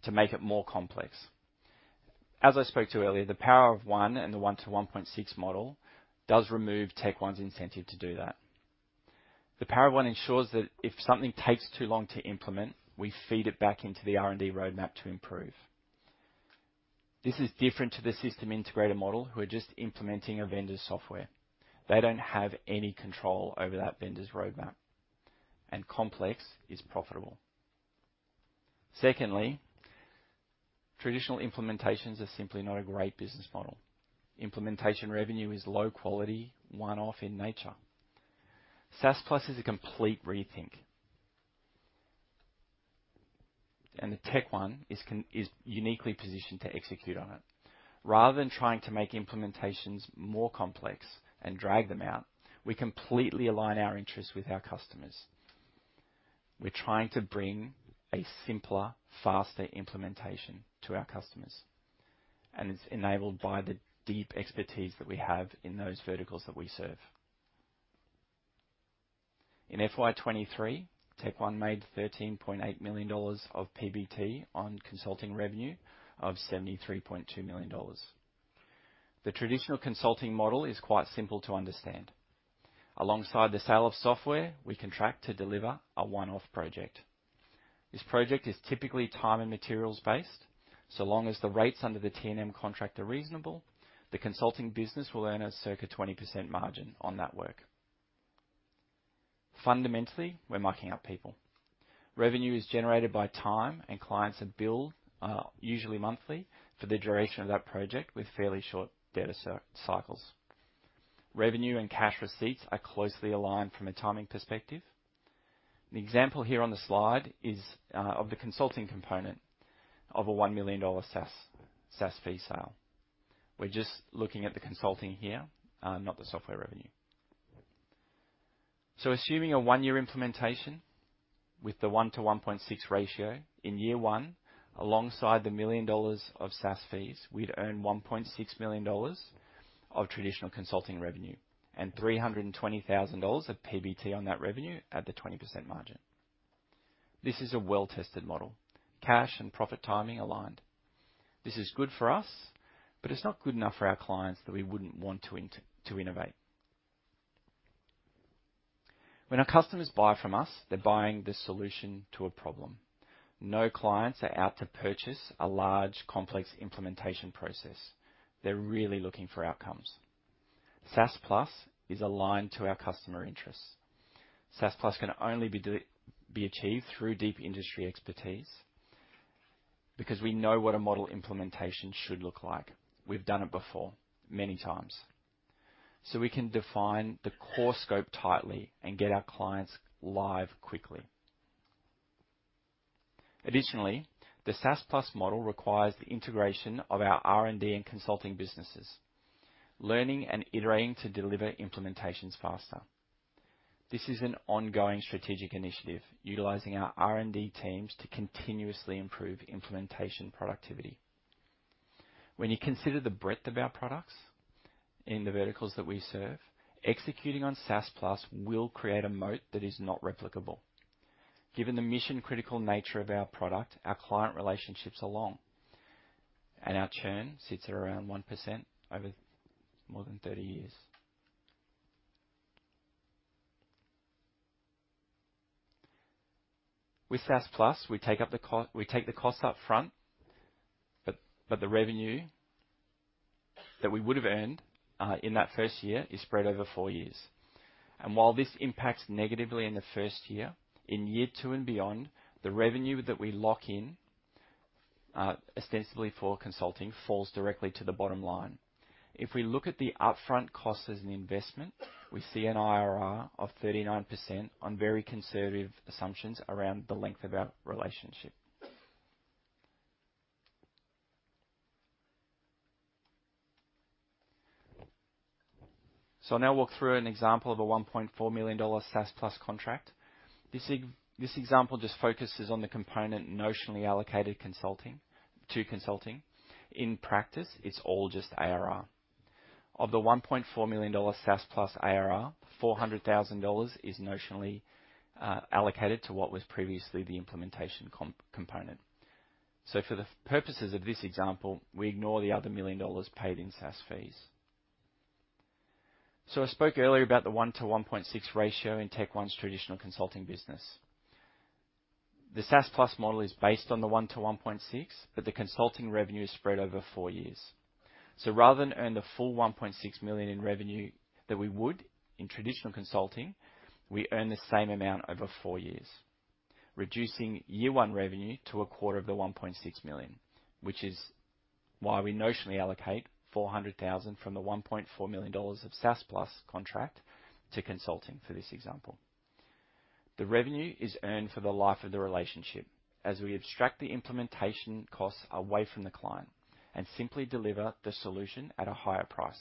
to make it more complex. As I spoke to earlier, the Power of One and the 1:1.6 model does remove TechOne's incentive to do that. The Power of One ensures that if something takes too long to implement, we feed it back into the R&D roadmap to improve. This is different to the system integrator model, who are just implementing a vendor's software. They don't have any control over that vendor's roadmap, and complex is profitable. Secondly, traditional implementations are simply not a great business model. Implementation revenue is low quality, one-off in nature. SaaS Plus is a complete rethink, and TechOne is uniquely positioned to execute on it. Rather than trying to make implementations more complex and drag them out, we completely align our interests with our customers. We're trying to bring a simpler, faster implementation to our customers, and it's enabled by the deep expertise that we have in those verticals that we serve. In FY23, TechOne made 13.8 million dollars of PBT on consulting revenue of 73.2 million dollars. The traditional consulting model is quite simple to understand. Alongside the sale of software, we contract to deliver a one-off project.... This project is typically time and materials based, so long as the rates under the T&M contract are reasonable, the consulting business will earn a circa 20% margin on that work. Fundamentally, we're marking up people. Revenue is generated by time, and clients are billed, usually monthly for the duration of that project with fairly short delivery cycles. Revenue and cash receipts are closely aligned from a timing perspective. The example here on the slide is of the consulting component of an 1 million dollar SaaS fee sale. We're just looking at the consulting here, not the software revenue. So assuming a one-year implementation with the 1:1.6 ratio, in year one, alongside the 1 million dollars of SaaS fees, we'd earn 1.6 million dollars of traditional consulting revenue and 320,000 dollars of PBT on that revenue at the 20% margin. This is a well-tested model. Cash and profit timing aligned. This is good for us, but it's not good enough for our clients that we wouldn't want to innovate. When our customers buy from us, they're buying the solution to a problem. No clients are out to purchase a large, complex implementation process. They're really looking for outcomes. SaaS Plus is aligned to our customer interests. SaaS Plus can only be achieved through deep industry expertise because we know what a model implementation should look like. We've done it before, many times. So we can define the core scope tightly and get our clients live quickly. Additionally, the SaaS Plus model requires the integration of our R&D and consulting businesses, learning and iterating to deliver implementations faster. This is an ongoing strategic initiative, utilizing our R&D teams to continuously improve implementation productivity. When you consider the breadth of our products in the verticals that we serve, executing on SaaS Plus will create a moat that is not replicable. Given the mission-critical nature of our product, our client relationships are long, and our churn sits at around 1% over more than 30 years. With SaaS Plus, we take the cost up front, but the revenue that we would have earned in that first year is spread over four years. While this impacts negatively in the first year, in year two and beyond, the revenue that we lock in, ostensibly for consulting, falls directly to the bottom line. If we look at the upfront cost as an investment, we see an IRR of 39% on very conservative assumptions around the length of our relationship. I'll now walk through an example of a 1.4 million dollar SaaS Plus contract. This example just focuses on the component notionally allocated to consulting. In practice, it's all just ARR. Of the 1.4 million dollar SaaS Plus ARR, 400,000 dollars is notionally allocated to what was previously the implementation component. So for the purposes of this example, we ignore the other 1 million dollars paid in SaaS fees. So I spoke earlier about the 1:1.6 ratio in TechOne's traditional consulting business. The SaaS Plus model is based on the 1:1.6, but the consulting revenue is spread over four years. So rather than earn the full 1.6 million in revenue that we would in traditional consulting, we earn the same amount over four years, reducing year one revenue to a quarter of the 1.6 million, which is why we notionally allocate 400,000 from the 1.4 million dollars of SaaS Plus contract to consulting for this example. The revenue is earned for the life of the relationship as we abstract the implementation costs away from the client and simply deliver the solution at a higher price.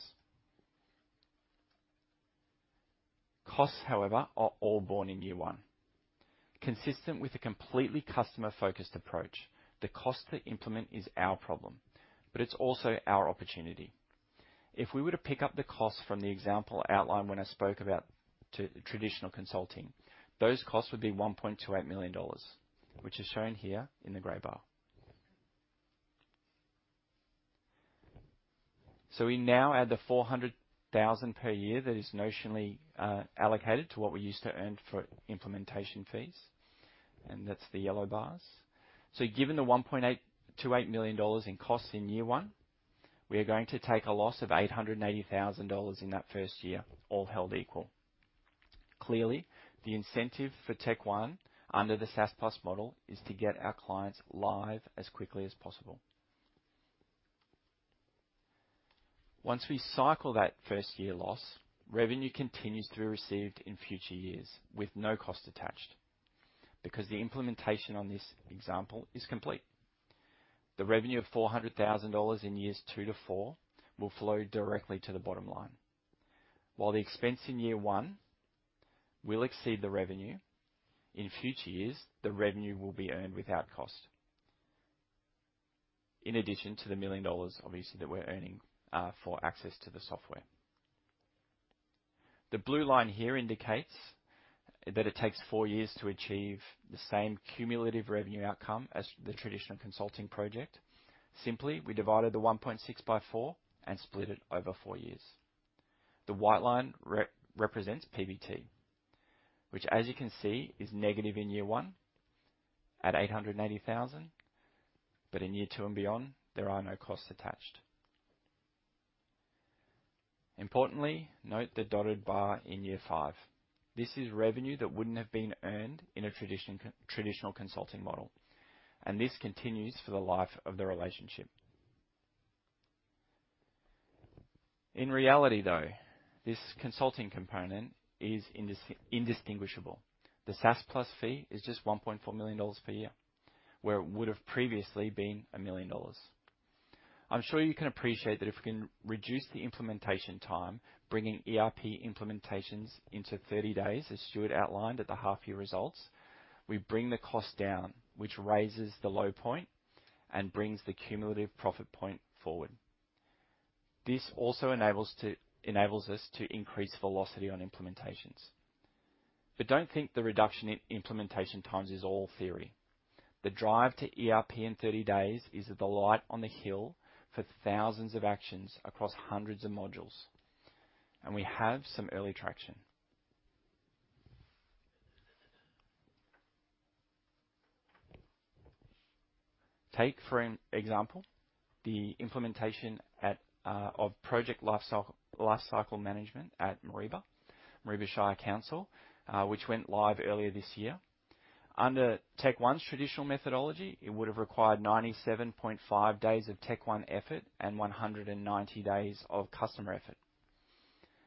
Costs, however, are all borne in year one. Consistent with a completely customer-focused approach, the cost to implement is our problem, but it's also our opportunity. If we were to pick up the costs from the example outlined when I spoke about traditional consulting, those costs would be 1.28 million dollars, which is shown here in the gray bar. So we now add the 400,000 per year that is notionally allocated to what we used to earn for implementation fees, and that's the yellow bars. So given the 1.828 million dollars in costs in year one, we are going to take a loss of 880,000 dollars in that first year, all held equal. Clearly, the incentive for TechOne, under the SaaS Plus model, is to get our clients live as quickly as possible. Once we cycle that first year loss, revenue continues to be received in future years with no cost attached because the implementation on this example is complete. The revenue of 400,000 dollars in years two - four will flow directly to the bottom line. While the expense in year one will exceed the revenue, in future years, the revenue will be earned without cost. In addition to the 1 million dollars, obviously, that we're earning for access to the software. The blue line here indicates that it takes four years to achieve the same cumulative revenue outcome as the traditional consulting project. Simply, we divided the 1.6 by four and split it over four years. The white line represents PBT, which as you can see, is negative in year one at 880,000, but in year two and beyond, there are no costs attached. Importantly, note the dotted bar in year five. This is revenue that wouldn't have been earned in a traditional consulting model, and this continues for the life of the relationship. In reality, though, this consulting component is indistinguishable. The SaaS Plus fee is just 1.4 million dollars per year, where it would have previously been 1 million dollars. I'm sure you can appreciate that if we can reduce the implementation time, bringing ERP implementations into 30 days, as Stuart outlined at the half year results, we bring the cost down, which raises the low point and brings the cumulative profit point forward. This also enables us to increase velocity on implementations. But don't think the reduction in implementation times is all theory. The drive to ERP in 30 days is the light on the hill for thousands of actions across hundreds of modules, and we have some early traction. Take, for an example, the implementation of project lifecycle management at Mareeba Shire Council, which went live earlier this year. Under TechOne's traditional methodology, it would have required 97.5 days of TechOne effort and 190 days of customer effort.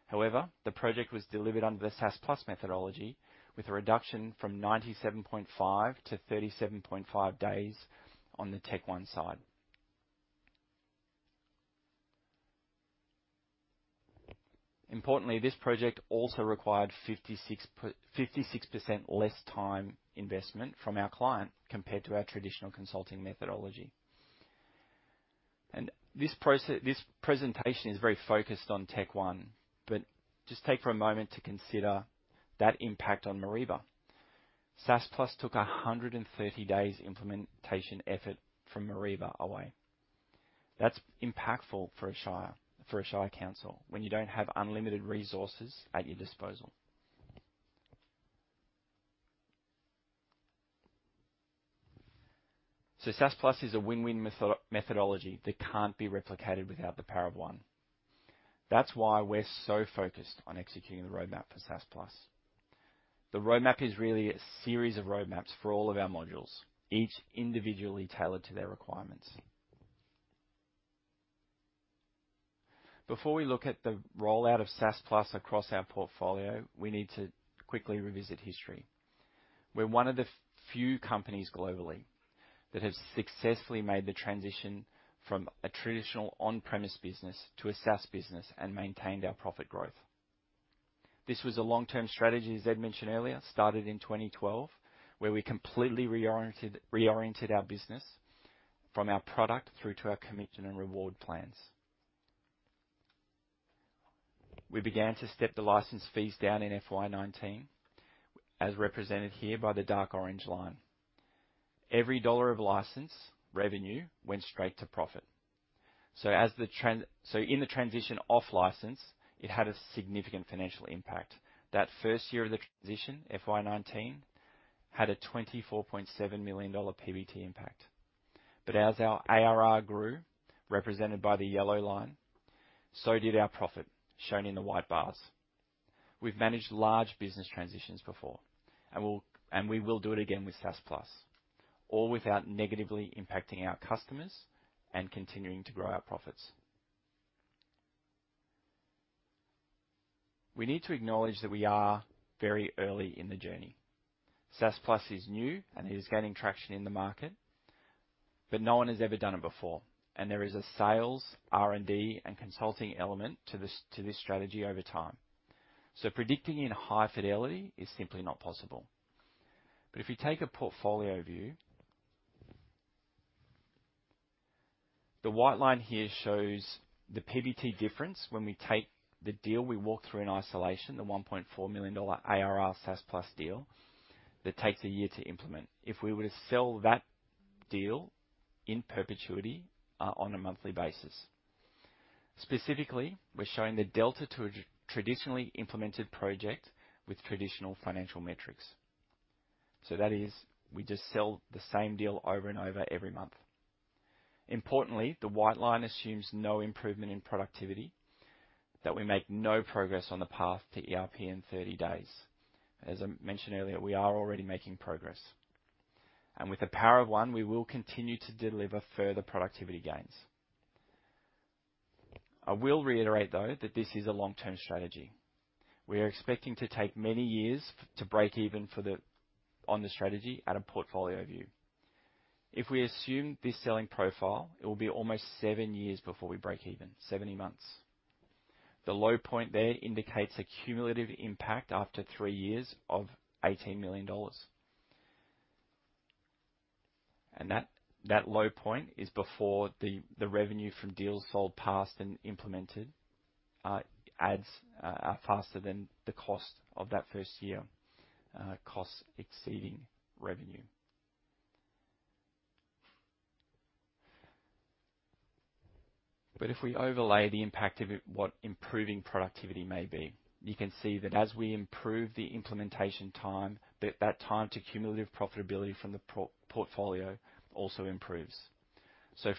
However, the project was delivered under the SaaS Plus methodology, with a reduction from 97.5 - 37.5 days on the TechOne side. Importantly, this project also required 56% less time investment from our client compared to our traditional consulting methodology. This presentation is very focused on TechOne, but just take for a moment to consider that impact on Mareeba. SaaS Plus took 130 days' implementation effort from Mareeba away. That's impactful for a shire, for a shire council, when you don't have unlimited resources at your disposal. So SaaS Plus is a win-win methodology that can't be replicated without the Power of One. That's why we're so focused on executing the roadmap for SaaS Plus. The roadmap is really a series of roadmaps for all of our modules, each individually tailored to their requirements. Before we look at the rollout of SaaS Plus across our portfolio, we need to quickly revisit history. We're one of the few companies globally that has successfully made the transition from a traditional on-premise business to a SaaS business and maintained our profit growth. This was a long-term strategy, as Ed mentioned earlier, started in 2012, where we completely reoriented our business from our product through to our commission and reward plans. We began to step the license fees down in FY19, as represented here by the dark orange line. Every dollar of license revenue went straight to profit. So as the so in the transition off license, it had a significant financial impact. That first year of the transition, FY19, had a 24.7 million dollar PBT impact. But as our ARR grew, represented by the yellow line, so did our profit, shown in the white bars. We've managed large business transitions before, and we will do it again with SaaS Plus, all without negatively impacting our customers and continuing to grow our profits. We need to acknowledge that we are very early in the journey. SaaS Plus is new and is gaining traction in the market, but no one has ever done it before, and there is a sales, R&D, and consulting element to this strategy over time. So predicting in high fidelity is simply not possible. But if you take a portfolio view, the white line here shows the PBT difference when we take the deal we walked through in isolation, the 1.4 million dollar ARR SaaS Plus deal that takes a year to implement. If we were to sell that deal in perpetuity on a monthly basis. Specifically, we're showing the delta to a traditionally implemented project with traditional financial metrics. So that is, we just sell the same deal over and over every month. Importantly, the white line assumes no improvement in productivity, that we make no progress on the path to ERP in 30 days. As I mentioned earlier, we are already making progress, and with the Power of One, we will continue to deliver further productivity gains. I will reiterate, though, that this is a long-term strategy. We are expecting to take many years to break even on the strategy at a portfolio view. If we assume this selling profile, it will be almost 7 years before we break even, 70 months. The low point there indicates a cumulative impact after three years of 18 million dollars. That low point is before the revenue from deals sold, passed, and implemented adds faster than the cost of that first year, costs exceeding revenue. But if we overlay the impact of it, what improving productivity may be, you can see that as we improve the implementation time, that time to cumulative profitability from the portfolio also improves.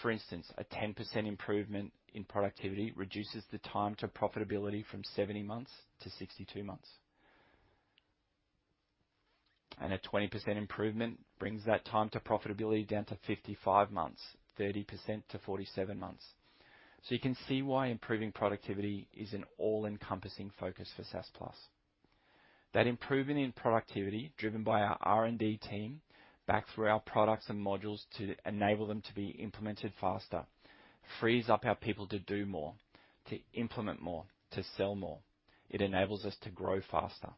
For instance, a 10% improvement in productivity reduces the time to profitability from 70 months to 62 months. A 20% improvement brings that time to profitability down to 55 months, 30% to 47 months. You can see why improving productivity is an all-encompassing focus for SaaS Plus. That improvement in productivity, driven by our R&D team, back through our products and modules to enable them to be implemented faster, frees up our people to do more, to implement more, to sell more. It enables us to grow faster.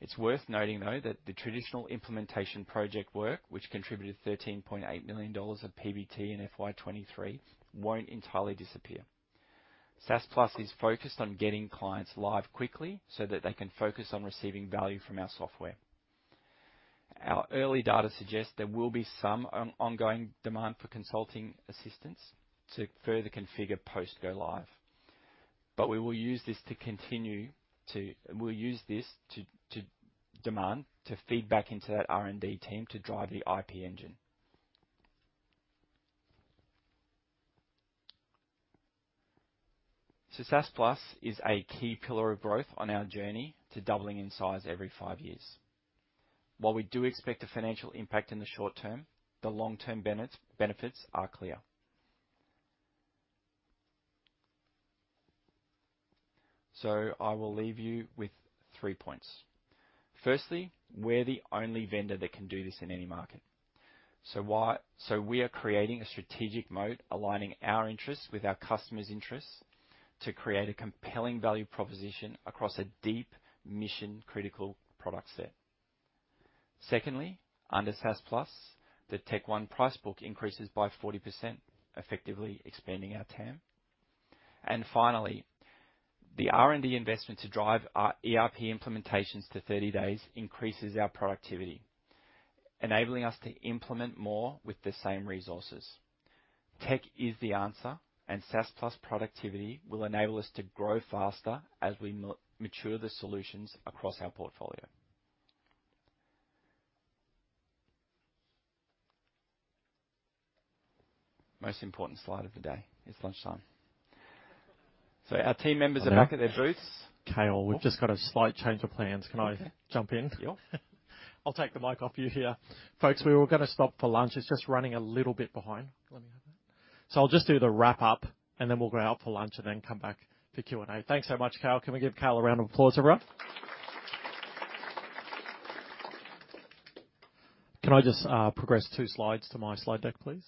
It's worth noting, though, that the traditional implementation project work, which contributed 13.8 million dollars of PBT in FY23, won't entirely disappear. SaaS Plus is focused on getting clients live quickly so that they can focus on receiving value from our software. Our early data suggests there will be some ongoing demand for consulting assistance to further configure post-go live. But we will use this to feed back into that R&D team to drive the IP engine. So SaaS Plus is a key pillar of growth on our journey to doubling in size every five years. While we do expect a financial impact in the short term, the long-term benefits are clear. So I will leave you with three points. Firstly, we're the only vendor that can do this in any market. So we are creating a strategic moat, aligning our interests with our customers' interests, to create a compelling value proposition across a deep, mission-critical product set. Secondly, under SaaS Plus, the TechOne price book increases by 40%, effectively expanding our TAM. And finally, the R&D investment to drive our ERP implementations to 30 days increases our productivity, enabling us to implement more with the same resources. Tech is the answer, and SaaS Plus productivity will enable us to grow faster as we mature the solutions across our portfolio. Most important slide of the day, it's lunchtime. So our team members are back at their booths. Cale, we've just got a slight change of plans. Can I jump in? Sure. I'll take the mic off you here. Folks, we were going to stop for lunch. It's just running a little bit behind. Let me have it. So I'll just do the wrap up, and then we'll go out for lunch, and then come back to Q&A. Thanks so much, Cale. Can we give Cale a round of applause, everyone? Can I just, progress two slides to my slide deck, please?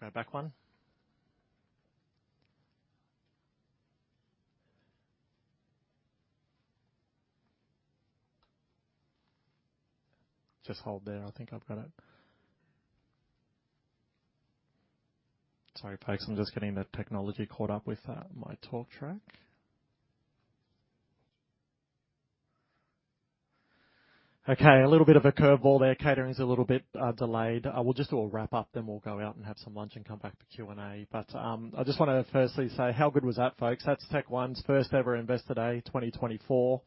We'll go back one. Just hold there. I think I've got it. Sorry, folks, I'm just getting the technology caught up with, my talk track. Okay, a little bit of a curveball there. Catering's a little bit delayed. We'll just do a wrap up, then we'll go out and have some lunch and come back to Q&A. But, I just want to firstly say, how good was that, folks? That's TechOne's first ever Investor Day, 2024.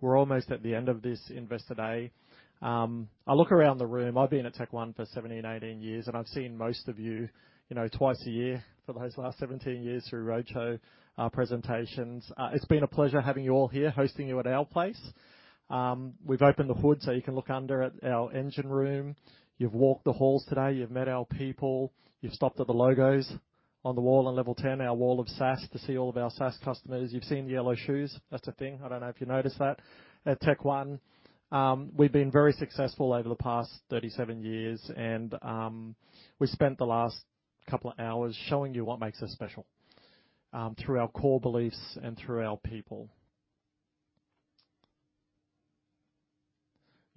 We're almost at the end of this Investor Day. I look around the room. I've been at TechOne for 17, 18 years, and I've seen most of you, you know, twice a year for the last 17 years through roadshow presentations. It's been a pleasure having you all here, hosting you at our place. We've opened the hood so you can look under at our engine room. You've walked the halls today, you've met our people, you've stopped at the logos on the wall on level 10, our wall of SaaS, to see all of our SaaS customers. You've seen the yellow shoes. That's a thing. I don't know if you noticed that at TechOne. We've been very successful over the past 37 years, and we spent the last couple of hours showing you what makes us special, through our core beliefs and through our people.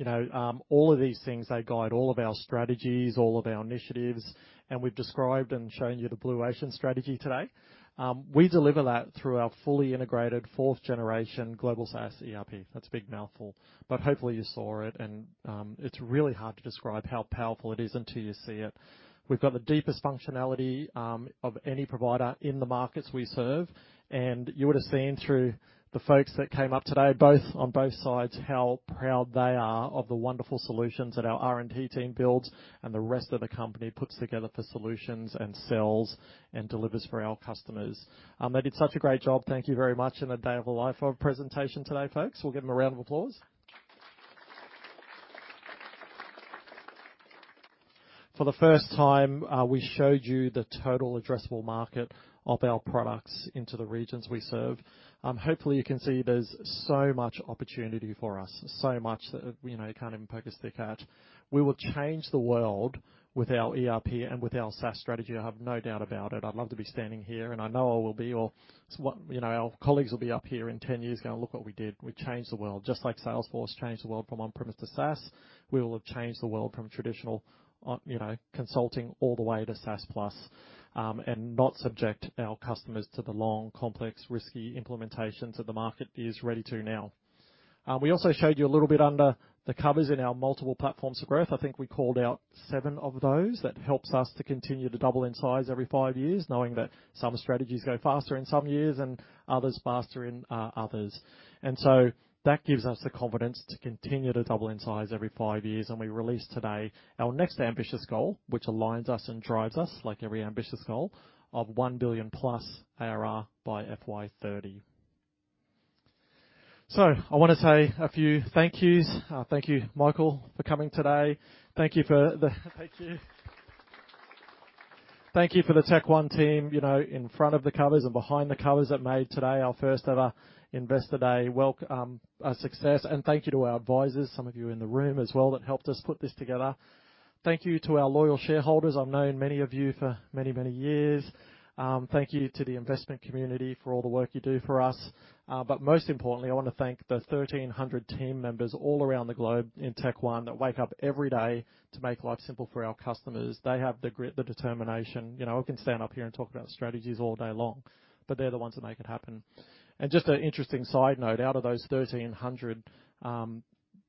You know, all of these things, they guide all of our strategies, all of our initiatives, and we've described and shown you the Blue Ocean Strategy today. We deliver that through our fully integrated fourth generation Global SaaS ERP. That's a big mouthful, but hopefully you saw it, and it's really hard to describe how powerful it is until you see it. We've got the deepest functionality of any provider in the markets we serve, and you would have seen through the folks that came up today, both on both sides, how proud they are of the wonderful solutions that our R&D team builds and the rest of the company puts together for solutions and sells and delivers for our customers. They did such a great job. Thank you very much. And a day in the life of presentation today, folks. We'll give them a round of applause. For the first time, we showed you the total addressable market of our products into the regions we serve. Hopefully, you can see there's so much opportunity for us, so much that, you know, you can't even poke a stick at. We will change the world with our ERP and with our SaaS strategy, I have no doubt about it. I'd love to be standing here, and I know I will be, or what... You know, our colleagues will be up here in 10 years, going: "Look what we did. We changed the world." Just like Salesforce changed the world from on-premise to SaaS, we will have changed the world from traditional- on, you know, consulting all the way to SaaS Plus, and not subject our customers to the long, complex, risky implementations that the market is ready to now. We also showed you a little bit under the covers in our multiple platforms of growth. I think we called out seven of those. That helps us to continue to double in size every five years, knowing that some strategies go faster in some years and others faster in others. And so that gives us the confidence to continue to double in size every five years. And we released today our next ambitious goal, which aligns us and drives us, like every ambitious goal, of 1 billion+ ARR by FY30. So I want to say a few thank yous. Thank you, Michael, for coming today. Thank you for the TechOne team, you know, in front of the covers and behind the covers, that made today our first ever Investor Day a success. And thank you to our advisors, some of you in the room as well, that helped us put this together. Thank you to our loyal shareholders. I've known many of you for many, many years. Thank you to the investment community for all the work you do for us. But most importantly, I want to thank the 1,300 team members all around the globe in TechOne that wake up every day to make life simple for our customers. They have the grit, the determination. You know, I can stand up here and talk about strategies all day long, but they're the ones that make it happen. And just an interesting side note, out of those 1,300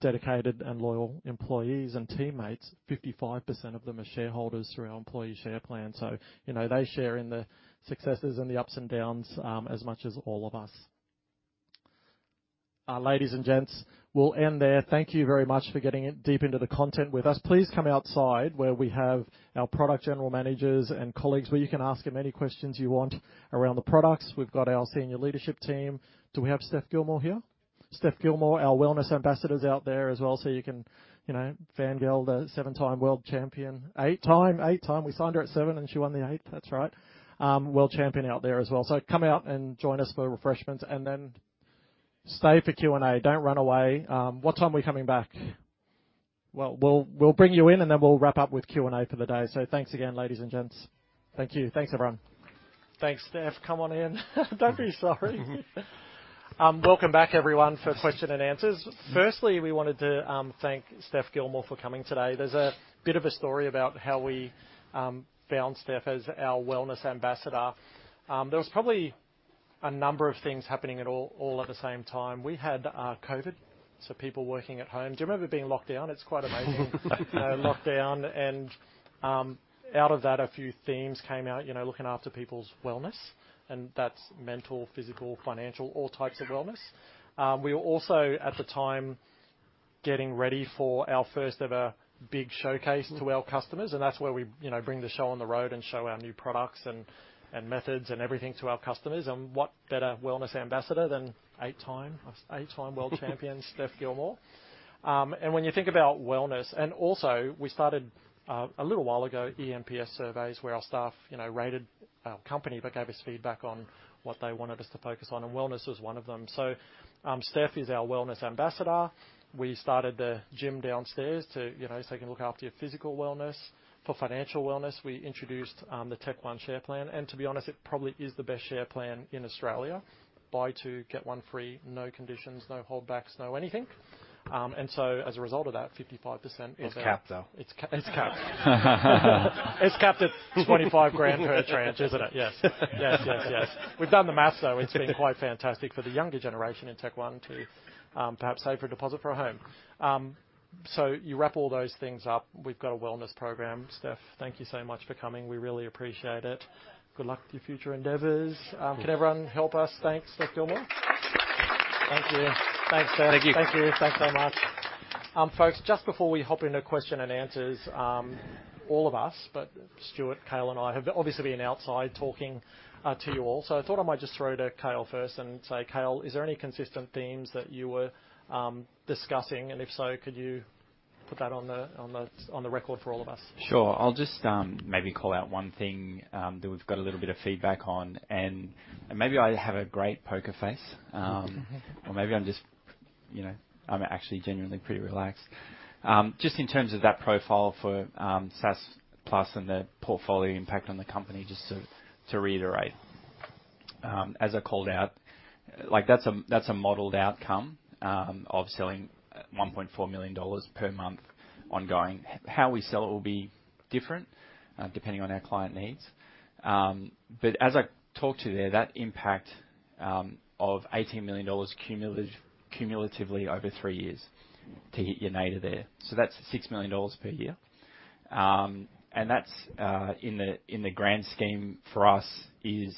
dedicated and loyal employees and teammates, 55% of them are shareholders through our employee share plan. So, you know, they share in the successes and the ups and downs as much as all of us. Ladies and gents, we'll end there. Thank you very much for getting in deep into the content with us. Please come outside, where we have our product general managers and colleagues, where you can ask them any questions you want around the products. We've got our senior leadership team. Do we have Steph Gilmore here? Steph Gilmore, our wellness ambassador, is out there as well, so you can, you know, fan girl the 7-time world champion. Eight time? Eight time. We signed her at 7, and she won the eighth. That's right, world champion out there as well. So come out and join us for refreshments, and then stay for Q&A. Don't run away. What time are we coming back? Well, we'll, we'll bring you in, and then we'll wrap up with Q&A for the day. So thanks again, ladies and gents. Thank you. Thanks, everyone. Thanks, Steph. Come on in. Don't be sorry. Welcome back, everyone, for question and answers. Firstly, we wanted to thank Steph Gilmore for coming today. There's a bit of a story about how we found Steph as our wellness ambassador. There was probably a number of things happening at all at the same time. We had COVID, so people working at home. Do you remember being locked down? It's quite amazing. You know, lockdown and out of that, a few themes came out, you know, looking after people's wellness, and that's mental, physical, financial, all types of wellness. We were also, at the time, getting ready for our first-ever big showcase to our customers, and that's where we, you know, bring the show on the road and show our new products and methods and everything to our customers. What better wellness ambassador than 8-time world champion Steph Gilmore? And when you think about wellness... We started a little while ago eNPS surveys, where our staff, you know, rated our company but gave us feedback on what they wanted us to focus on, and wellness was one of them. So, Steph is our wellness ambassador. We started the gym downstairs to, you know, so they can look after your physical wellness. For financial wellness, we introduced the TechOne share plan, and to be honest, it probably is the best share plan in Australia. Buy two, get one free, no conditions, no holdbacks, no anything. And so as a result of that, 55% is our- It's capped, though. It's capped. It's capped at 25,000 per tranche, isn't it? Yes. Yes, yes, yes. We've done the math, though. It's been quite fantastic for the younger generation in TechOne to perhaps save for a deposit for a home. So you wrap all those things up, we've got a wellness program. Steph, thank you so much for coming. We really appreciate it. No worries. Good luck to your future endeavors. Thank you. Can everyone help us thank Steph Gilmore? Thank you. Thanks, Steph. Thank you. Thank you. Thanks so much. Folks, just before we hop into question and answers, all of us, but Stuart, Cale, and I, have obviously been outside talking to you all. So I thought I might just throw to Cale first and say, Cale, is there any consistent themes that you were discussing? And if so, could you put that on the record for all of us? Sure. I'll just, maybe call out one thing, that we've got a little bit of feedback on, and maybe I have a great poker face, or maybe I'm just, you know, I'm actually genuinely pretty relaxed. Just in terms of that profile for, SaaS Plus and the portfolio impact on the company, just to reiterate. As I called out, like, that's a, that's a modeled outcome, of selling at 1.4 million dollars per month ongoing. How we sell it will be different, depending on our client needs. But as I talked to there, that impact, of 18 million dollars cumulatively over three years to hit your nadir there, so that's 6 million dollars per year. And that's in the grand scheme for us is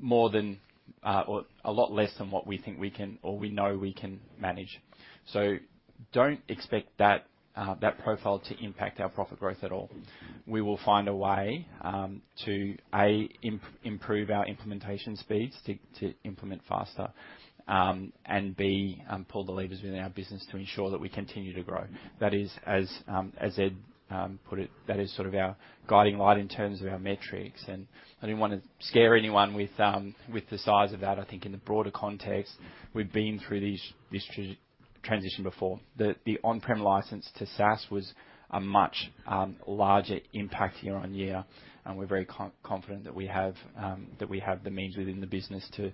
more than or a lot less than what we think we can, or we know we can manage. So don't expect that profile to impact our profit growth at all. We will find a way to A, improve our implementation speeds to implement faster, and B, pull the levers within our business to ensure that we continue to grow. That is, as Ed put it, that is sort of our guiding light in terms of our metrics. And I didn't want to scare anyone with the size of that. I think in the broader context, we've been through this transition before. The on-prem license to SaaS was a much larger impact year-on-year, and we're very confident that we have the means within the business to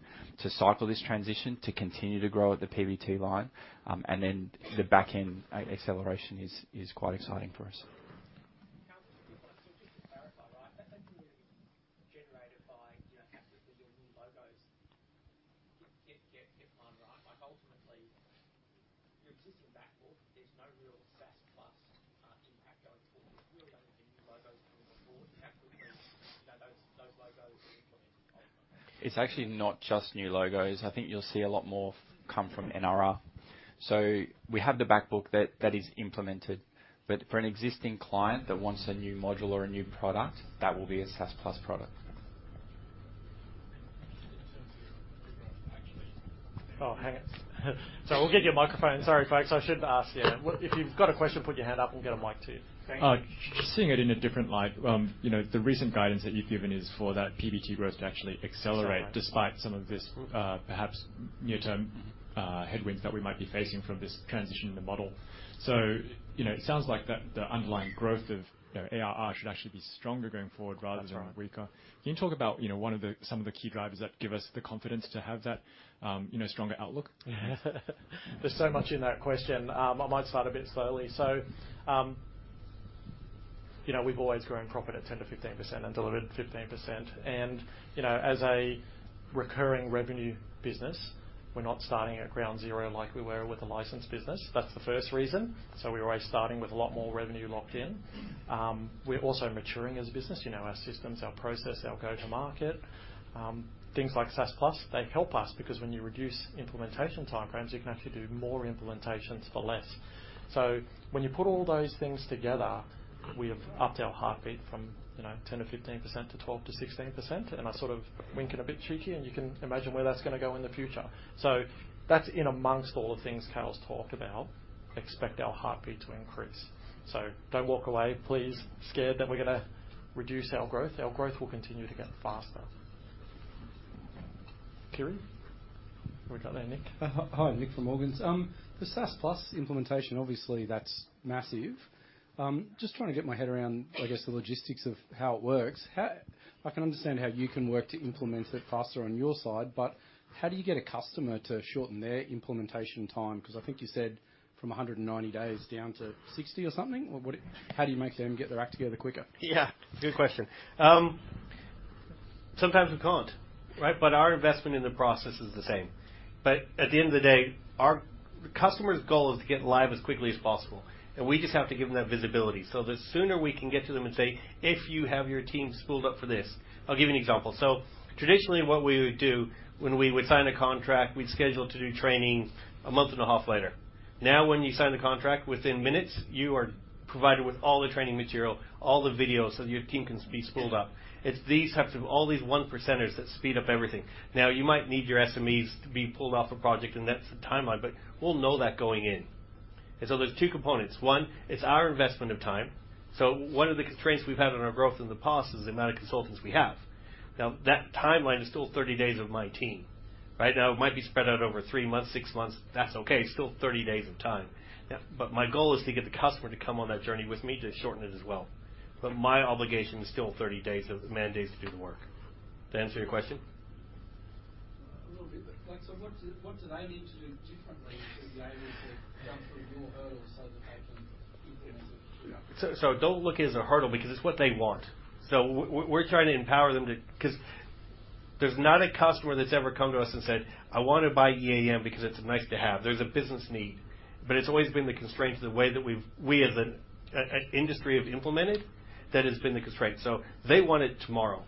cycle this transition, to continue to grow at the PBT line. And then the back end acceleration is quite exciting for us. like, you know, have to, because your new logos get one, right? Like, ultimately, your existing back book, there's no real SaaS Plus impact going forward. It's really going to be new logos coming on board. And that could mean, you know, those logos implemented- It's actually not just new logos. I think you'll see a lot more come from NRR. So we have the back book that is implemented, but for an existing client that wants a new module or a new product, that will be a SaaS Plus product. In terms of your growth, actually. Oh, hang on. So we'll get you a microphone. Sorry, folks, I should ask you. If you've got a question, put your hand up, and we'll get a mic to you. Thank you. Just seeing it in a different light, you know, the recent guidance that you've given is for that PBT growth to actually accelerate despite some of this, perhaps near-term headwinds that we might be facing from this transition in the model. So, you know, it sounds like that the underlying growth of, you know, ARR should actually be stronger going forward rather than weaker. Can you talk about, you know, some of the key drivers that give us the confidence to have that, you know, stronger outlook? There's so much in that question. I might start a bit slowly. So, you know, we've always grown profit at 10%-15% and delivered 15%. And, you know, as a recurring revenue business, we're not starting at ground zero like we were with a licensed business. That's the first reason. So we're always starting with a lot more revenue locked in. We're also maturing as a business. You know, our systems, our process, our go-to-market. Things like SaaS Plus, they help us, because when you reduce implementation time frames, you can actually do more implementations for less. So when you put all those things together, we have upped our heartbeat from, you know, 10%-15% to 12%-16%, and I sort of winking a bit cheeky, and you can imagine where that's going to go in the future. So that's in amongst all the things Cale's talked about. Expect our heartbeat to increase. So don't walk away, please, scared that we're going to reduce our growth. Our growth will continue to get faster. Kiri? We got there, Nick. Hi, Nick from Morgan's. The SaaS Plus implementation, obviously, that's massive. Just trying to get my head around, I guess, the logistics of how it works. I can understand how you can work to implement it faster on your side, but how do you get a customer to shorten their implementation time? Because I think you said from 190 days down to 60 or something. How do you make them get their act together quicker? Yeah, good question. Sometimes we can't, right? Our investment in the process is the same. At the end of the day, our customer's goal is to get live as quickly as possible, and we just have to give them that visibility. The sooner we can get to them and say, "If you have your team spooled up for this..." I'll give you an example: Traditionally, what we would do when we would sign a contract, we'd schedule to do training a month and a half later. Now, when you sign the contract, within minutes, you are provided with all the training material, all the videos, so your team can be spooled up. It's these types of all these one percenters that speed up everything. Now, you might need your SMEs to be pulled off a project, and that's the timeline, but we'll know that going in. So there's two components: One, it's our investment of time. One of the constraints we've had on our growth in the past is the amount of consultants we have. Now, that timeline is still 30 days of my team. Right now, it might be spread out over three months, six months. That's okay, still 30 days of time. But my goal is to get the customer to come on that journey with me to shorten it as well. My obligation is still 30 days of man days to do the work. Did I answer your question? A little bit, but like, so what do they need to do differently to be able to jump through your hurdles so that they can implement it? So, so don't look it as a hurdle, because it's what they want. So we're trying to empower them to... Because there's not a customer that's ever come to us and said, "I want to buy EAM because it's nice to have." There's a business need, but it's always been the constraint to the way that we've, we as an industry, have implemented, that has been the constraint. So they want it tomorrow.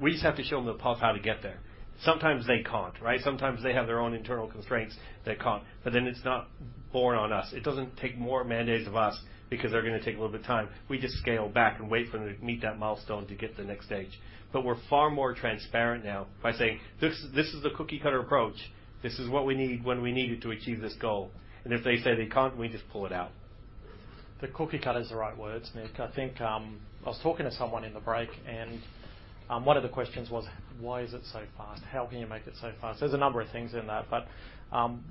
We just have to show them the path how to get there. Sometimes they can't, right? Sometimes they have their own internal constraints, they can't. But then it's not borne on us. It doesn't take more man days of us because they're going to take a little bit of time. We just scale back and wait for them to meet that milestone to get to the next stage. But we're far more transparent now by saying, "This, this is the cookie cutter approach. This is what we need, when we need it to achieve this goal." And if they say they can't, we just pull it out. The cookie cutter is the right words, Nick. I think, I was talking to someone in the break, and, one of the questions was: Why is it so fast? How can you make it so fast? There's a number of things in that, but,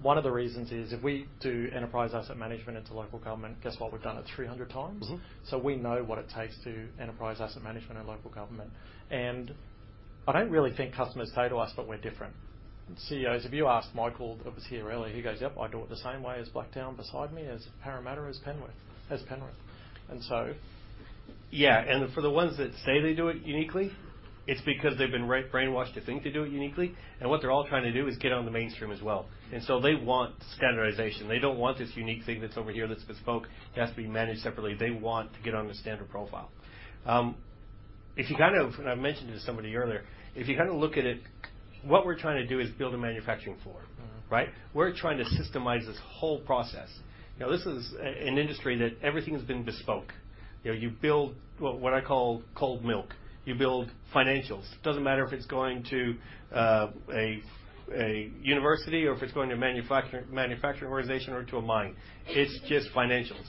one of the reasons is, if we do Enterprise Asset Management into local government, guess what? We've done it 300 times. So we know what it takes to do Enterprise Asset Management in local government. And I don't really think customers say to us that we're different. CEOs, if you ask Michael, that was here earlier, he goes, "Yep, I do it the same way as Blacktown beside me, as Parramatta, as Penrith." And so... Yeah, and for the ones that say they do it uniquely, it's because they've been re-brainwashed to think they do it uniquely, and what they're all trying to do is get on the mainstream as well. And so they want standardization. They don't want this unique thing that's over here, that's bespoke; it has to be managed separately. They want to get on the standard profile. I mentioned this to somebody earlier. If you kind of look at it, what we're trying to do is build a manufacturing floor. Right? We're trying to systemize this whole process. You know, this is an industry that everything has been bespoke. You know, you build what I call cold milk. You build financials. Doesn't matter if it's going to a university or if it's going to a manufacturing organization or to a mine. It's just financials.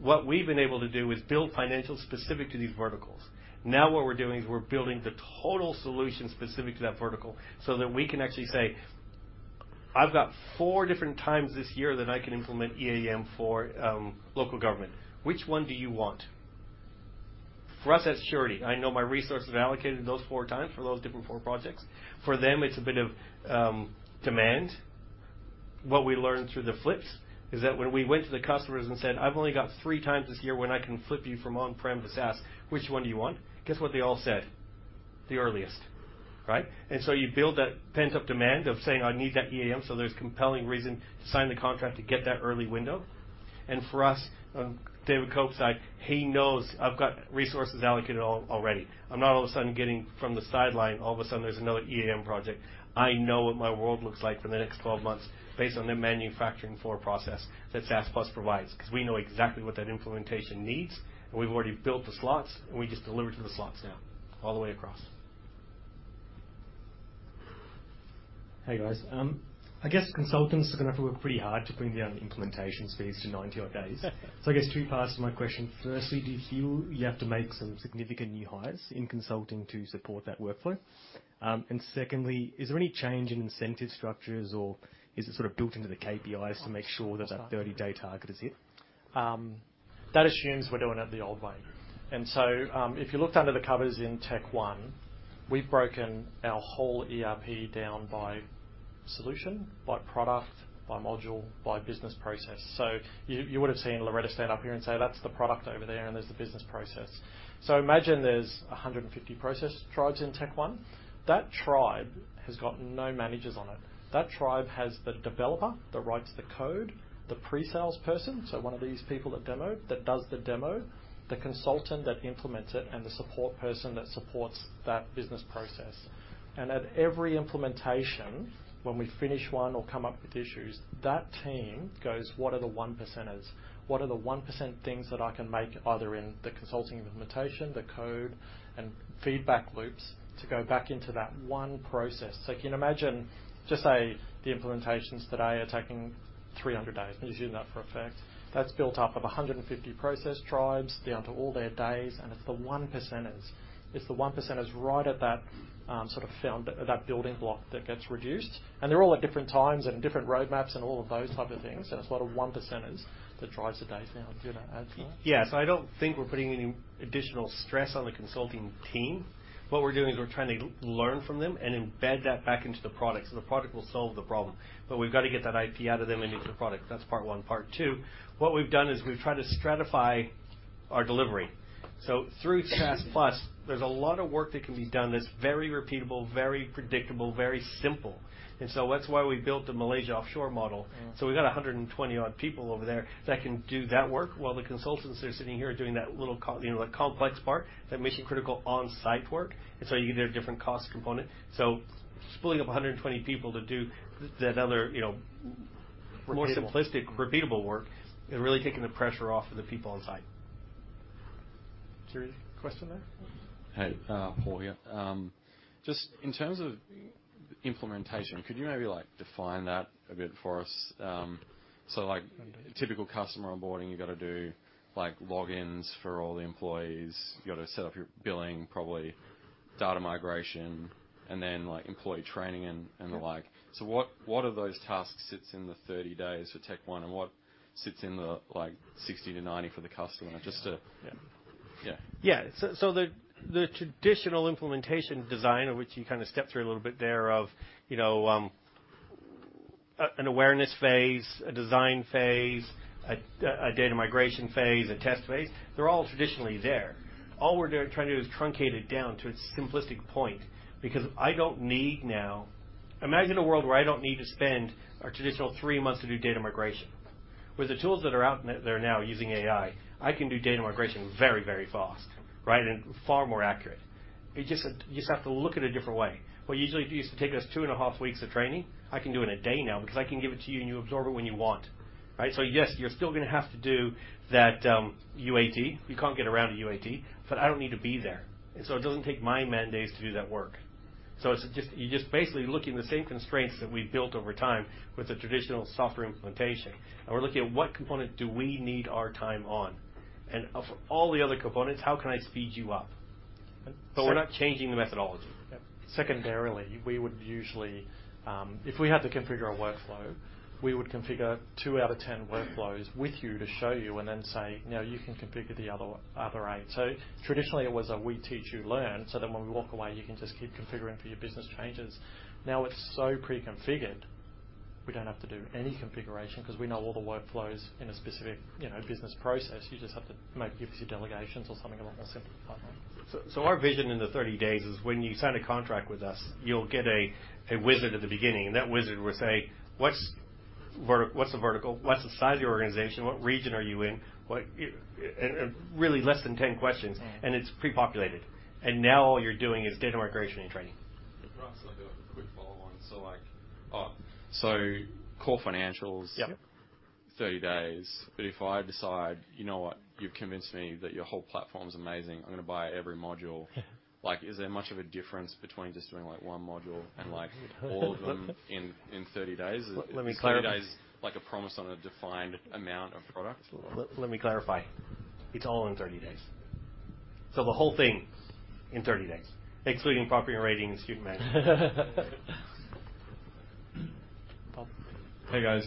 What we've been able to do is build financials specific to these verticals. Now, what we're doing is we're building the total solution specific to that vertical so that we can actually say, "I've got four different times this year that I can implement EAM for local government. Which one do you want?" For us, that's surety. I know my resources are allocated those four times for those different four projects. For them, it's a bit of demand-... what we learned through the flips is that when we went to the customers and said, "I've only got three times this year when I can flip you from on-prem to SaaS, which one do you want?" Guess what they all said? The earliest, right? And so you build that pent-up demand of saying, "I need that EAM," so there's compelling reason to sign the contract to get that early window. And for us, on David Cope's side, he knows I've got resources allocated all, already. I'm not all of a sudden getting from the sideline, all of a sudden, there's another EAM project. I know what my world looks like for the next 12 months based on the manufacturing floor process that SaaS Plus provides, 'cause we know exactly what that implementation needs, and we've already built the slots, and we just deliver to the slots now, all the way across. Hey, guys. I guess consultants are going to have to work pretty hard to bring down the implementation speeds to 90-odd days. So I guess two parts to my question: firstly, did you have to make some significant new hires in consulting to support that workflow? And secondly, is there any change in incentive structures, or is it sort of built into the KPIs to make sure that that 30-day target is hit? That assumes we're doing it the old way. So, if you looked under the covers in TechOne, we've broken our whole ERP down by solution, by product, by module, by business process. So you, you would've seen Loretta stand up here and say, "That's the product over there, and there's the business process." So imagine there's 150 process tribes in TechOne. That tribe has got no managers on it. That tribe has the developer that writes the code, the pre-sales person, so one of these people that demoed, that does the demo, the consultant that implements it, and the support person that supports that business process. And at every implementation, when we finish one or come up with issues, that team goes, "What are the one percenters? What are the 1% things that I can make, either in the consulting implementation, the code, and feedback loops, to go back into that one process?" So you can imagine, just say, the implementations today are taking 300 days, and you're seeing that for a fact. That's built up of 150 process tribes down to all their days, and it's the 1%ers. It's the 1%ers right at that, sort of that building block that gets reduced. And they're all at different times and different roadmaps and all of those type of things, and it's a lot of 1%ers that drives the days down. Do you want to add to that? Yes. I don't think we're putting any additional stress on the consulting team. What we're doing is we're trying to learn from them and embed that back into the product, so the product will solve the problem. But we've got to get that IP out of them into the product. That's part one. Part two, what we've done is we've tried to stratify our delivery. So through SaaS Plus, there's a lot of work that can be done that's very repeatable, very predictable, very simple. And so that's why we built the Malaysia offshore model. So we've got 120-odd people over there that can do that work while the consultants are sitting here doing that little you know, the complex part, that mission-critical on-site work. And so you get a different cost component. So splitting up 120 people to do the other, you know, Repeatable. More simplistic, repeatable work is really taking the pressure off of the people on site. Jerry, question there? Hey, Paul here. Just in terms of implementation, could you maybe, like, define that a bit for us? So, like, typical customer onboarding, you got to do, like, logins for all the employees. You got to set up your billing, probably data migration, and then, like, employee training and the like. Sure. So what, what of those tasks sits in the 30 days for TechOne, and what sits in the, like, 60-90 for the customer? Just to- Yeah. Yeah. Yeah. So the traditional implementation design, of which you kind of stepped through a little bit there, of, you know, an awareness phase, a design phase, a data migration phase, a test phase, they're all traditionally there. All we're doing—trying to do is truncate it down to its simplistic point, because I don't need now... Imagine a world where I don't need to spend a traditional 3 months to do data migration. With the tools that are out there now, using AI, I can do data migration very, very fast, right? And far more accurate. You just, you just have to look at it a different way. What usually used to take us 2.5 weeks of training, I can do in a day now, because I can give it to you, and you absorb it when you want, right? So yes, you're still going to have to do that, UAT. You can't get around a UAT, but I don't need to be there. And so it doesn't take my man days to do that work. So it's just, you're just basically looking at the same constraints that we've built over time with the traditional software implementation, and we're looking at what component do we need our time on? And of all the other components, how can I speed you up? So- But we're not changing the methodology. Yep. Secondarily, we would usually, if we had to configure a workflow, we would configure two out of 10 workflows with you to show you and then say, "Now, you can configure the other eight." So traditionally, it was a we teach, you learn, so then when we walk away, you can just keep configuring for your business changes. Now, it's so pre-configured, we don't have to do any configuration because we know all the workflows in a specific, you know, business process. You just have to maybe give us your delegations or something along those simple lines. So our vision in the 30 days is, when you sign a contract with us, you'll get a wizard at the beginning, and that wizard will say, "What's the vertical? What's the size of your organization? What region are you in?" And really, less than 10 questions. It's pre-populated. Now all you're doing is data migration and training. Can I ask a quick follow-on? So, like, so core financials- Yep. Yep. - 30 days, but if I decide, "You know what? You've convinced me that your whole platform's amazing. I'm going to buy every module. Yeah. Like, is there much of a difference between just doing, like, one module and, like, all of them in thirty days? Let me clarify. Is 30 days, like, a promise on a defined amount of product? Let me clarify. It's all in 30 days. So the whole thing in 30 days, excluding Property and Ratings and Student Management. ... Hey, guys.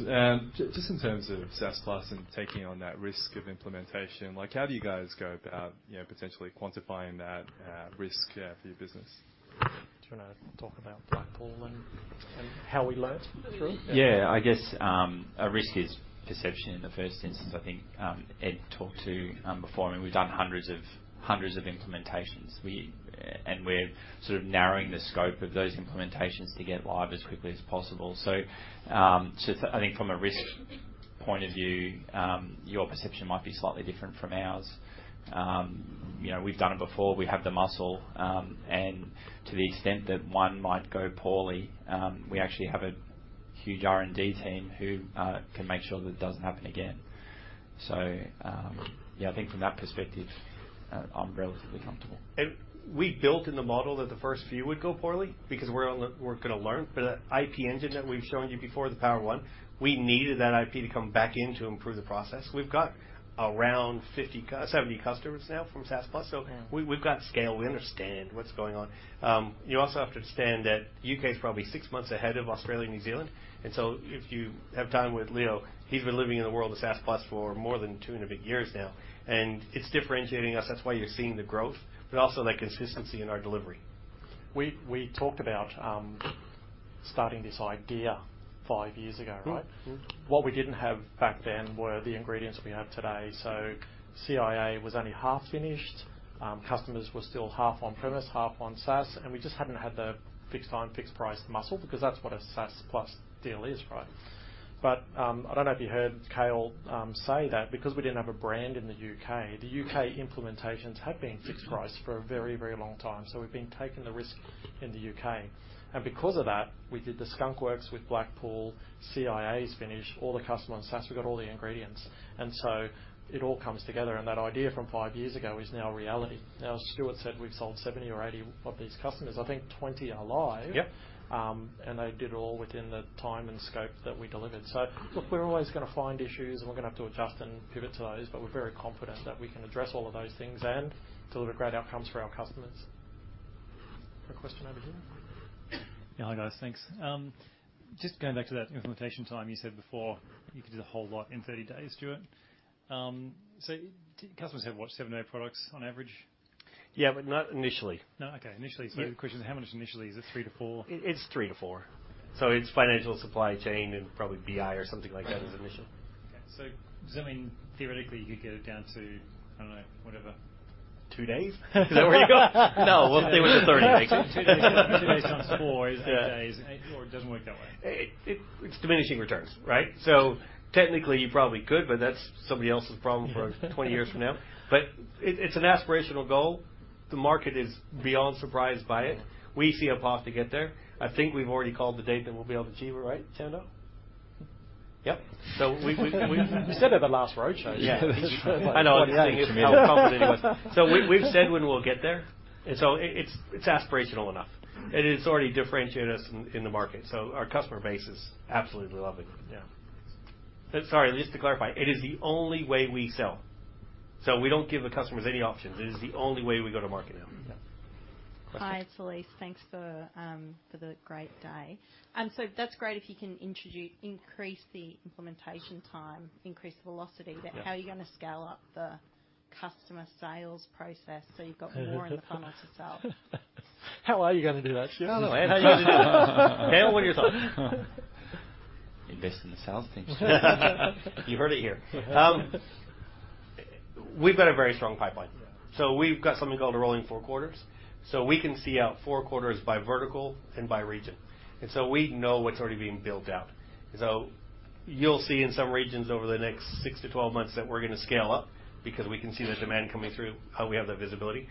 Just in terms of SaaS Plus and taking on that risk of implementation, like, how do you guys go about, you know, potentially quantifying that risk for your business? Do you want to talk about Blackpool and how we learned, Stuart? Yeah, I guess, a risk is perception in the first instance. I think, Ed talked to, before. I mean, we've done hundreds of, hundreds of implementations. And we're sort of narrowing the scope of those implementations to get live as quickly as possible. So, so I think from a risk point of view, your perception might be slightly different from ours. You know, we've done it before. We have the muscle, and to the extent that one might go poorly, we actually have a huge R&D team who can make sure that it doesn't happen again. So, yeah, I think from that perspective, I'm relatively comfortable. We built in the model that the first few would go poorly because we're going to learn. But that IP engine that we've shown you before, the Finance One, we needed that IP to come back in to improve the process. We've got around 50-70 customers now from SaaS Plus. So we, we've got scale. We understand what's going on. You also have to understand that U.K. is probably six months ahead of Australia and New Zealand. And so if you have time with Leo, he's been living in the world of SaaS Plus for more than two and a bit years now, and it's differentiating us. That's why you're seeing the growth, but also that consistency in our delivery. We talked about starting this idea five years ago, right? What we didn't have back then were the ingredients we have today. So CiA was only half finished, customers were still half on-premise, half on SaaS, and we just hadn't had the fixed time, fixed price muscle, because that's what a SaaS Plus deal is, right? But, I don't know if you heard Cale say that because we didn't have a brand in the U.K., the U.K. implementations had been fixed price for a very, very long time. So we've been taking the risk in the U.K. And because of that, we did the skunk works with Blackpool. CiA is finished, all the customer on SaaS, we've got all the ingredients, and so it all comes together, and that idea from five years ago is now a reality. Now, Stuart said we've sold 70 or 80 of these customers. I think 20 are live. Yep. And they did it all within the time and scope that we delivered. So look, we're always going to find issues, and we're going to have to adjust and pivot to those, but we're very confident that we can address all of those things and deliver great outcomes for our customers. A question over here? Yeah. Hi, guys. Thanks. Just going back to that implementation time, you said before, you could do a whole lot in 30 days, Stuart. So customers have what? Seven, eight products on average. Yeah, but not initially. No, okay. Initially. Yeah. The question is, how much initially? Is it three-four? It's three-four. So it's financial Supply Chain and probably BI or something like that as initial. Okay. So does that mean, theoretically, you could get it down to, I don't know, whatever two days? Is that where you're going? No, we'll stay with the 30, thanks. two days, two days times four is eight days. Yeah. It doesn't work that way. It's diminishing returns, right? So technically, you probably could, but that's somebody else's problem for 20 years from now. But it's an aspirational goal. The market is beyond surprised by it. We see a path to get there. I think we've already called the date that we'll be able to achieve, right, Chung? Yep. So we- You said it at the last roadshow. Yeah. I know how confident he was. So we've said when we'll get there, and so it's aspirational enough. And it's already differentiated us in the market, so our customer base is absolutely loving it, yeah. Sorry, just to clarify, it is the only way we sell. So we don't give the customers any options. It is the only way we go to market now. Yeah. Questions? Hi, it's Elise. Thanks for the great day. So that's great if you can increase the implementation time, increase the velocity. Yeah. How are you going to scale up the customer sales process, so you've got more in the funnel to sell? How are you going to do that, Chung? Well, how are you going to do that? Cal, what are your thoughts? Invest in the sales team. You heard it here. We've got a very strong pipeline. Yeah. So we've got something called the Rolling Four Quarters. So we can see out four quarters by vertical and by region, and so we know what's already being built out. So you'll see in some regions over the next 6-12 months that we're going to scale up because we can see the demand coming through, how we have that visibility.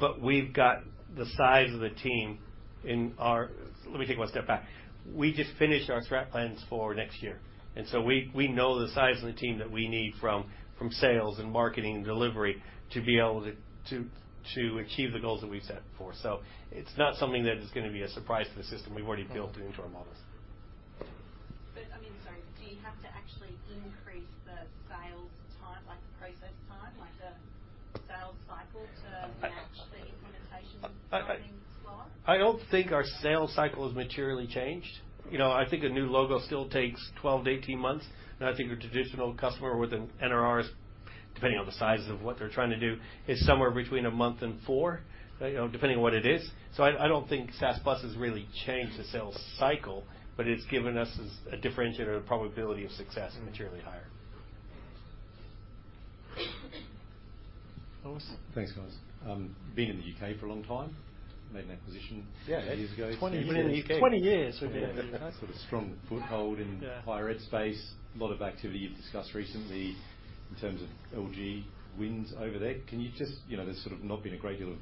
But we've got the size of the team in our... Let me take one step back. We just finished our strat plans for next year, and so we know the size of the team that we need from sales and marketing and delivery to be able to achieve the goals that we've set for. So it's not something that is going to be a surprise to the system. We've already built it into our models. I mean, sorry, do you have to actually increase the sales time, like the process time, like the sales cycle, to match the implementation timing slot? I don't think our sales cycle has materially changed. You know, I think a new logo still takes 12-18 months, and I think a traditional customer with an NRR, depending on the size of what they're trying to do, is somewhere between a month and four, you know, depending on what it is. So I don't think SaaS Plus has really changed the sales cycle, but it's given us a differentiator, a probability of success materially higher. Thomas? Thanks, guys. Been in the U.K. for a long time, made an acquisition- Yeah. -years ago. 20 years. 20 years we've been in the U.K. Sort of strong foothold in- Yeah higher ed space. A lot of activity you've discussed recently in terms of LG wins over there. Can you just, you know, there's sort of not been a great deal of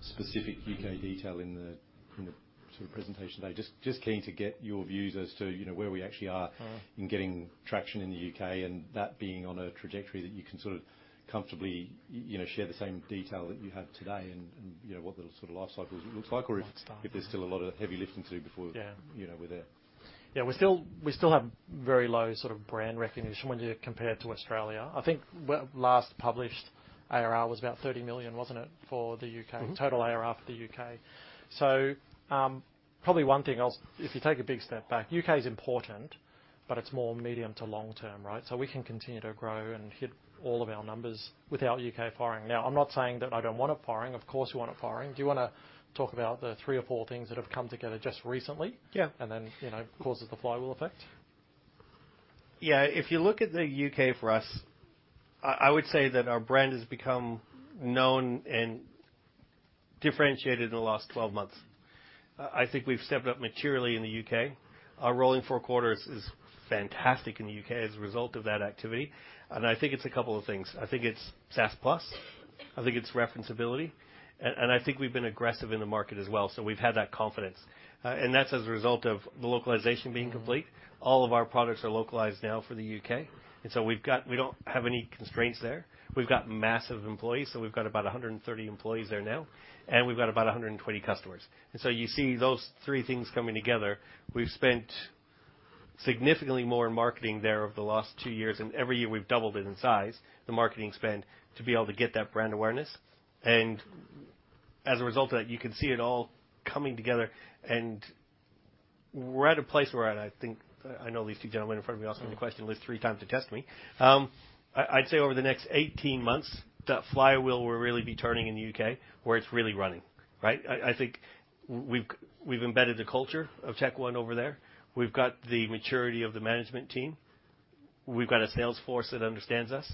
specific U.K. detail in the, in the sort of presentation today. Just, just keen to get your views as to, you know, where we actually are in getting traction in the U.K., and that being on a trajectory that you can sort of comfortably, you know, share the same detail that you have today and, and, you know, what the sort of life cycles looks like- Life cycles or if there's still a lot of heavy lifting to do before- Yeah You know, we're there. Yeah, we still have very low sort of brand recognition when you compare it to Australia. I think last published ARR was about 30 million, wasn't it, for the U.K? Mm-hmm. Total ARR for the U.K. So, probably one thing. If you take a big step back, U.K. is important, but it's more medium to long-term, right? So we can continue to grow and hit all of our numbers without U.K. firing. Now, I'm not saying that I don't want it firing. Of course, we want it firing. Do you wanna talk about the three or four things that have come together just recently? Yeah. And then, you know, causes the flywheel effect. Yeah. If you look at the U.K. for us, I would say that our brand has become known and differentiated in the last 12 months. I think we've stepped up materially in the U.K. Our rolling four quarters is fantastic in the U.K. as a result of that activity, and I think it's a couple of things: I think it's SaaS Plus, I think it's referenceability, and I think we've been aggressive in the market as well, so we've had that confidence. That's as a result of the localization being complete. All of our products are localized now for the U.K., and so we've got... We don't have any constraints there. We've got massive employees, so we've got about 130 employees there now, and we've got about 120 customers. So you see those three things coming together. We've spent significantly more in marketing there over the last two years, and every year we've doubled it in size, the marketing spend, to be able to get that brand awareness. As a result of that, you can see it all coming together, and we're at a place where I think, I know these two gentlemen in front of me asked me the question at least three times to test me. I'd say over the next 18 months, that flywheel will really be turning in the U.K., where it's really running, right? I think we've embedded the culture of TechOne over there. We've got the maturity of the management team. We've got a sales force that understands us.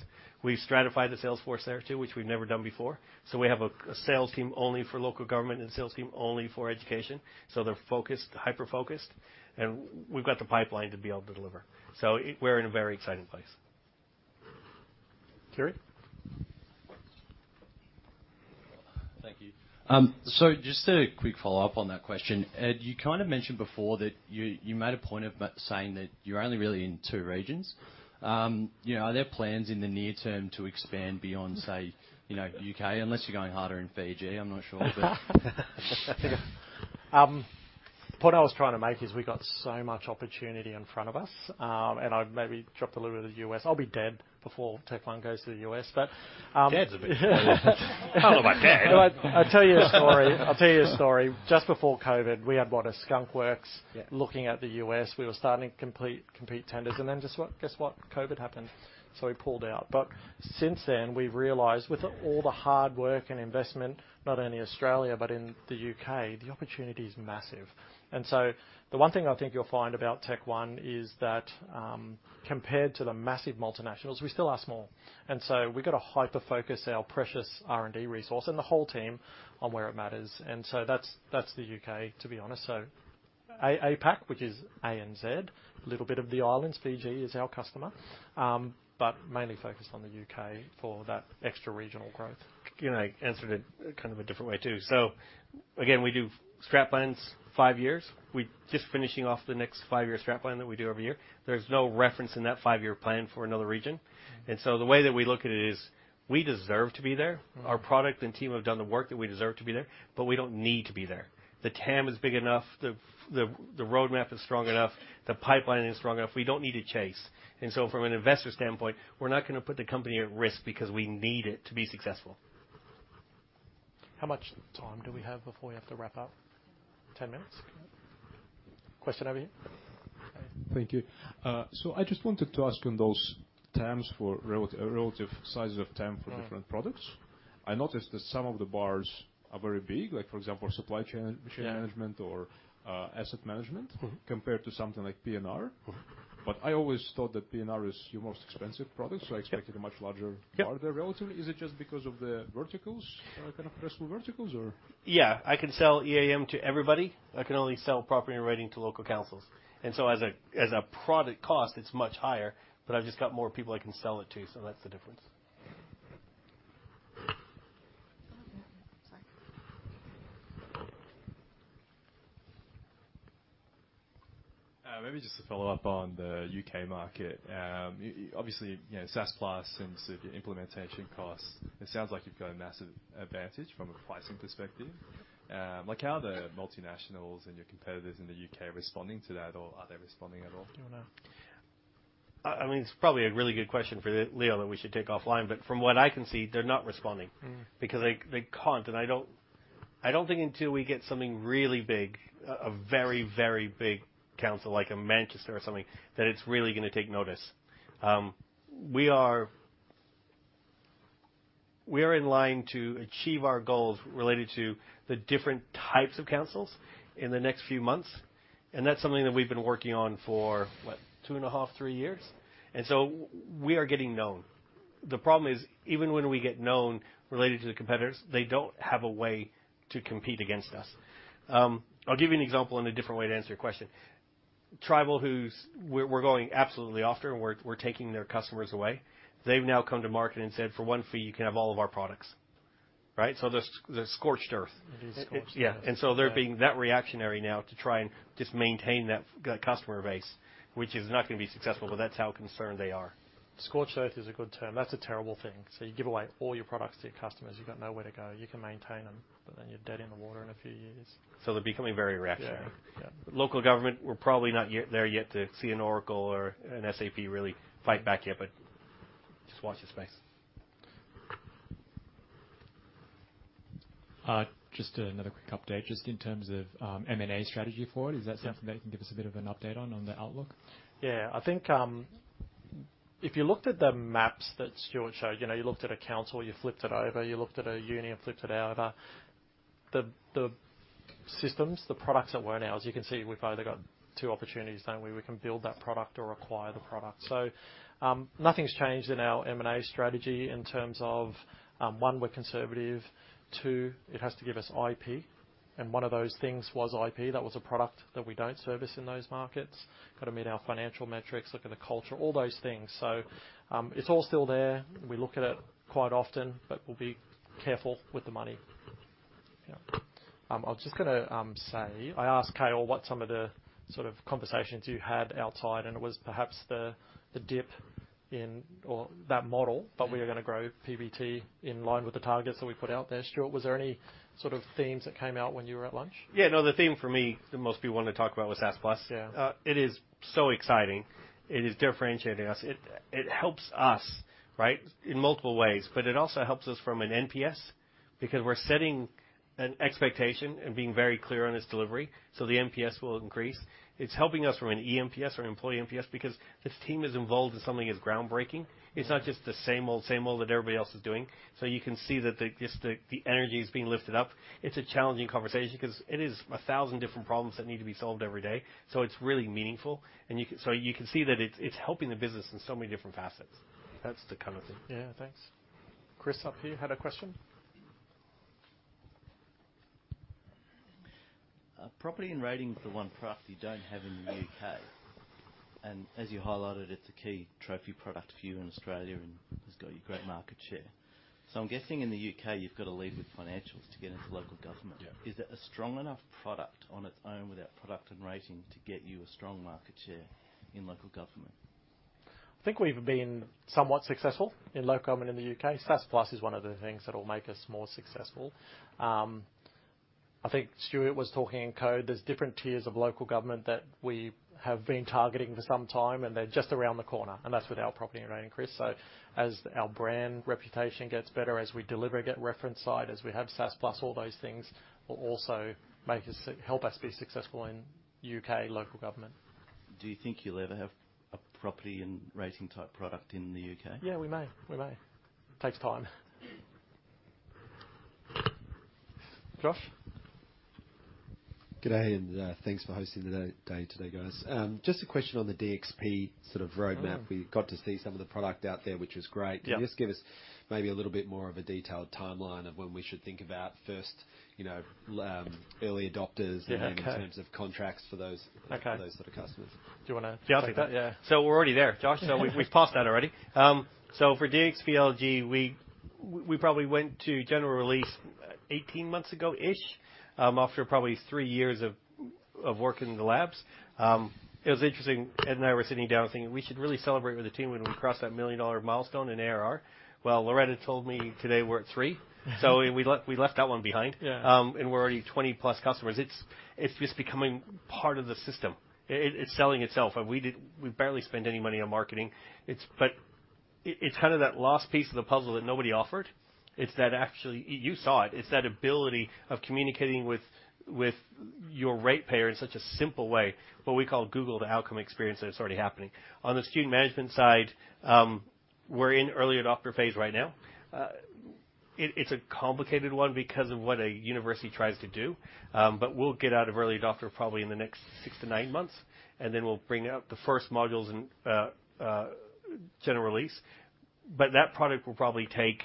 We've stratified the sales force there, too, which we've never done before. So we have a sales team only for local government and a sales team only for education, so they're focused, hyper-focused, and we've got the pipeline to be able to deliver. So it... We're in a very exciting place. Kerry? Thank you. So just a quick follow-up on that question. Ed, you kind of mentioned before that you made a point of saying that you're only really in two regions. You know, are there plans in the near term to expand beyond, say, you know, U.K., unless you're going harder in Fiji, I'm not sure, but- The point I was trying to make is we got so much opportunity in front of us, and I maybe dropped a little bit of the U.S. I'll be dead before TechOne goes to the U.S., but, Dead's a bit- I'll be dead. But I'll tell you a story. I'll tell you a story. Just before COVID, we had what? A skunk works looking at the U.S. We were starting to complete tenders, and then just what? Guess what? COVID happened, so we pulled out. But since then, we've realized with all the hard work and investment, not only Australia but in the U.K., the opportunity is massive. And so the one thing I think you'll find about TechOne is that, compared to the massive multinationals, we still are small. And so we've got to hyper-focus our precious R&D resource and the whole team on where it matters. And so that's the U.K., to be honest. So APAC, which is ANZ, a little bit of the islands, Fiji is our customer, but mainly focused on the U.K. for that extra regional growth. You know, I answered it kind of a different way, too. So again, we do strap lines five years. We're just finishing off the next five-year strap line that we do every year. There's no reference in that five-year plan for another region. The way that we look at it is, we deserve to be there. Our product and team have done the work, that we deserve to be there, but we don't need to be there. The TAM is big enough, the roadmap is strong enough, the pipeline is strong enough. We don't need to chase. And so from an investor standpoint, we're not gonna put the company at risk because we need it to be successful. How much time do we have before we have to wrap up? 10 minutes? Question over here. Thank you. So I just wanted to ask on those terms for relative sizes of TAM for different products. I noticed that some of the bars are very big, like, for example, Supply Chain- Yeah... Machine Management or Asset Management compared to something like P&R. But I always thought that P&R is your most expensive product- Yeah... so I expected a much larger- Yeah... bar there relatively. Is it just because of the verticals, kind of personal verticals or? Yeah, I can sell EAM to everybody. I can Property and Rating to local councils. So as a product cost, it's much higher, but I've just got more people I can sell it to, so that's the difference. Sorry. Maybe just to follow up on the U.K. market. Obviously, you know, SaaS Plus and so your implementation costs, it sounds like you've got a massive advantage from a pricing perspective. Like, how are the multinationals and your competitors in the U.K. responding to that? Or are they responding at all? Do you wanna- I mean, it's probably a really good question for Leo that we should take offline, but from what I can see, they're not responding. Because they can't, and I don't think until we get something really big, a very, very big council, like a Manchester or something, that it's really gonna take notice. We are in line to achieve our goals related to the different types of councils in the next few months, and that's something that we've been working on for, what? 2.5-3 years. And so we are getting known. The problem is, even when we get known related to the competitors, they don't have a way to compete against us. I'll give you an example in a different way to answer your question. Tribal, we're going absolutely after, and we're taking their customers away. They've now come to market and said, "For one fee, you can have all of our products." Right? So the scorched earth. It is scorched earth. It's... Yeah. Yeah. And so they're being that reactionary now to try and just maintain that, that customer base, which is not gonna be successful, but that's how concerned they are. Scorched earth is a good term. That's a terrible thing. So you give away all your products to your customers, you've got nowhere to go. You can maintain them, but then you're dead in the water in a few years. They're becoming very reactionary. Yeah. Yeah. Local government, we're probably not yet there yet to see an Oracle or an SAP really fight back yet, but just watch this space.... Just another quick update, just in terms of M&A strategy for it. Is that something that you can give us a bit of an update on the outlook? Yeah. I think if you looked at the maps that Stuart showed, you know, you looked at a council, you flipped it over, you looked at a uni and flipped it over. The systems, the products that we're in now, as you can see, we've either got two opportunities, don't we? We can build that product or acquire the product. So nothing's changed in our M&A strategy in terms of one, we're conservative. Two, it has to give us IP, and one of those things was IP. That was a product that we don't service in those markets. Got to meet our financial metrics, look at the culture, all those things. So it's all still there. We look at it quite often, but we'll be careful with the money. Yeah. I was just gonna say, I asked Kyle what some of the sort of conversations you had outside, and it was perhaps the dip in or that model, but we are gonna grow PBT in line with the targets that we put out there. Stuart, was there any sort of themes that came out when you were at lunch? Yeah, no, the theme for me that most people wanted to talk about was SaaS Plus. Yeah. It is so exciting. It is differentiating us. It, it helps us, right, in multiple ways, but it also helps us from an NPS, because we're setting an expectation and being very clear on its delivery, so the NPS will increase. It's helping us from an eNPS or employee NPS, because this team is involved in something that's groundbreaking. It's not just the same old, same old that everybody else is doing. So you can see that just the energy is being lifted up. It's a challenging conversation because it is 1,000 different problems that need to be solved every day, so it's really meaningful. And you can see that it's, it's helping the business in so many different facets. That's the kind of thing. Yeah, thanks. Chris, up here, had a question? Property and Rating is the one product you don't have in the U.K., and as you highlighted, it's a key trophy product for you in Australia and has got you great market share. So I'm guessing in the U.K., you've got to lead with financials to get into local government. Yeah. Is that a strong enough product on its Property and Rating to get you a strong market share in local government? I think we've been somewhat successful in local government in the U.K. SaaS Plus is one of the things that will make us more successful. I think Stuart was talking in code. There's different tiers of local government that we have been targeting for some time, and they're just around the corner, and that's Property and Rating, Chris. so as our brand reputation gets better, as we deliver, get reference sites, as we have SaaS Plus, all those things will also make us help us be successful in U.K. local government. Do you think you'll ever Property and Rating type product in the U.K? Yeah, we may. We may. Takes time. Josh? Good day, and thanks for hosting today, guys. Just a question on the DXP sort of roadmap. We got to see some of the product out there, which was great. Yeah. Can you just give us maybe a little bit more of a detailed timeline of when we should think about first, you know, early adopters- Yeah, okay. and then in terms of contracts for those Okay for those sort of customers. Do you wanna take that? Yeah. Yeah. So we're already there, Josh. So we've passed that already. So for DXP LG, we probably went to general release 18 months ago-ish, after probably three years of working in the labs. It was interesting, Ed and I were sitting down thinking, "We should really celebrate with the team when we cross that $1 million milestone in ARR." Well, Loretta told me today we're at $3 million. So we left that one behind. Yeah. And we're already 20+ customers. It's just becoming part of the system. It's selling itself, and we barely spent any money on marketing. But it's kind of that last piece of the puzzle that nobody offered. It's that actually. You saw it. It's that ability of communicating with your ratepayer in such a simple way, what we call Google the outcome experience, that it's already happening. On the Student Management side, we're in early adopter phase right now. It's a complicated one because of what a university tries to do, but we'll get out of early adopter probably in the next six-nine months, and then we'll bring out the first modules in general release. But that product will probably take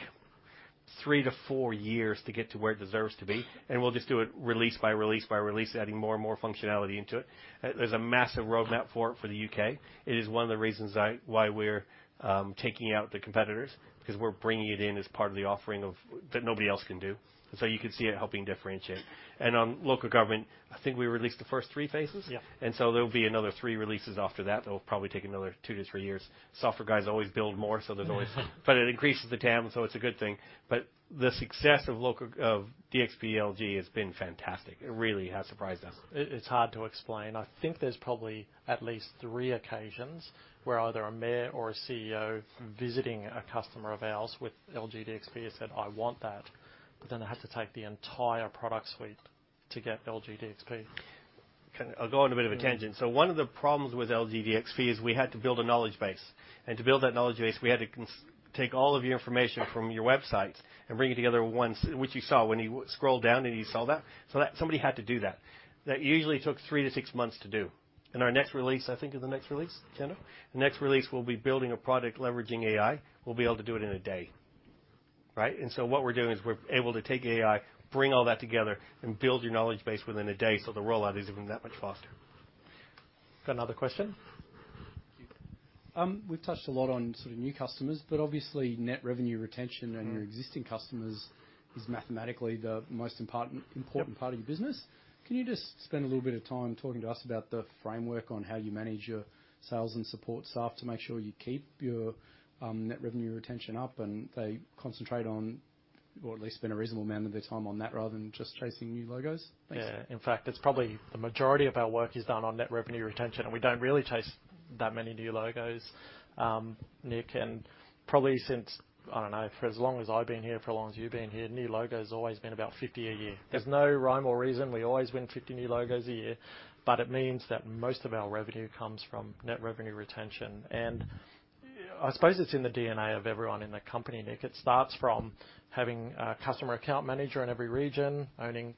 three-four years to get to where it deserves to be, and we'll just do it release by release by release, adding more and more functionality into it. There's a massive roadmap for it for the U.K. It is one of the reasons why we're taking out the competitors, because we're bringing it in as part of the offering of... That nobody else can do. So you can see it helping differentiate. And on local government, I think we released the first three phases. Yeah. So there'll be another three releases after that. That will probably take another two-three years. Software guys always build more, so there's always- Yeah. But it increases the TAM, so it's a good thing. But the success of local, of DXP LG has been fantastic. It really has surprised us. It's hard to explain. I think there's probably at least three occasions where either a mayor or a CEO visiting a customer of ours with LG DXP has said: "I want that," but then they have to take the entire product suite to get LG DXP. Okay. I'll go on a bit of a tangent. So one of the problems with LG DXP is we had to build a knowledge base. And to build that knowledge base, we had to take all of your information from your websites and bring it together once, which you saw when you scrolled down and you saw that. So that, somebody had to do that. That usually took three-six months to do. And our next release, I think, in the next release, Jenna? The next release will be building a product leveraging AI. We'll be able to do it in a day, right? And so what we're doing is we're able to take AI, bring all that together, and build your knowledge base within a day, so the rollout is even that much faster. Got another question? We've touched a lot on sort of new customers, but obviously, Net Revenue Retention and your existing customers is mathematically the most important. Yep -part of your business. Can you just spend a little bit of time talking to us about the framework on how you manage your sales and support staff to make sure you keep your, net revenue retention up and they concentrate on?... or at least spend a reasonable amount of their time on that, rather than just chasing new logos? Yeah. In fact, it's probably the majority of our work is done on net revenue retention, and we don't really chase that many new logos, Nick. Probably since, I don't know, for as long as I've been here, for as long as you've been here, new logos always been about 50 a year. There's no rhyme or reason. We always win 50 new logos a year, but it means that most of our revenue comes from net revenue retention. I suppose it's in the D&A of everyone in the company, Nick. It starts from having a customer account manager in every region, owning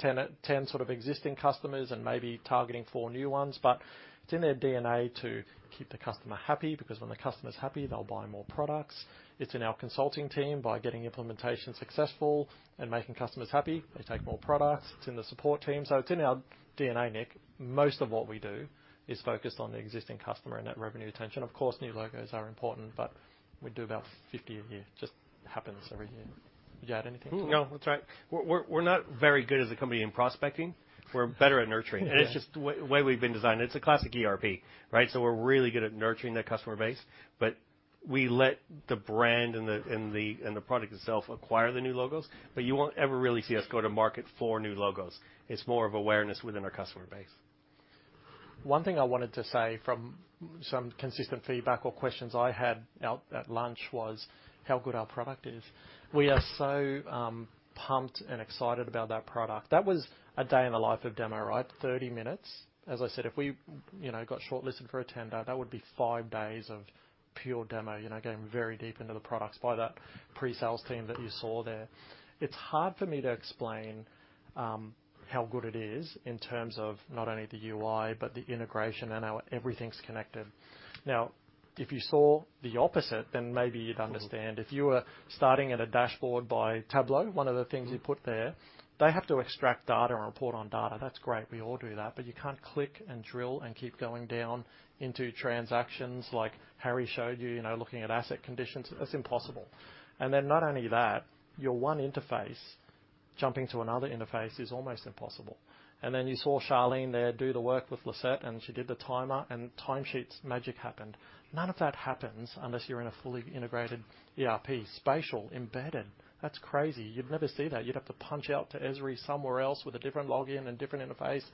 10, 10 sort of existing customers and maybe targeting four new ones. But it's in their D&A to keep the customer happy, because when the customer's happy, they'll buy more products. It's in our consulting team. By getting implementation successful and making customers happy, they take more products. It's in the support team. So it's in our D&A, Nick. Most of what we do is focused on the existing customer and net revenue retention. Of course, new logos are important, but we do about 50 a year. Just happens every year. Would you add anything? No, that's right. We're not very good as a company in prospecting. We're better at nurturing- Yeah. It's just the way we've been designed. It's a classic ERP, right? So we're really good at nurturing that customer base, but we let the brand and the product itself acquire the new logos. But you won't ever really see us go to market for new logos. It's more of awareness within our customer base. One thing I wanted to say from some consistent feedback or questions I had out at lunch was, how good our product is. We are so, pumped and excited about that product. That was a day in the life of demo, right? 30 minutes. As I said, if we, you know, got shortlisted for a tender, that would be five days of pure demo, you know, going very deep into the products by that pre-sales team that you saw there. It's hard for me to explain, how good it is in terms of not only the UI, but the integration and how everything's connected. Now, if you saw the opposite, then maybe you'd understand. If you were starting at a dashboard by Tableau, one of the things you put there, they have to extract data and report on data. That's great, we all do that, but you can't click and drill and keep going down into transactions like Harry showed you, you know, looking at asset conditions. It's impossible. And then not only that, your one interface jumping to another interface is almost impossible. And then you saw Charlene there do the work with Lisette, and she did the timer and time sheets, magic happened. None of that happens unless you're in a fully integrated ERP, Spatial, embedded. That's crazy. You'd never see that. You'd have to punch out to Esri somewhere else with a different login and different interface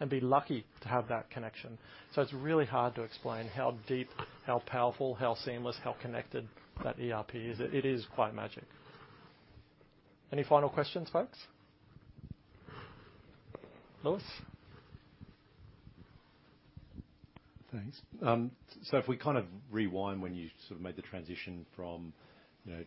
and be lucky to have that connection. So it's really hard to explain how deep, how powerful, how seamless, how connected that ERP is. It is quite magic. Any final questions, folks? Lewis? Thanks. So if we kind of rewind, when you sort of made the transition from, you know,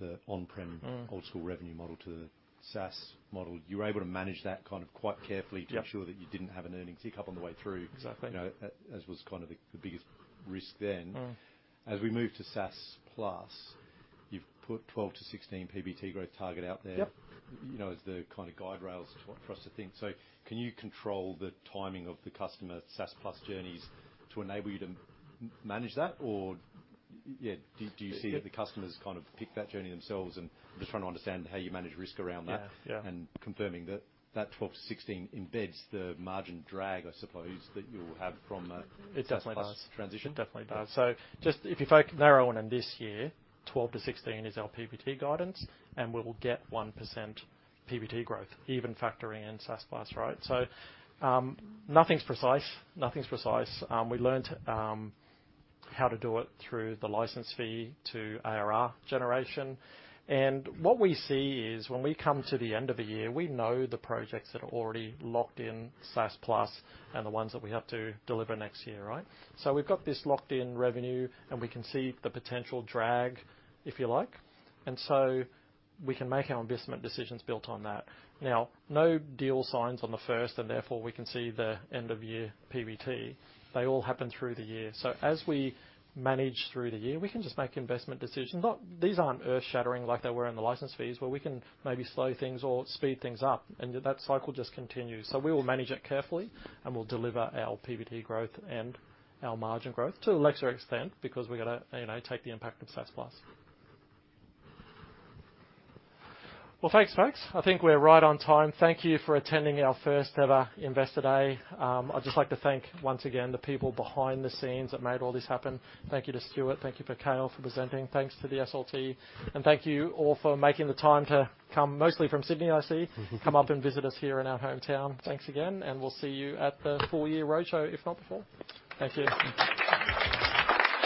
the on-prem old school revenue model to the SaaS model, you were able to manage that kind of quite carefully- Yeah... to ensure that you didn't have an earnings hiccup on the way through. Exactly. You know, as was kind of the biggest risk then. As we move to SaaS Plus, you've put 12-16 PBT growth target out there- Yep You know, as the kind of guide rails for us to think. So can you control the timing of the customer SaaS Plus journeys to enable you to manage that? Or, yeah, do you see that the customers kind of pick that journey themselves and... I'm just trying to understand how you manage risk around that. Yeah, yeah. Confirming that 12-16 embeds the margin drag, I suppose, that you will have from the- It definitely does.... SaaS transition. Definitely does. So just if you focus narrow in on this year, 12-16 is our PBT guidance, and we will get 1% PBT growth, even factoring in SaaS Plus, right? So, nothing's precise. Nothing's precise. We learned how to do it through the license fee to ARR generation. And what we see is when we come to the end of the year, we know the projects that are already locked in SaaS Plus and the ones that we have to deliver next year, right? So we've got this locked-in revenue, and we can see the potential drag, if you like, and so we can make our investment decisions built on that. Now, no deal signs on the first, and therefore, we can see the end-of-year PBT. They all happen through the year. So as we manage through the year, we can just make investment decisions. These aren't earth-shattering like they were in the license fees, but we can maybe slow things or speed things up, and that cycle just continues. So we will manage it carefully, and we'll deliver our PBT growth and our margin growth to a lesser extent, because we've got to, you know, take the impact of SaaS Plus. Well, thanks, folks. I think we're right on time. Thank you for attending our first ever Investor Day. I'd just like to thank, once again, the people behind the scenes that made all this happen. Thank you to Stuart, thank you to Cale for presenting. Thanks to the SLT, and thank you all for making the time to come, mostly from Sydney, I see come up and visit us here in our hometown. Thanks again, and we'll see you at the full year roadshow, if not before. Thank you.